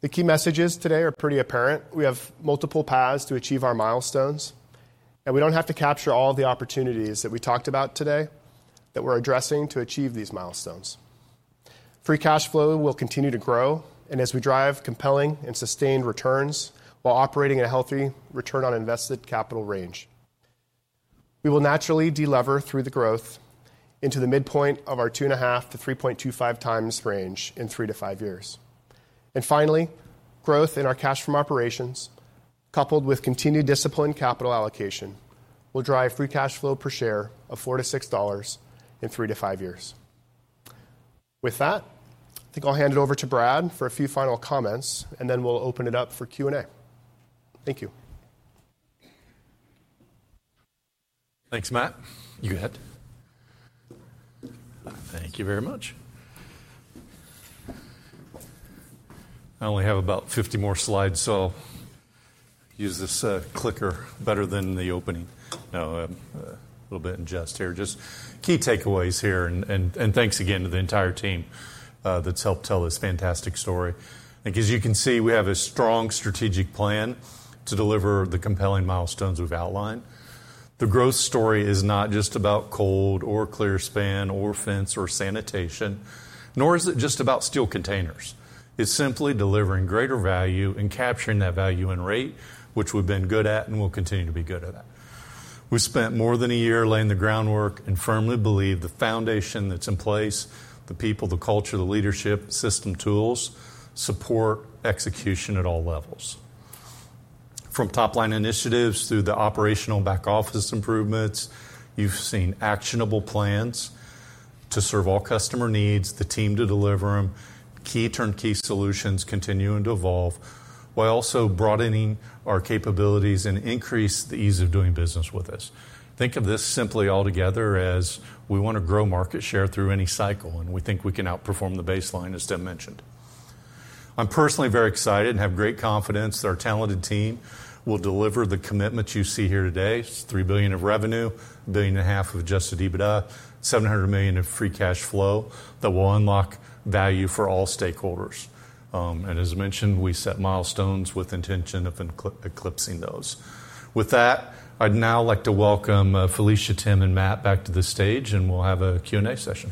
the key messages today are pretty apparent. We have multiple paths to achieve our milestones, and we do not have to capture all the opportunities that we talked about today that we are addressing to achieve these milestones. Free cash flow will continue to grow, and as we drive compelling and sustained returns while operating at a healthy return on invested capital range, we will naturally delever through the growth into the midpoint of our 2.5x-3.25x range in three to five years. Finally, growth in our cash from operations, coupled with continued disciplined capital allocation, will drive free cash flow per share of $4-$6 in three to five years. With that, I think I'll hand it over to Brad for a few final comments, and then we'll open it up for Q&A. Thank you. Thanks, Matt. You go ahead. Thank you very much. I only have about 50 more slides, so I'll use this clicker better than the opening. No, a little bit in jest here. Just key takeaways here, and thanks again to the entire team that's helped tell this fantastic story. As you can see, we have a strong strategic plan to deliver the compelling milestones we've outlined. The growth story is not just about cold or clearspan or fence or sanitation, nor is it just about steel containers. It's simply delivering greater value and capturing that value and rate, which we've been good at and will continue to be good at. We've spent more than a year laying the groundwork and firmly believe the foundation that's in place, the people, the culture, the leadership, system tools, support, execution at all levels. From top-line initiatives through the operational back office improvements, you've seen actionable plans to serve all customer needs, the team to deliver them, key turnkey solutions continuing to evolve while also broadening our capabilities and increase the ease of doing business with us. Think of this simply altogether as we want to grow market share through any cycle, and we think we can outperform the baseline, as Tim mentioned. I'm personally very excited and have great confidence that our talented team will deliver the commitment you see here today. It's $3 billion of revenue, $1.5 billion of adjusted EBITDA, $700 million of free cash flow that will unlock value for all stakeholders. As mentioned, we set milestones with intention of eclipsing those. With that, I'd now like to welcome Felicia, Tim, and Matt back to the stage, and we'll have a Q&A session.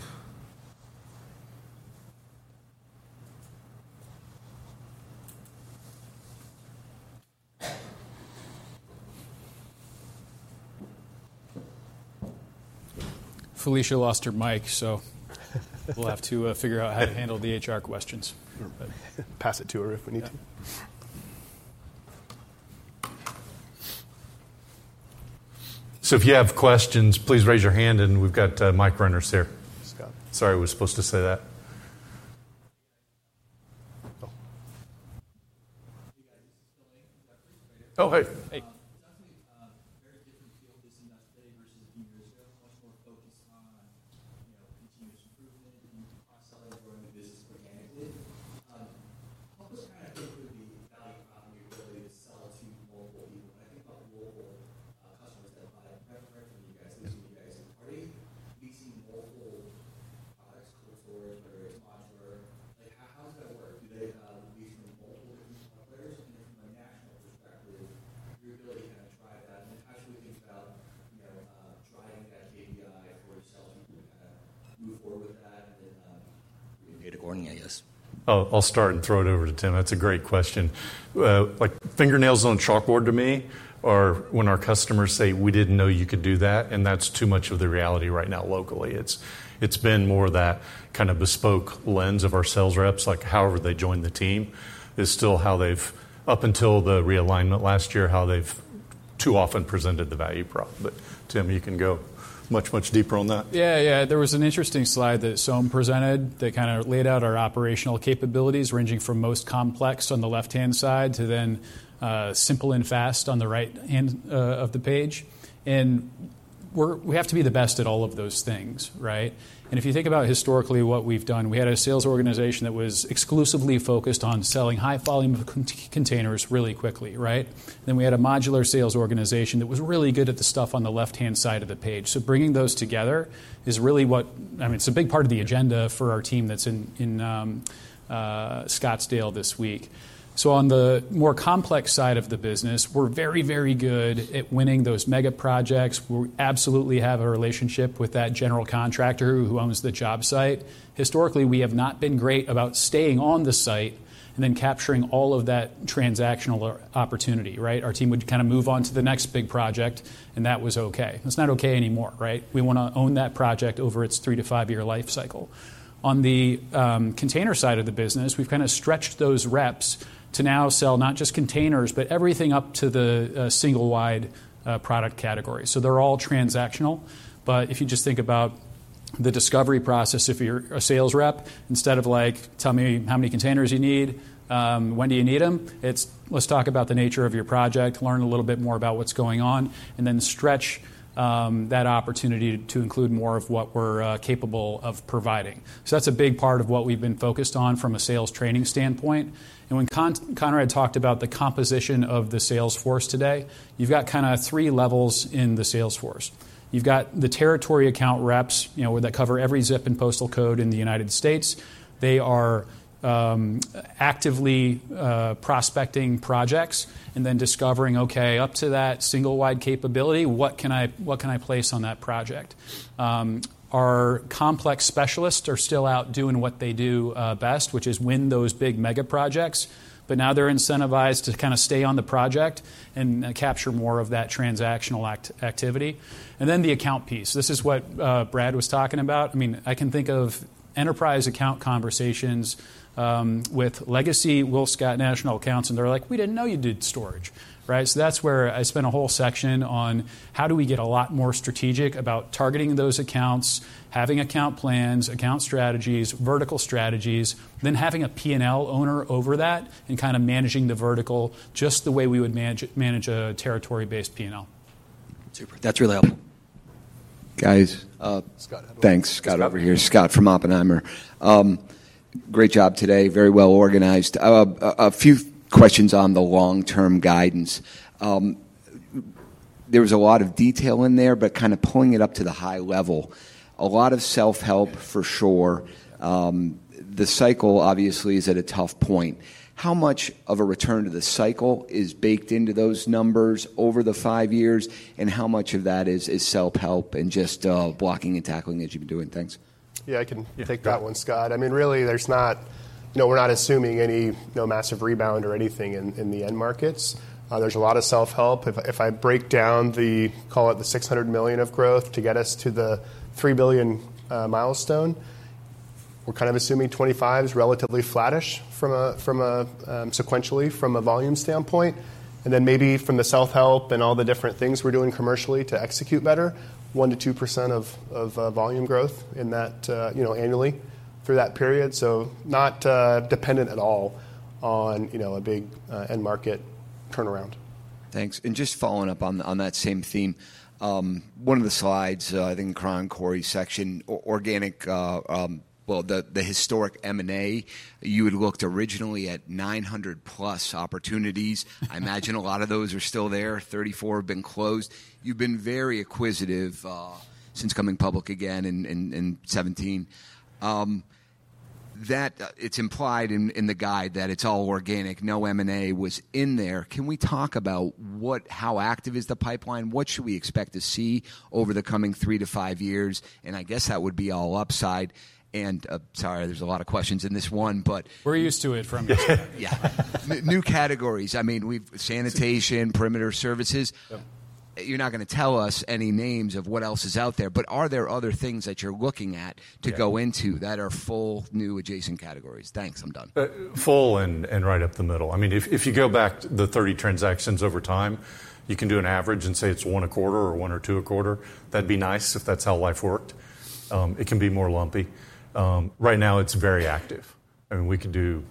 Felicia lost her mic, so we'll have to figure out how to handle the HR questions. Pass it to her if we need to. If you have questions, please raise your hand, and we've got mic runners here. Sorry, I was supposed to say that. Hey, guys. This is William A. from Jefferies. Right here. Oh, hey. much, much deeper on that. Yeah, yeah. There was an interesting slide that SoM presented that kind of laid out our operational capabilities, ranging from most complex on the left-hand side to then simple and fast on the right-hand of the page. We have to be the best at all of those things, right? If you think about historically what we've done, we had a sales organization that was exclusively focused on selling high volume of containers really quickly, right? We had a modular sales organization that was really good at the stuff on the left-hand side of the page. Bringing those together is really what, I mean, it's a big part of the agenda for our team that's in Scottsdale this week. On the more complex side of the business, we're very, very good at winning those mega projects. We absolutely have a relationship with that general contractor who owns the job site. Historically, we have not been great about staying on the site and then capturing all of that transactional opportunity, right? Our team would kind of move on to the next big project, and that was okay. That's not okay anymore, right? We want to own that project over its three to five-year life cycle. On the container side of the business, we've kind of stretched those reps to now sell not just containers, but everything up to the single-wide product category. So they're all transactional. If you just think about the discovery process, if you're a sales rep, instead of like, "Tell me how many containers you need, when do you need them," it's, "Let's talk about the nature of your project, learn a little bit more about what's going on," and then stretch that opportunity to include more of what we're capable of providing. That's a big part of what we've been focused on from a sales training standpoint. When Conrad talked about the composition of the Salesforce today, you've got kind of three levels in the Salesforce. You've got the territory account reps that cover every ZIP and postal code in the United States. They are actively prospecting projects and then discovering, "Okay, up to that single-wide capability, what can I place on that project?" Our complex specialists are still out doing what they do best, which is win those big mega projects, but now they're incentivized to kind of stay on the project and capture more of that transactional activity. The account piece. This is what Brad was talking about. I mean, I can think of enterprise account conversations with legacy WillScot National Accounts, and they're like, "We didn't know you did storage," right? That is where I spent a whole section on how do we get a lot more strategic about targeting those accounts, having account plans, account strategies, vertical strategies, then having a P&L owner over that and kind of managing the vertical just the way we would manage a territory-based P&L. Super. That's really helpful. Guys. Scott, how about you? Thanks. Scott over here. Scott from Oppenheimer. Great job today. Very well organized. A few questions on the long-term guidance. There was a lot of detail in there, but kind of pulling it up to the high level. A lot of self-help for sure. The cycle obviously is at a tough point. How much of a return to the cycle is baked into those numbers over the five years, and how much of that is self-help and just blocking and tackling as you've been doing? Thanks. Yeah, I can take that one, Scott. I mean, really, we're not assuming any massive rebound or anything in the end markets. There's a lot of self-help. If I break down the, call it the $600 million of growth to get us to the $3 billion milestone, we're kind of assuming 2025 is relatively flattish sequentially from a volume standpoint. Maybe from the self-help and all the different things we're doing commercially to execute better, 1%-2% of volume growth annually through that period. Not dependent at all on a big end market turnaround. Thanks. Just following up on that same theme, one of the slides, I think in the Coron and Corey section, organic, well, the historic M&A, you had looked originally at 900+ opportunities. I imagine a lot of those are still there. Thirty-four have been closed. You've been very acquisitive since coming public again in 2017. It's implied in the guide that it's all organic. No M&A was in there. Can we talk about how active is the pipeline? What should we expect to see over the coming three to five years? I guess that would be all upside. Sorry, there's a lot of questions in this one, but. We're used to it. Yeah. New categories. I mean, sanitation, perimeter services. You're not going to tell us any names of what else is out there, but are there other things that you're looking at to go into that are full new adjacent categories? Thanks. I'm done. Full and right up the middle. I mean, if you go back to the 30 transactions over time, you can do an average and say it's one a quarter or one or two a quarter. That'd be nice if that's how life worked. It can be more lumpy. Right now, it's very active. I mean, we can do,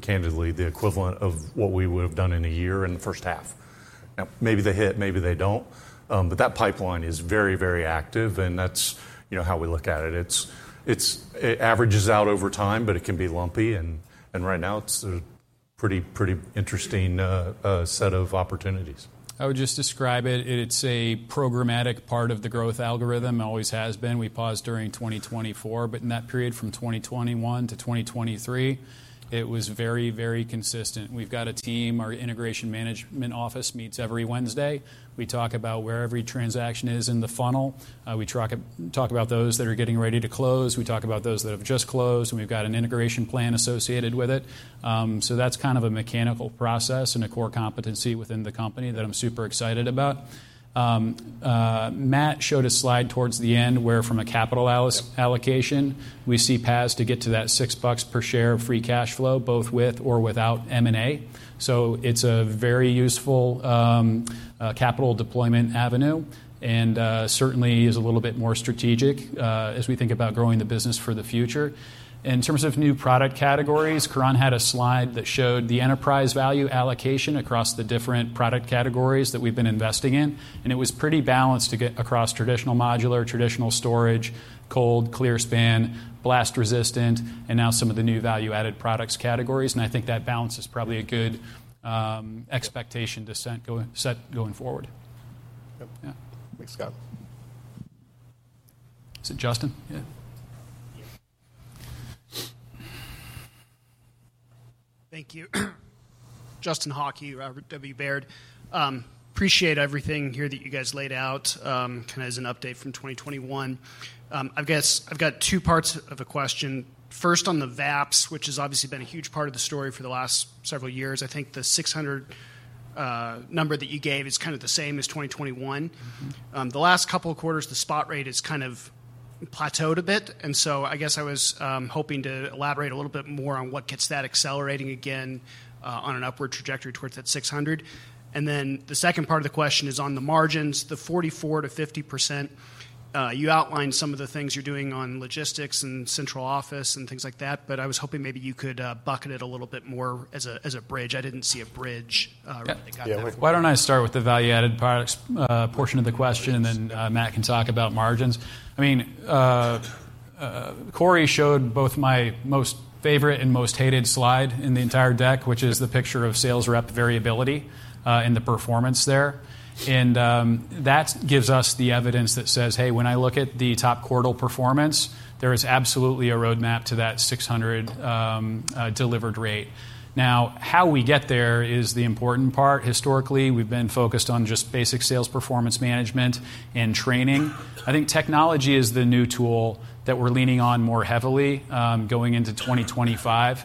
candidly, the equivalent of what we would have done in a year in the first half. Now, maybe they hit, maybe they don't. That pipeline is very, very active, and that's how we look at it. It averages out over time, but it can be lumpy. Right now, it's a pretty interesting set of opportunities. I would just describe it. It's a programmatic part of the growth algorithm, always has been. We paused during 2024, but in that period from 2021-2023, it was very, very consistent. We've got a team. Our integration management office meets every Wednesday. We talk about where every transaction is in the funnel. We talk about those that are getting ready to close. We talk about those that have just closed, and we've got an integration plan associated with it. That's kind of a mechanical process and a core competency within the company that I'm super excited about. Matt showed a slide towards the end where, from a capital allocation, we see paths to get to that $6 per share of free cash flow, both with or without M&A. It is a very useful capital deployment avenue and certainly is a little bit more strategic as we think about growing the business for the future. In terms of new product categories, Coron had a slide that showed the enterprise value allocation across the different product categories that we have been investing in. It was pretty balanced across traditional modular, traditional storage, cold, clearspan, blast resistant, and now some of the new value-added products categories. I think that balance is probably a good expectation to set going forward. Yep. Thanks, Scott. Is it Justin? Yeah. Thank you. Justin Hawkey, W. Baird. Appreciate everything here that you guys laid out kind of as an update from 2021. I guess I've got two parts of a question. First, on the VAPs, which has obviously been a huge part of the story for the last several years. I think the 600 number that you gave is kind of the same as 2021. The last couple of quarters, the spot rate has kind of plateaued a bit. I guess I was hoping to elaborate a little bit more on what gets that accelerating again on an upward trajectory towards that 600. The second part of the question is on the margins, the 44%-50%. You outlined some of the things you're doing on logistics and central office and things like that, but I was hoping maybe you could bucket it a little bit more as a bridge. I didn't see a bridge that got there. Yeah. Why do not I start with the value-added products portion of the question, and then Matt can talk about margins. I mean, Corey showed both my most favorite and most hated slide in the entire deck, which is the picture of sales rep variability and the performance there. And that gives us the evidence that says, "Hey, when I look at the top quartile performance, there is absolutely a roadmap to that 600 delivered rate." Now, how we get there is the important part. Historically, we have been focused on just basic sales performance management and training. I think technology is the new tool that we are leaning on more heavily going into 2025. It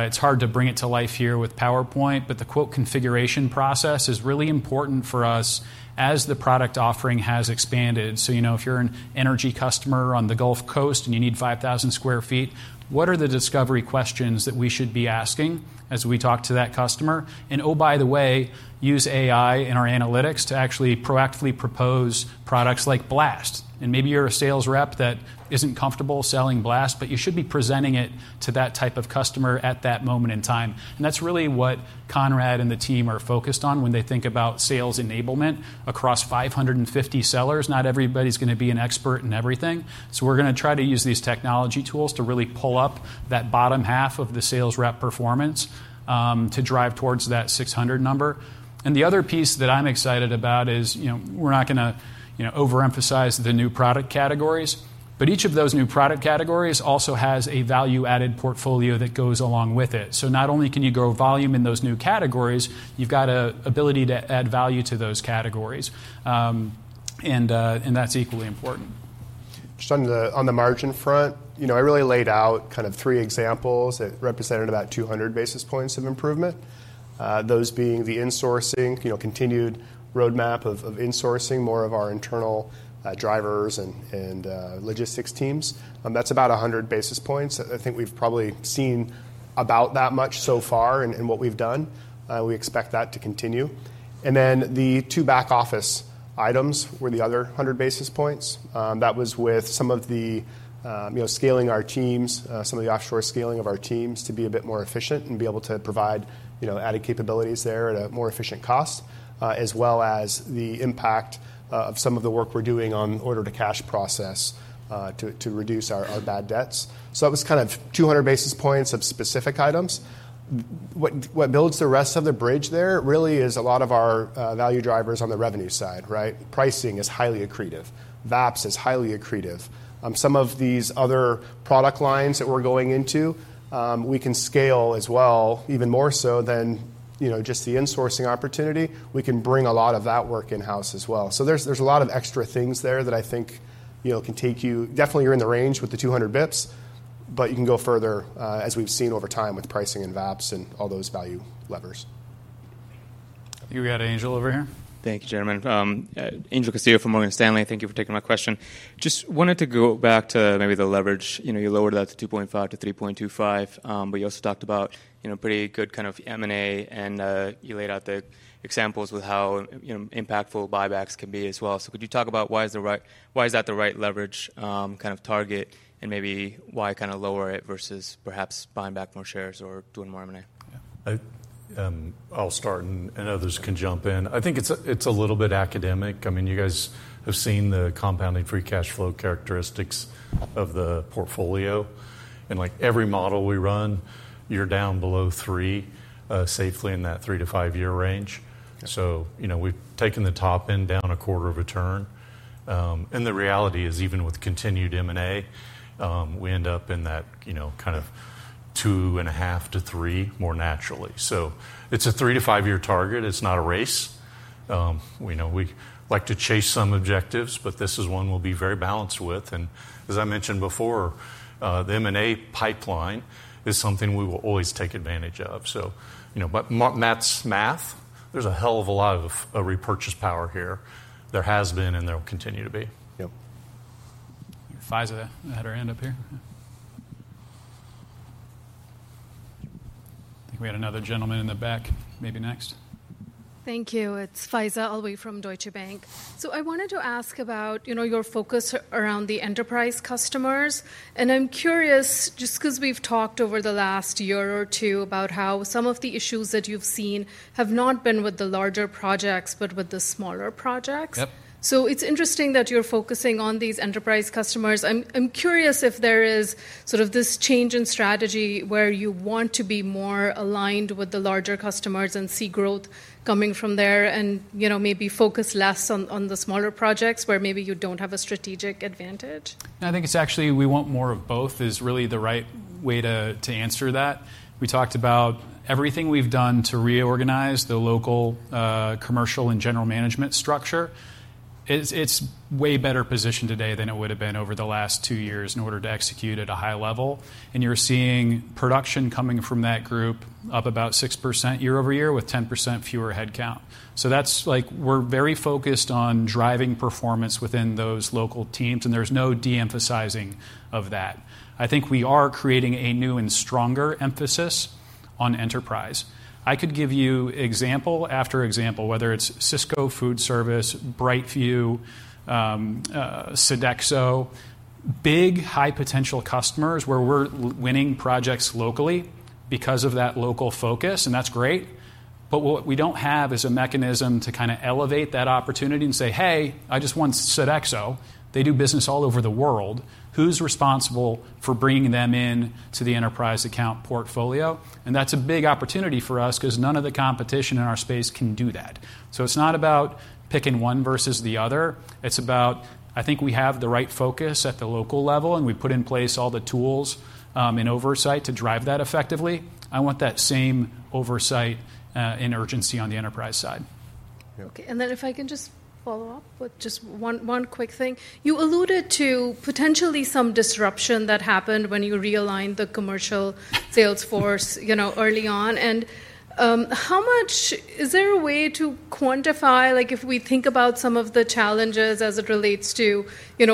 is hard to bring it to life here with PowerPoint, but the quote configuration process is really important for us as the product offering has expanded. If you're an energy customer on the Gulf Coast and you need 5,000 sq ft, what are the discovery questions that we should be asking as we talk to that customer? Oh, by the way, use AI in our analytics to actually proactively propose products like Blast. Maybe you're a sales rep that isn't comfortable selling Blast, but you should be presenting it to that type of customer at that moment in time. That's really what Conrad and the team are focused on when they think about sales enablement across 550 sellers. Not everybody's going to be an expert in everything. We're going to try to use these technology tools to really pull up that bottom half of the sales rep performance to drive towards that 600 number. The other piece that I'm excited about is we're not going to overemphasize the new product categories, but each of those new product categories also has a value-added portfolio that goes along with it. Not only can you grow volume in those new categories, you've got an ability to add value to those categories. That's equally important. Just on the margin front, I really laid out kind of three examples that represented about 200 basis points of improvement, those being the in-sourcing, continued roadmap of in-sourcing more of our internal drivers and logistics teams. That's about 10 basis points. I think we've probably seen about that much so far in what we've done. We expect that to continue. The two back office items were the other 100 basis points. That was with some of the scaling our teams, some of the offshore scaling of our teams to be a bit more efficient and be able to provide added capabilities there at a more efficient cost, as well as the impact of some of the work we're doing on order to cash process to reduce our bad debts. That was kind of 200 basis points of specific items. What builds the rest of the bridge there really is a lot of our value drivers on the revenue side, right? Pricing is highly accretive. VAPS is highly accretive. Some of these other product lines that we're going into, we can scale as well, even more so than just the in-sourcing opportunity. We can bring a lot of that work in-house as well. There is a lot of extra things there that I think can take you definitely, you're in the range with the 200 basis points, but you can go further as we've seen over time with pricing and VAPS and all those value levers. You got Angel over here. Thank you, gentlemen. Angel Castillo from Morgan Stanley. Thank you for taking my question. Just wanted to go back to maybe the leverage. You lowered that to 2.5-3.25, but you also talked about pretty good kind of M&A, and you laid out the examples with how impactful buybacks can be as well. Could you talk about why is that the right leverage kind of target and maybe why kind of lower it versus perhaps buying back more shares or doing more M&A? I'll start, and others can jump in. I think it's a little bit academic. I mean, you guys have seen the compounding free cash flow characteristics of the portfolio. Like every model we run, you're down below three safely in that three to five-year range. We have taken the top end down a quarter of a turn. The reality is, even with continued M&A, we end up in that kind of two and a half to three more naturally. It is a three to five-year target. It is not a race. We like to chase some objectives, but this is one we will be very balanced with. As I mentioned before, the M&A pipeline is something we will always take advantage of. Matt's math, there is a hell of a lot of repurchase power here. There has been and there will continue to be. Yep. Faiza had her hand up here. I think we had another gentleman in the back, maybe next. Thank you. It's Faiza Alwi from Deutsche Bank. I wanted to ask about your focus around the enterprise customers. I'm curious, just because we've talked over the last year or two about how some of the issues that you've seen have not been with the larger projects, but with the smaller projects. It's interesting that you're focusing on these enterprise customers. I'm curious if there is sort of this change in strategy where you want to be more aligned with the larger customers and see growth coming from there and maybe focus less on the smaller projects where maybe you don't have a strategic advantage. I think it's actually we want more of both is really the right way to answer that. We talked about everything we've done to reorganize the local commercial and general management structure. It's way better positioned today than it would have been over the last two years in order to execute at a high level. You're seeing production coming from that group up about 6% year-over-year with 10% fewer headcount. That's like we're very focused on driving performance within those local teams, and there's no de-emphasizing of that. I think we are creating a new and stronger emphasis on enterprise. I could give you example after example, whether it's Cisco, Food Service, Brightview, Sodexo, big high potential customers where we're winning projects locally because of that local focus, and that's great. What we don't have is a mechanism to kind of elevate that opportunity and say, "Hey, I just want Sodexo. They do business all over the world. Who's responsible for bringing them into the enterprise account portfolio?" That's a big opportunity for us because none of the competition in our space can do that. It's not about picking one versus the other. It's about I think we have the right focus at the local level, and we put in place all the tools in oversight to drive that effectively. I want that same oversight and urgency on the enterprise side. Okay. If I can just follow up with just one quick thing. You alluded to potentially some disruption that happened when you realigned the commercial sales force early on. How much is there a way to quantify if we think about some of the challenges as it relates to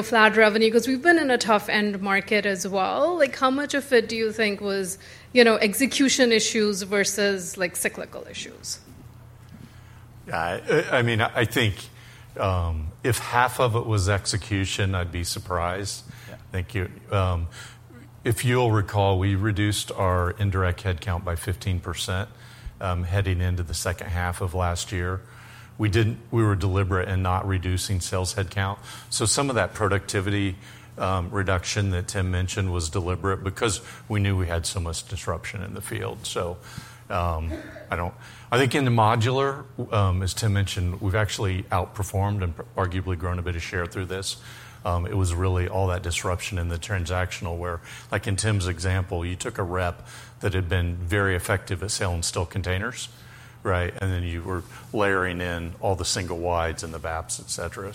flat revenue? Because we've been in a tough end market as well. How much of it do you think was execution issues versus cyclical issues? Yeah. I mean, I think if half of it was execution, I'd be surprised. Thank you. If you'll recall, we reduced our indirect headcount by 15% heading into the second half of last year. We were deliberate in not reducing sales headcount. Some of that productivity reduction that Tim mentioned was deliberate because we knew we had so much disruption in the field. I think in the modular, as Tim mentioned, we've actually outperformed and arguably grown a bit of share through this. It was really all that disruption in the transactional where, like in Tim's example, you took a rep that had been very effective at selling steel containers, right? Then you were layering in all the single wides, and the VAPs, etc.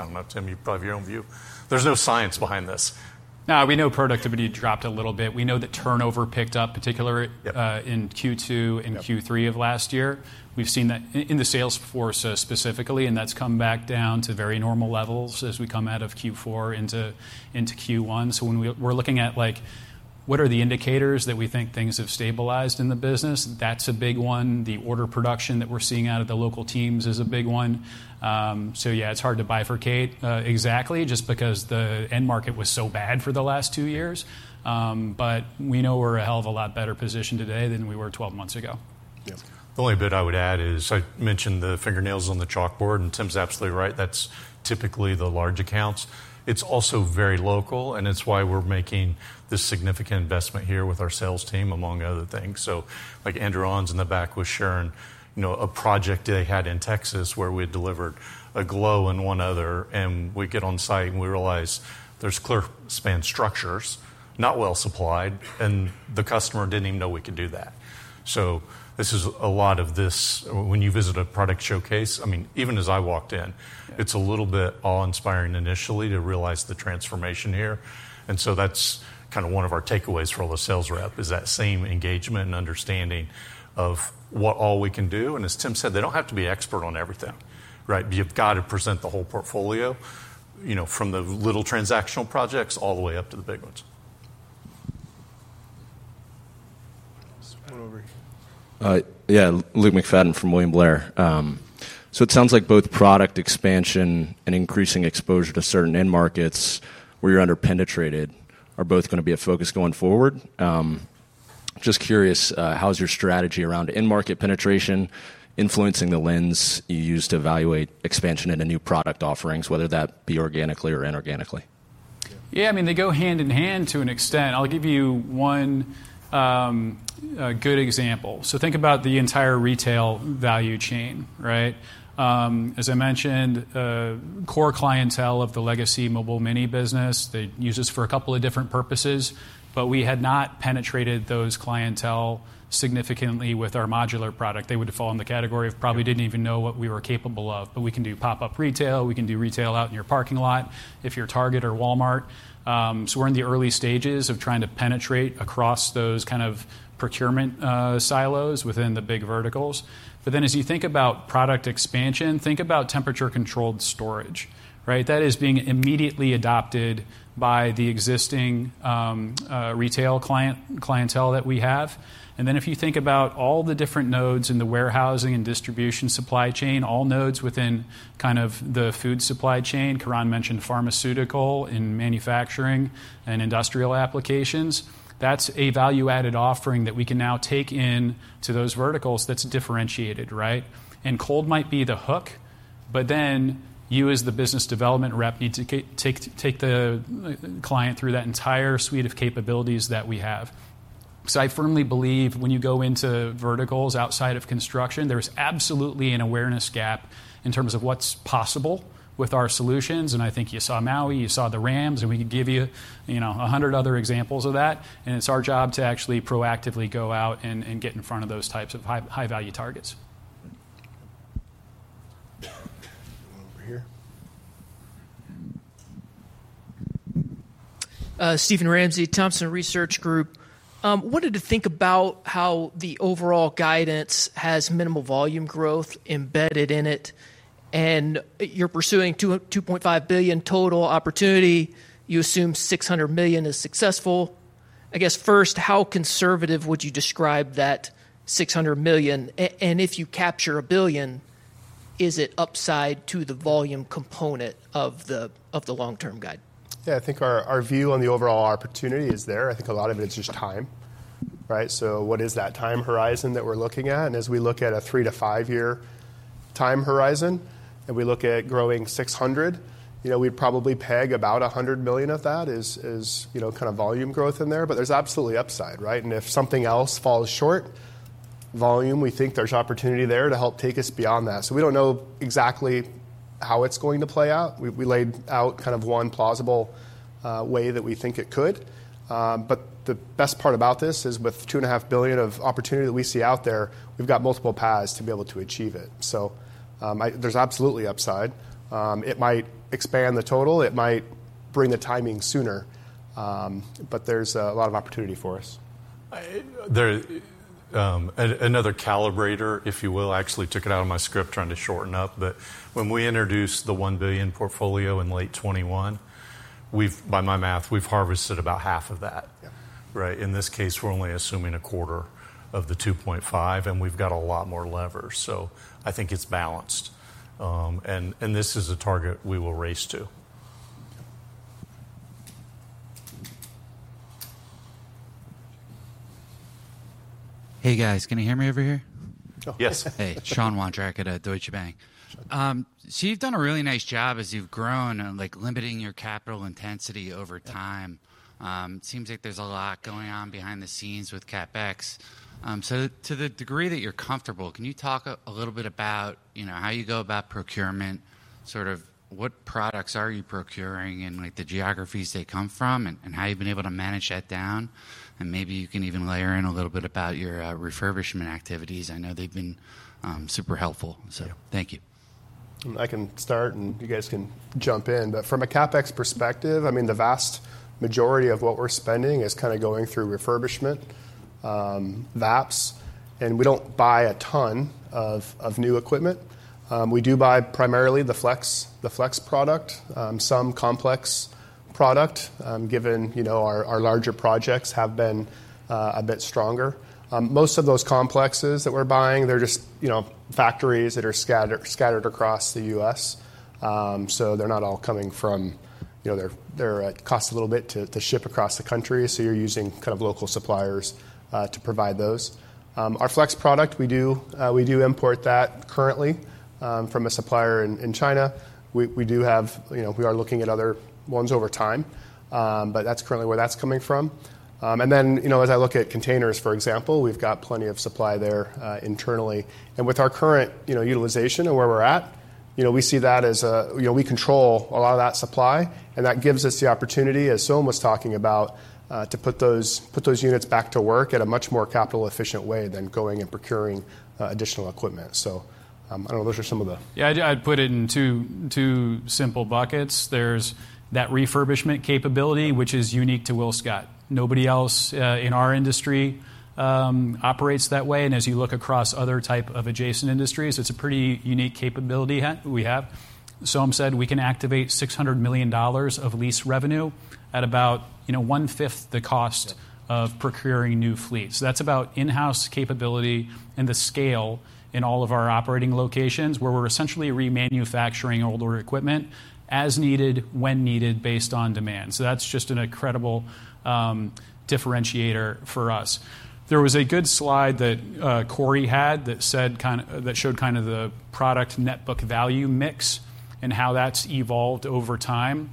I don't know, Tim, you probably have your own view. There's no science behind this. Now, we know productivity dropped a little bit. We know that turnover picked up, particularly in Q2 and Q3 of last year. We've seen that in the sales force specifically, and that's come back down to very normal levels as we come out of Q4 into Q1. When we're looking at what are the indicators that we think things have stabilized in the business, that's a big one. The order production that we're seeing out of the local teams is a big one. Yeah, it's hard to bifurcate exactly just because the end market was so bad for the last two years. We know we're a hell of a lot better position today than we were 12 months ago. Yeah. The only bit I would add is I mentioned the fingernails on the chalkboard, and Tim's absolutely right. That's typically the large accounts. It's also very local, and it's why we're making this significant investment here with our sales team, among other things. Like Andrew in the back with Sherry, a project they had in Texas where we had delivered a glow and one other, and we get on site and we realize there's clearspan structures not well supplied, and the customer didn't even know we could do that. This is a lot of this when you visit a product showcase, I mean, even as I walked in, it's a little bit awe-inspiring initially to realize the transformation here. That's kind of one of our takeaways for the sales rep is that same engagement and understanding of what all we can do. As Tim said, they don't have to be an expert on everything, right? You've got to present the whole portfolio from the little transactional projects all the way up to the big ones. Yeah. Luke McFadden from William Blair. It sounds like both product expansion and increasing exposure to certain end markets where you're under-penetrated are both going to be a focus going forward. Just curious, how's your strategy around end market penetration influencing the lens you use to evaluate expansion into new product offerings, whether that be organically or inorganically? Yeah. I mean, they go hand in hand to an extent. I'll give you one good example. Think about the entire retail value chain, right? As I mentioned, core clientele of the legacy Mobile Mini business, they use us for a couple of different purposes, but we had not penetrated those clientele significantly with our modular product. They would fall in the category of probably did not even know what we were capable of, but we can do pop-up retail. We can do retail out in your parking lot if you're Target or Walmart. We are in the early stages of trying to penetrate across those kind of procurement silos within the big verticals. As you think about product expansion, think about temperature-controlled storage, right? That is being immediately adopted by the existing retail clientele that we have. If you think about all the different nodes in the warehousing and distribution supply chain, all nodes within kind of the food supply chain, Coron mentioned pharmaceutical in manufacturing and industrial applications, that's a value-added offering that we can now take into those verticals that's differentiated, right? Cold might be the hook, but then you as the business development rep need to take the client through that entire suite of capabilities that we have. I firmly believe when you go into verticals outside of construction, there's absolutely an awareness gap in terms of what's possible with our solutions. I think you saw Maui, you saw the Rams, and we could give you 100 other examples of that. It's our job to actually proactively go out and get in front of those types of high-value targets. Wanted to think about how the overall guidance has minimal volume growth embedded in it. You are pursuing $2.5 billion total opportunity. You assume $600 million is successful. I guess first, how conservative would you describe that $600 million? If you capture $1 billion, is it upside to the volume component of the long-term guide? Yeah. I think our view on the overall opportunity is there. I think a lot of it is just time, right? What is that time horizon that we're looking at? As we look at a three to five-year time horizon and we look at growing 600, we'd probably peg about $100 million of that as kind of volume growth in there. There's absolutely upside, right? If something else falls short, volume, we think there's opportunity there to help take us beyond that. We don't know exactly how it's going to play out. We laid out kind of one plausible way that we think it could. The best part about this is with $2.5 billion of opportunity that we see out there, we've got multiple paths to be able to achieve it. There's absolutely upside. It might expand the total. It might bring the timing sooner, but there's a lot of opportunity for us. Another calibrator, if you will, actually took it out of my script trying to shorten up. But when we introduced the $1 billion portfolio in late 2021, by my math, we've harvested about half of that, right? In this case, we're only assuming a quarter of the $2.5 billion, and we've got a lot more levers. I think it's balanced. This is a target we will race to. Hey, guys. Can you hear me over here? Yes. Hey. Sean Wonczak at Deutsche Bank. You have done a really nice job as you have grown and limiting your capital intensity over time. It seems like there is a lot going on behind the scenes with CapEx. To the degree that you are comfortable, can you talk a little bit about how you go about procurement, sort of what products are you procuring and the geographies they come from, and how you have been able to manage that down? Maybe you can even layer in a little bit about your refurbishment activities. I know they have been super helpful. Thank you. I can start, and you guys can jump in. From a CapEx perspective, I mean, the vast majority of what we're spending is kind of going through refurbishment, VAPs. We do not buy a ton of new equipment. We do buy primarily the FLEX product, some complex product, given our larger projects have been a bit stronger. Most of those complexes that we're buying, they're just factories that are scattered across the U.S. They are not all coming from one place, so they cost a little bit to ship across the country. You are using kind of local suppliers to provide those. Our FLEX product, we do import that currently from a supplier in China. We are looking at other ones over time, but that is currently where that is coming from. As I look at containers, for example, we have plenty of supply there internally. With our current utilization and where we're at, we see that as we control a lot of that supply. That gives us the opportunity, as Soam was talking about, to put those units back to work in a much more capital-efficient way than going and procuring additional equipment. I don't know. Those are some of the. Yeah. I'd put it in two simple buckets. There's that refurbishment capability, which is unique to WillScot. Nobody else in our industry operates that way. As you look across other types of adjacent industries, it's a pretty unique capability we have. Soam said we can activate $600 million of lease revenue at about one-fifth the cost of procuring new fleets. That's about in-house capability and the scale in all of our operating locations where we're essentially remanufacturing older equipment as needed, when needed, based on demand. That's just an incredible differentiator for us. There was a good slide that Corey had that showed kind of the product net book value mix and how that's evolved over time.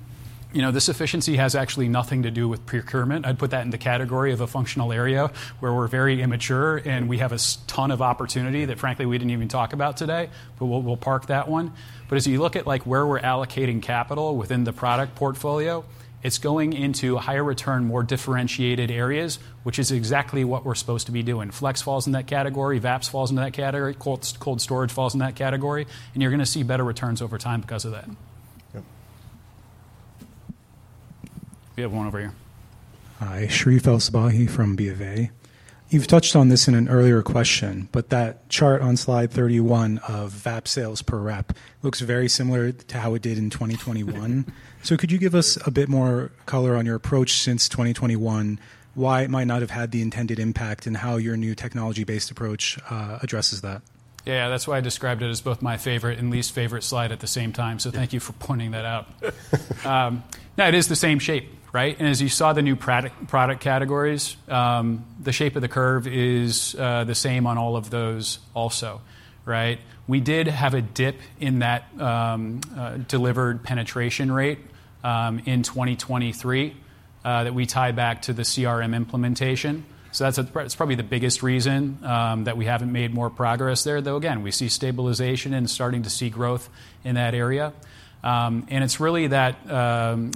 This efficiency has actually nothing to do with procurement. I'd put that in the category of a functional area where we're very immature, and we have a ton of opportunity that, frankly, we didn't even talk about today, but we'll park that one. As you look at where we're allocating capital within the product portfolio, it's going into higher-return, more differentiated areas, which is exactly what we're supposed to be doing. FLEX falls in that category. VAPS falls in that category. Cold storage falls in that category. You're going to see better returns over time because of that. Yeah. We have one over here. Hi. Sharif El-Sabahi from Biave. You've touched on this in an earlier question, but that chart on slide 31 of VAP sales per rep looks very similar to how it did in 2021. Could you give us a bit more color on your approach since 2021, why it might not have had the intended impact, and how your new technology-based approach addresses that? Yeah. That's why I described it as both my favorite and least favorite slide at the same time. Thank you for pointing that out. It is the same shape, right? As you saw the new product categories, the shape of the curve is the same on all of those also, right? We did have a dip in that delivered penetration rate in 2023 that we tie back to the CRM implementation. That's probably the biggest reason that we haven't made more progress there. Though, again, we see stabilization and starting to see growth in that area. It's really that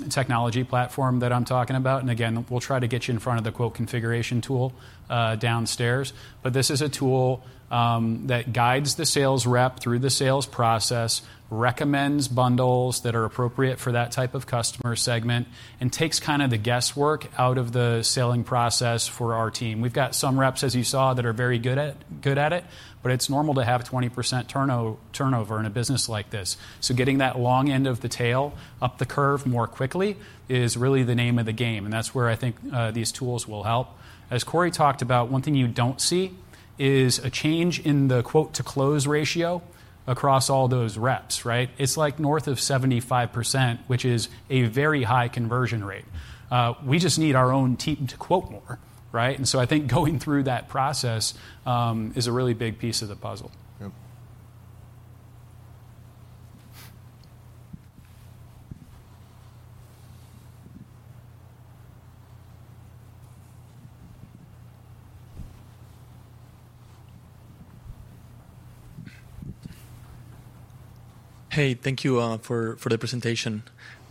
technology platform that I'm talking about. Again, we'll try to get you in front of the quote configuration tool downstairs. This is a tool that guides the sales rep through the sales process, recommends bundles that are appropriate for that type of customer segment, and takes kind of the guesswork out of the selling process for our team. We've got some reps, as you saw, that are very good at it, but it's normal to have 20% turnover in a business like this. Getting that long end of the tail up the curve more quickly is really the name of the game. That's where I think these tools will help. As Corey talked about, one thing you don't see is a change in the quote-to-close ratio across all those reps, right? It's like north of 75%, which is a very high conversion rate. We just need our own team to quote more, right? I think going through that process is a really big piece of the puzzle. Yeah. Hey. Thank you for the presentation.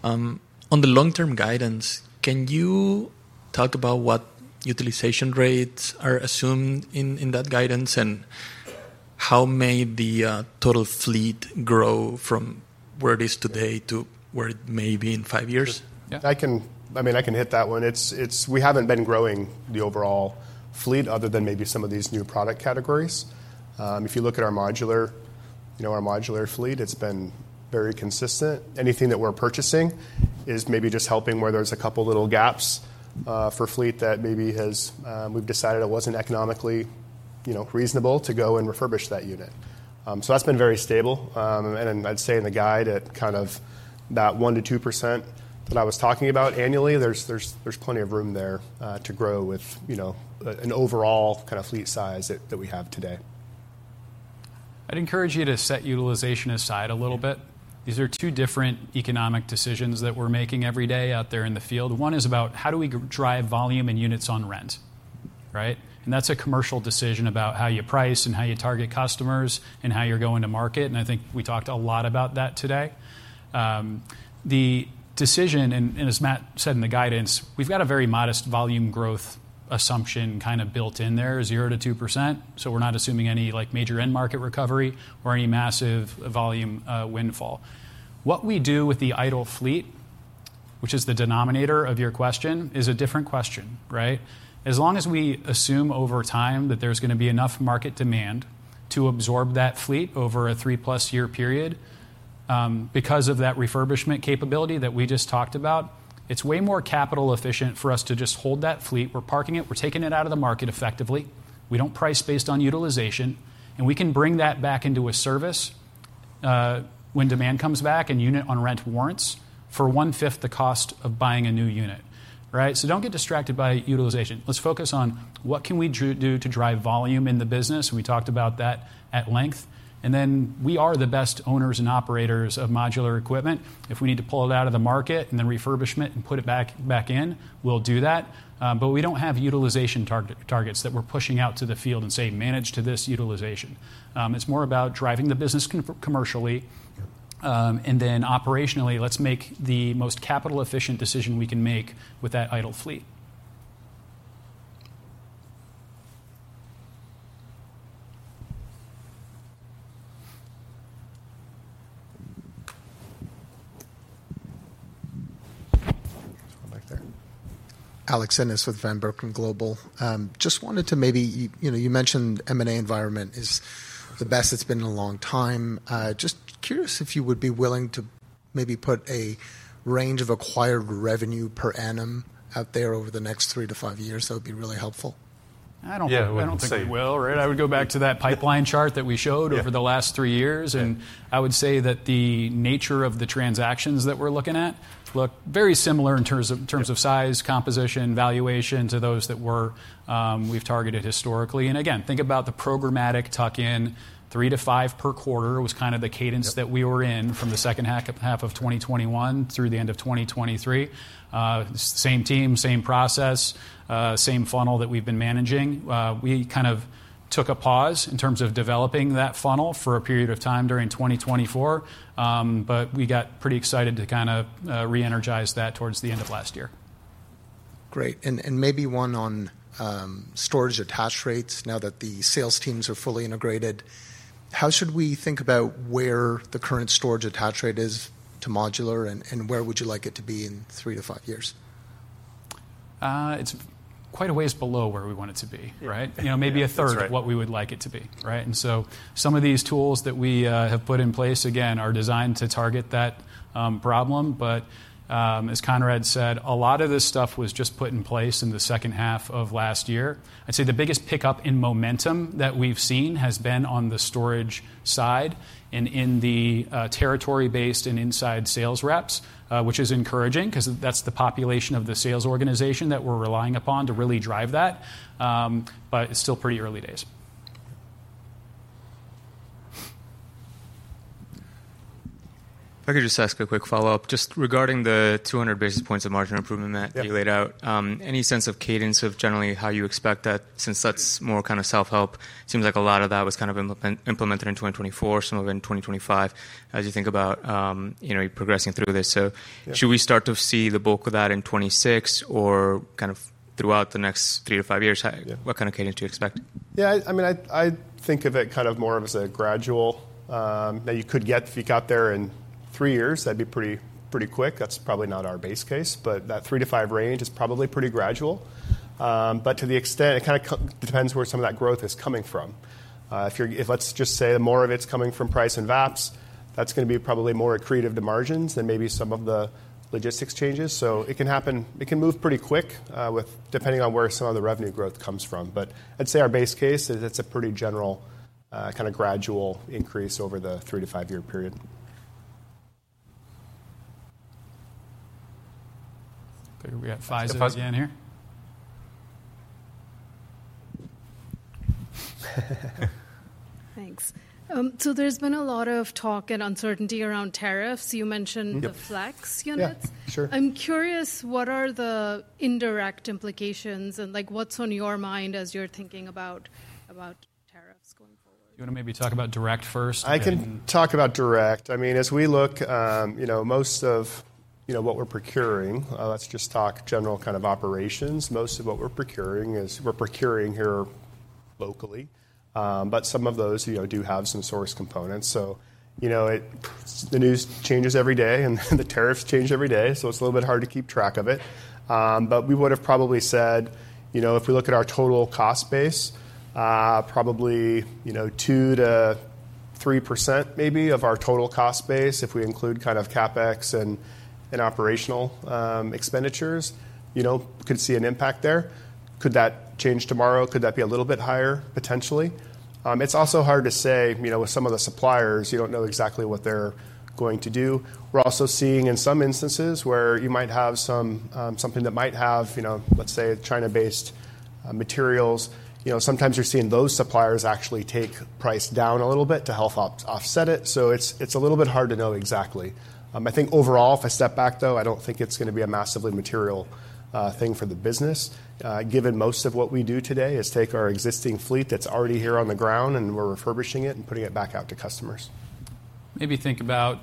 On the long-term guidance, can you talk about what utilization rates are assumed in that guidance and how may the total fleet grow from where it is today to where it may be in five years? Yeah. I mean, I can hit that one. We have not been growing the overall fleet other than maybe some of these new product categories. If you look at our modular fleet, it has been very consistent. Anything that we are purchasing is maybe just helping where there are a couple of little gaps for fleet that maybe we have decided it was not economically reasonable to go and refurbish that unit. That has been very stable. I would say in the guide, kind of that 1%-2% that I was talking about annually, there is plenty of room there to grow with an overall kind of fleet size that we have today. I'd encourage you to set utilization aside a little bit. These are two different economic decisions that we're making every day out there in the field. One is about how do we drive volume and units on rent, right? That is a commercial decision about how you price and how you target customers and how you're going to market. I think we talked a lot about that today. The decision, and as Matt said in the guidance, we've got a very modest volume growth assumption kind of built in there, 0%-2%. We are not assuming any major end-market recovery or any massive volume windfall. What we do with the idle fleet, which is the denominator of your question, is a different question, right? As long as we assume over time that there's going to be enough market demand to absorb that fleet over a three-+-year period, because of that refurbishment capability that we just talked about, it's way more capital-efficient for us to just hold that fleet. We're parking it. We're taking it out of the market effectively. We don't price based on utilization. We can bring that back into a service when demand comes back and unit on rent warrants for one-fifth the cost of buying a new unit, right? Don't get distracted by utilization. Let's focus on what can we do to drive volume in the business. We talked about that at length. We are the best owners and operators of modular equipment. If we need to pull it out of the market and then refurbishment and put it back in, we'll do that. We do not have utilization targets that we are pushing out to the field and say, "Manage to this utilization." It is more about driving the business commercially. Operationally, let's make the most capital-efficient decision we can make with that idle fleet. Alex Ennis with Van Brooken Global. Just wanted to maybe you mentioned M&A environment is the best it's been in a long time. Just curious if you would be willing to maybe put a range of acquired revenue per annum out there over the next three to five years. That would be really helpful. I don't think we will, right? I would go back to that pipeline chart that we showed over the last three years. I would say that the nature of the transactions that we're looking at look very similar in terms of size, composition, valuation to those that we've targeted historically. Again, think about the programmatic tuck-in. Three to five per quarter was kind of the cadence that we were in from the second half of 2021 through the end of 2023. Same team, same process, same funnel that we've been managing. We kind of took a pause in terms of developing that funnel for a period of time during 2024. We got pretty excited to kind of reenergize that towards the end of last year. Great. Maybe one on storage attach rates now that the sales teams are fully integrated. How should we think about where the current storage attach rate is to modular, and where would you like it to be in three to five years? It's quite a ways below where we want it to be, right? Maybe a third of what we would like it to be, right? Some of these tools that we have put in place, again, are designed to target that problem. As Conrad said, a lot of this stuff was just put in place in the second half of last year. I'd say the biggest pickup in momentum that we've seen has been on the storage side and in the territory-based and inside sales reps, which is encouraging because that's the population of the sales organization that we're relying upon to really drive that. It's still pretty early days. If I could just ask a quick follow-up, just regarding the 200 basis points of margin improvement that you laid out, any sense of cadence of generally how you expect that since that's more kind of self-help? It seems like a lot of that was kind of implemented in 2024, some of it in 2025, as you think about progressing through this. Should we start to see the bulk of that in 2026 or kind of throughout the next three to five years? What kind of cadence do you expect? Yeah. I mean, I think of it kind of more as a gradual that you could get if you got there in three years. That'd be pretty quick. That's probably not our base case. That three to five range is probably pretty gradual. To the extent, it kind of depends where some of that growth is coming from. If, let's just say, more of it's coming from price and VAPs, that's going to be probably more accretive to margins than maybe some of the logistics changes. It can happen. It can move pretty quick depending on where some of the revenue growth comes from. I'd say our base case is it's a pretty general kind of gradual increase over the three to five-year period. We got Faiz again here. Thanks. There has been a lot of talk and uncertainty around tariffs. You mentioned the FLEX units. Yeah. Sure. I'm curious, what are the indirect implications and what's on your mind as you're thinking about tariffs going forward? Do you want to maybe talk about direct first? I can talk about direct. I mean, as we look, most of what we're procuring, let's just talk general kind of operations. Most of what we're procuring is we're procuring here locally. Some of those do have some source components. The news changes every day, and the tariffs change every day. It's a little bit hard to keep track of it. We would have probably said, if we look at our total cost base, probably 2%-3% maybe of our total cost base, if we include kind of CapEx and operational expenditures, could see an impact there. Could that change tomorrow? Could that be a little bit higher, potentially? It's also hard to say. With some of the suppliers, you don't know exactly what they're going to do. We're also seeing in some instances where you might have something that might have, let's say, China-based materials. Sometimes you're seeing those suppliers actually take price down a little bit to help offset it. It's a little bit hard to know exactly. I think overall, if I step back, though, I don't think it's going to be a massively material thing for the business, given most of what we do today is take our existing fleet that's already here on the ground, and we're refurbishing it and putting it back out to customers. Maybe think about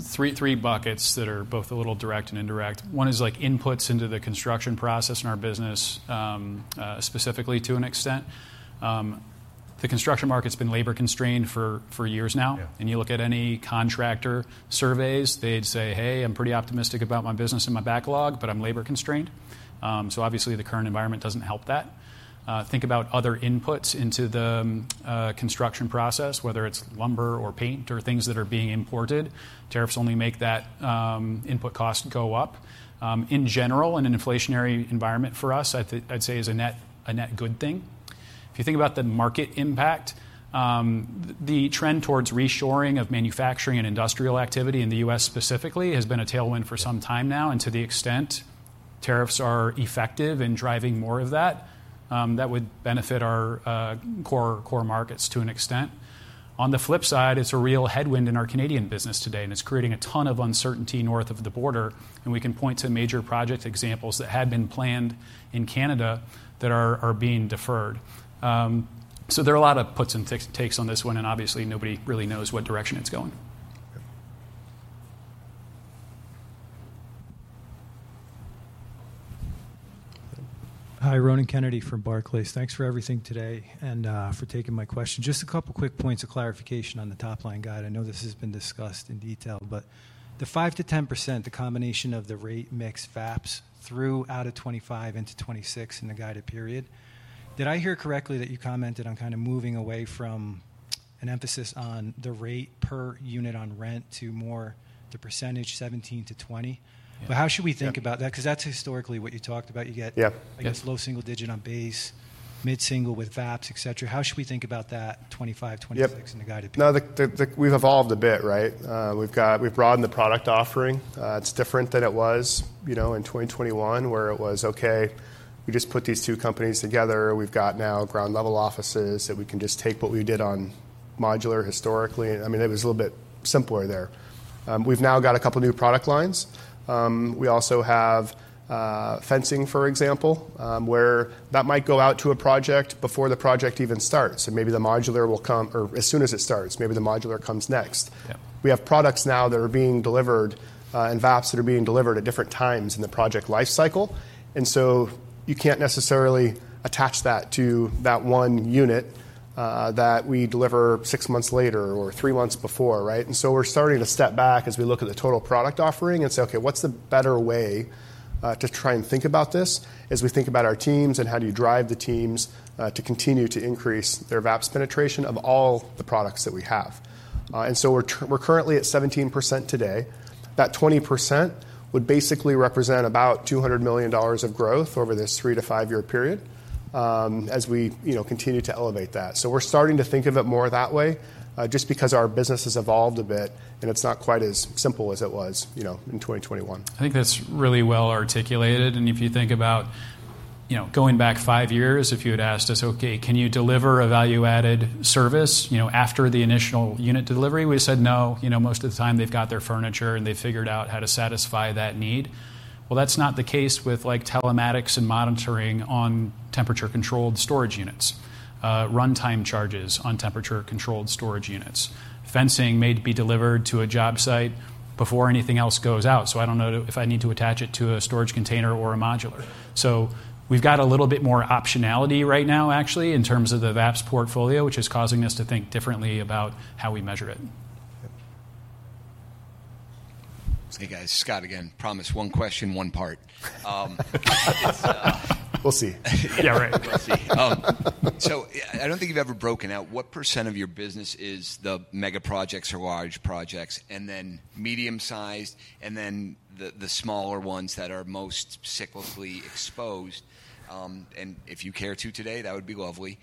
three buckets that are both a little direct and indirect. One is inputs into the construction process in our business, specifically to an extent. The construction market's been labor-constrained for years now. You look at any contractor surveys, they'd say, "Hey, I'm pretty optimistic about my business and my backlog, but I'm labor-constrained." Obviously, the current environment doesn't help that. Think about other inputs into the construction process, whether it's lumber or paint or things that are being imported. Tariffs only make that input cost go up. In general, in an inflationary environment for us, I'd say is a net good thing. If you think about the market impact, the trend towards reshoring of manufacturing and industrial activity in the U.S. specifically has been a tailwind for some time now. To the extent tariffs are effective in driving more of that, that would benefit our core markets to an extent. On the flip side, it's a real headwind in our Canadian business today. It's creating a ton of uncertainty north of the border. We can point to major project examples that had been planned in Canada that are being deferred. There are a lot of puts and takes on this one. Obviously, nobody really knows what direction it's going. Hi, Ronan Kennedy from Barclays. Thanks for everything today and for taking my question. Just a couple of quick points of clarification on the top line guide. I know this has been discussed in detail, but the 5%-10%, the combination of the rate mix VAPS through out of 2025 into 2026 in the guided period, did I hear correctly that you commented on kind of moving away from an emphasis on the rate per unit on rent to more the percentage 17%-20%? How should we think about that? Because that's historically what you talked about. You get, I guess, low single digit on base, mid-single with VAPS, et cetera. How should we think about that 2025, 2026 in the guided period? Yeah. No, we've evolved a bit, right? We've broadened the product offering. It's different than it was in 2021, where it was, "Okay, we just put these two companies together. We've got now ground-level offices that we can just take what we did on modular historically." I mean, it was a little bit simpler there. We've now got a couple of new product lines. We also have fencing, for example, where that might go out to a project before the project even starts. Maybe the modular will come or as soon as it starts, maybe the modular comes next. We have products now that are being delivered and VAPs that are being delivered at different times in the project lifecycle. You can't necessarily attach that to that one unit that we deliver six months later or three months before, right? We are starting to step back as we look at the total product offering and say, "Okay, what's the better way to try and think about this as we think about our teams and how do you drive the teams to continue to increase their VAPS penetration of all the products that we have?" We are currently at 17% today. That 20% would basically represent about $200 million of growth over this three to five-year period as we continue to elevate that. We are starting to think of it more that way just because our business has evolved a bit, and it is not quite as simple as it was in 2021. I think that's really well articulated. And if you think about going back five years, if you had asked us, "Okay, can you deliver a value-added service after the initial unit delivery?" We said, "No, most of the time they've got their furniture, and they've figured out how to satisfy that need." That is not the case with telematics and monitoring on temperature-controlled storage units, runtime charges on temperature-controlled storage units. Fencing may be delivered to a job site before anything else goes out. I do not know if I need to attach it to a storage container or a modular. We have got a little bit more optionality right now, actually, in terms of the VAPS portfolio, which is causing us to think differently about how we measure it. Hey, guys. Scott again. Promise one question, one part. We'll see. Yeah, right. We'll see. I don't think you've ever broken out what percent of your business is the mega projects or large projects, and then medium-sized, and then the smaller ones that are most cyclically exposed. If you care to today, that would be lovely.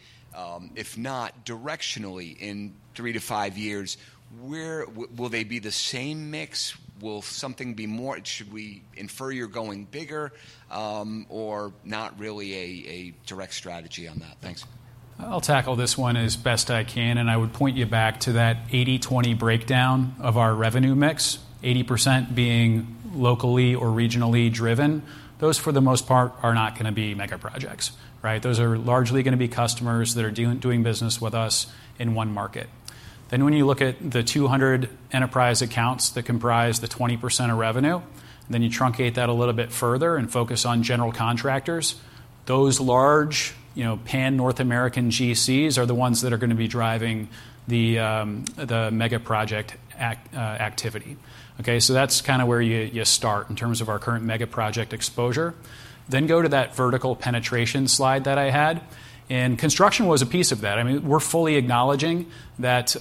If not, directionally in three to five years, will they be the same mix? Will something be more? Should we infer you're going bigger or not really a direct strategy on that? Thanks. I'll tackle this one as best I can. I would point you back to that 80/20 breakdown of our revenue mix, 80% being locally or regionally driven. Those, for the most part, are not going to be mega projects, right? Those are largely going to be customers that are doing business with us in one market. When you look at the 200 enterprise accounts that comprise the 20% of revenue, you truncate that a little bit further and focus on general contractors. Those large pan-North American GCs are the ones that are going to be driving the mega project activity. Okay? That is kind of where you start in terms of our current mega project exposure. Go to that vertical penetration slide that I had. Construction was a piece of that. I mean, we're fully acknowledging that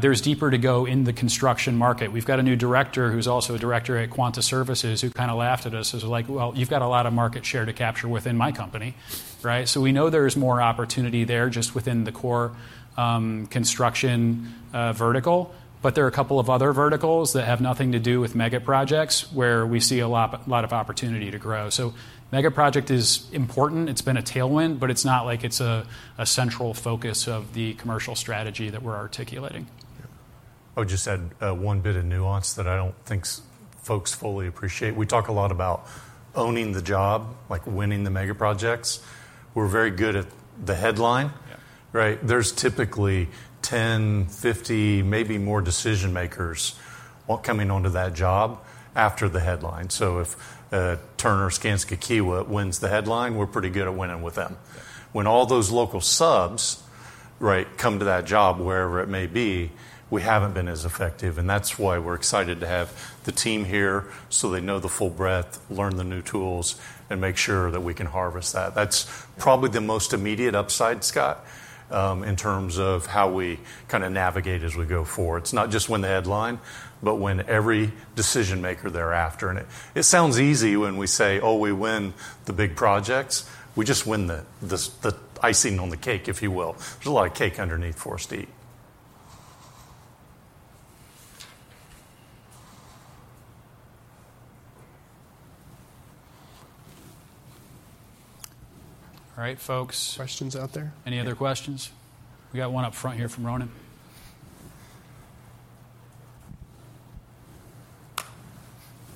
there's deeper to go in the construction market. We've got a new director who's also a director at Quanta Services who kind of laughed at us. He was like, "Well, you've got a lot of market share to capture within my company," right? We know there's more opportunity there just within the core construction vertical. There are a couple of other verticals that have nothing to do with mega projects where we see a lot of opportunity to grow. Mega project is important. It's been a tailwind, but it's not like it's a central focus of the commercial strategy that we're articulating. I would just add one bit of nuance that I do not think folks fully appreciate. We talk a lot about owning the job, like winning the mega projects. We are very good at the headline, right? There are typically 10, 50, maybe more decision-makers coming onto that job after the headline. If Turner or Skanska wins the headline, we are pretty good at winning with them. When all those local subs, right, come to that job, wherever it may be, we have not been as effective. That is why we are excited to have the team here so they know the full breadth, learn the new tools, and make sure that we can harvest that. That is probably the most immediate upside, Scott, in terms of how we kind of navigate as we go forward. It is not just win the headline, but win every decision-maker thereafter. It sounds easy when we say, "Oh, we win the big projects." We just win the icing on the cake, if you will. There's a lot of cake underneath for us to eat. All right, folks. Questions out there? Any other questions? We got one up front here from Ronan.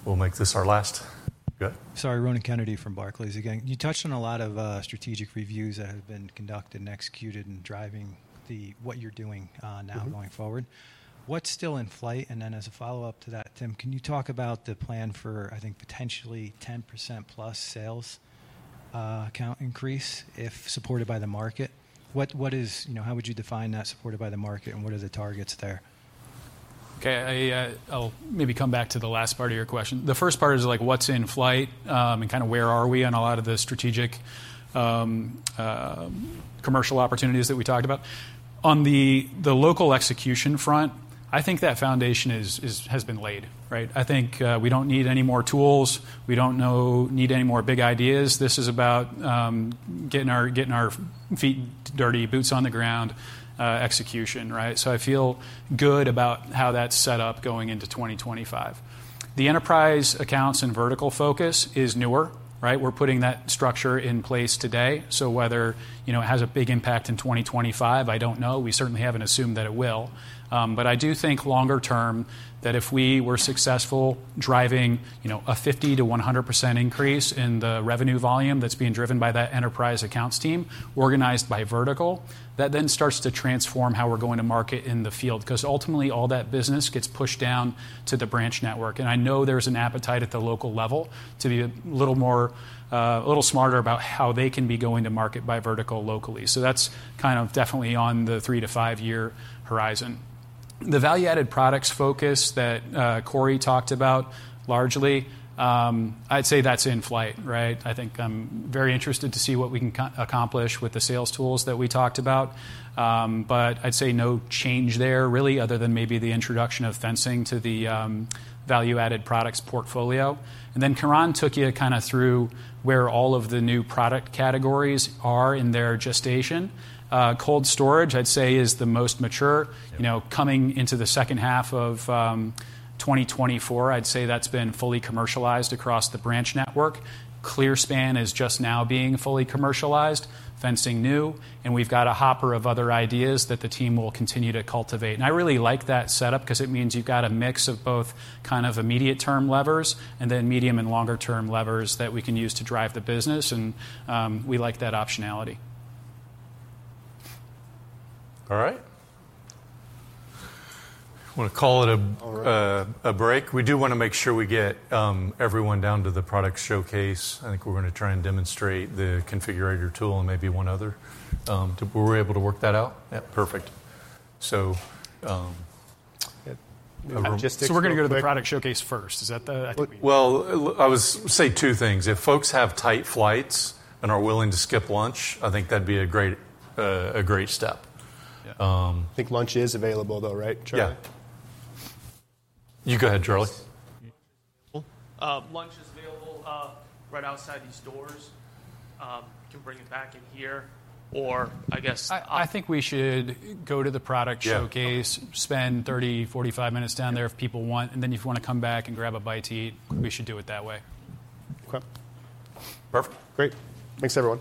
We'll make this our last. Go ahead. Sorry, Ronan Kennedy from Barclays again. You touched on a lot of strategic reviews that have been conducted and executed and driving what you're doing now going forward. What's still in flight? As a follow-up to that, Tim, can you talk about the plan for, I think, potentially 10%+ sales account increase if supported by the market? How would you define that supported by the market, and what are the targets there? Okay. I'll maybe come back to the last part of your question. The first part is like what's in flight and kind of where are we on a lot of the strategic commercial opportunities that we talked about. On the local execution front, I think that foundation has been laid, right? I think we don't need any more tools. We don't need any more big ideas. This is about getting our feet dirty, boots on the ground execution, right? I feel good about how that's set up going into 2025. The enterprise accounts and vertical focus is newer, right? We're putting that structure in place today. Whether it has a big impact in 2025, I don't know. We certainly haven't assumed that it will. I do think longer term that if we were successful driving a 50%-100% increase in the revenue volume that's being driven by that enterprise accounts team organized by vertical, that then starts to transform how we're going to market in the field because ultimately all that business gets pushed down to the branch network. I know there's an appetite at the local level to be a little smarter about how they can be going to market by vertical locally. That's kind of definitely on the three to five-year horizon. The value-added products focus that Corey talked about largely, I'd say that's in flight, right? I think I'm very interested to see what we can accomplish with the sales tools that we talked about. I'd say no change there really other than maybe the introduction of fencing to the value-added products portfolio. Coron took you kind of through where all of the new product categories are in their gestation. Cold storage, I'd say, is the most mature. Coming into the second half of 2024, I'd say that's been fully commercialized across the branch network. ClearSpan is just now being fully commercialized, fencing new. We have a hopper of other ideas that the team will continue to cultivate. I really like that setup because it means you have a mix of both kind of immediate-term levers and then medium and longer-term levers that we can use to drive the business. We like that optionality. All right. Want to call it a break? We do want to make sure we get everyone down to the product showcase. I think we're going to try and demonstrate the configurator tool and maybe one other. Were we able to work that out? Yeah. Perfect. We are going to go to the product showcase first. Is that the... I would say two things. If folks have tight flights and are willing to skip lunch, I think that would be a great step. I think lunch is available though, right, Charlie? You go ahead, Charlie. Lunch is available right outside these doors. You can bring it back in here or I guess... I think we should go to the product showcase, spend 30 minutes-45 minutes down there if people want. If you want to come back and grab a bite to eat, we should do it that way. Okay. Perfect. Great. Thanks, everyone.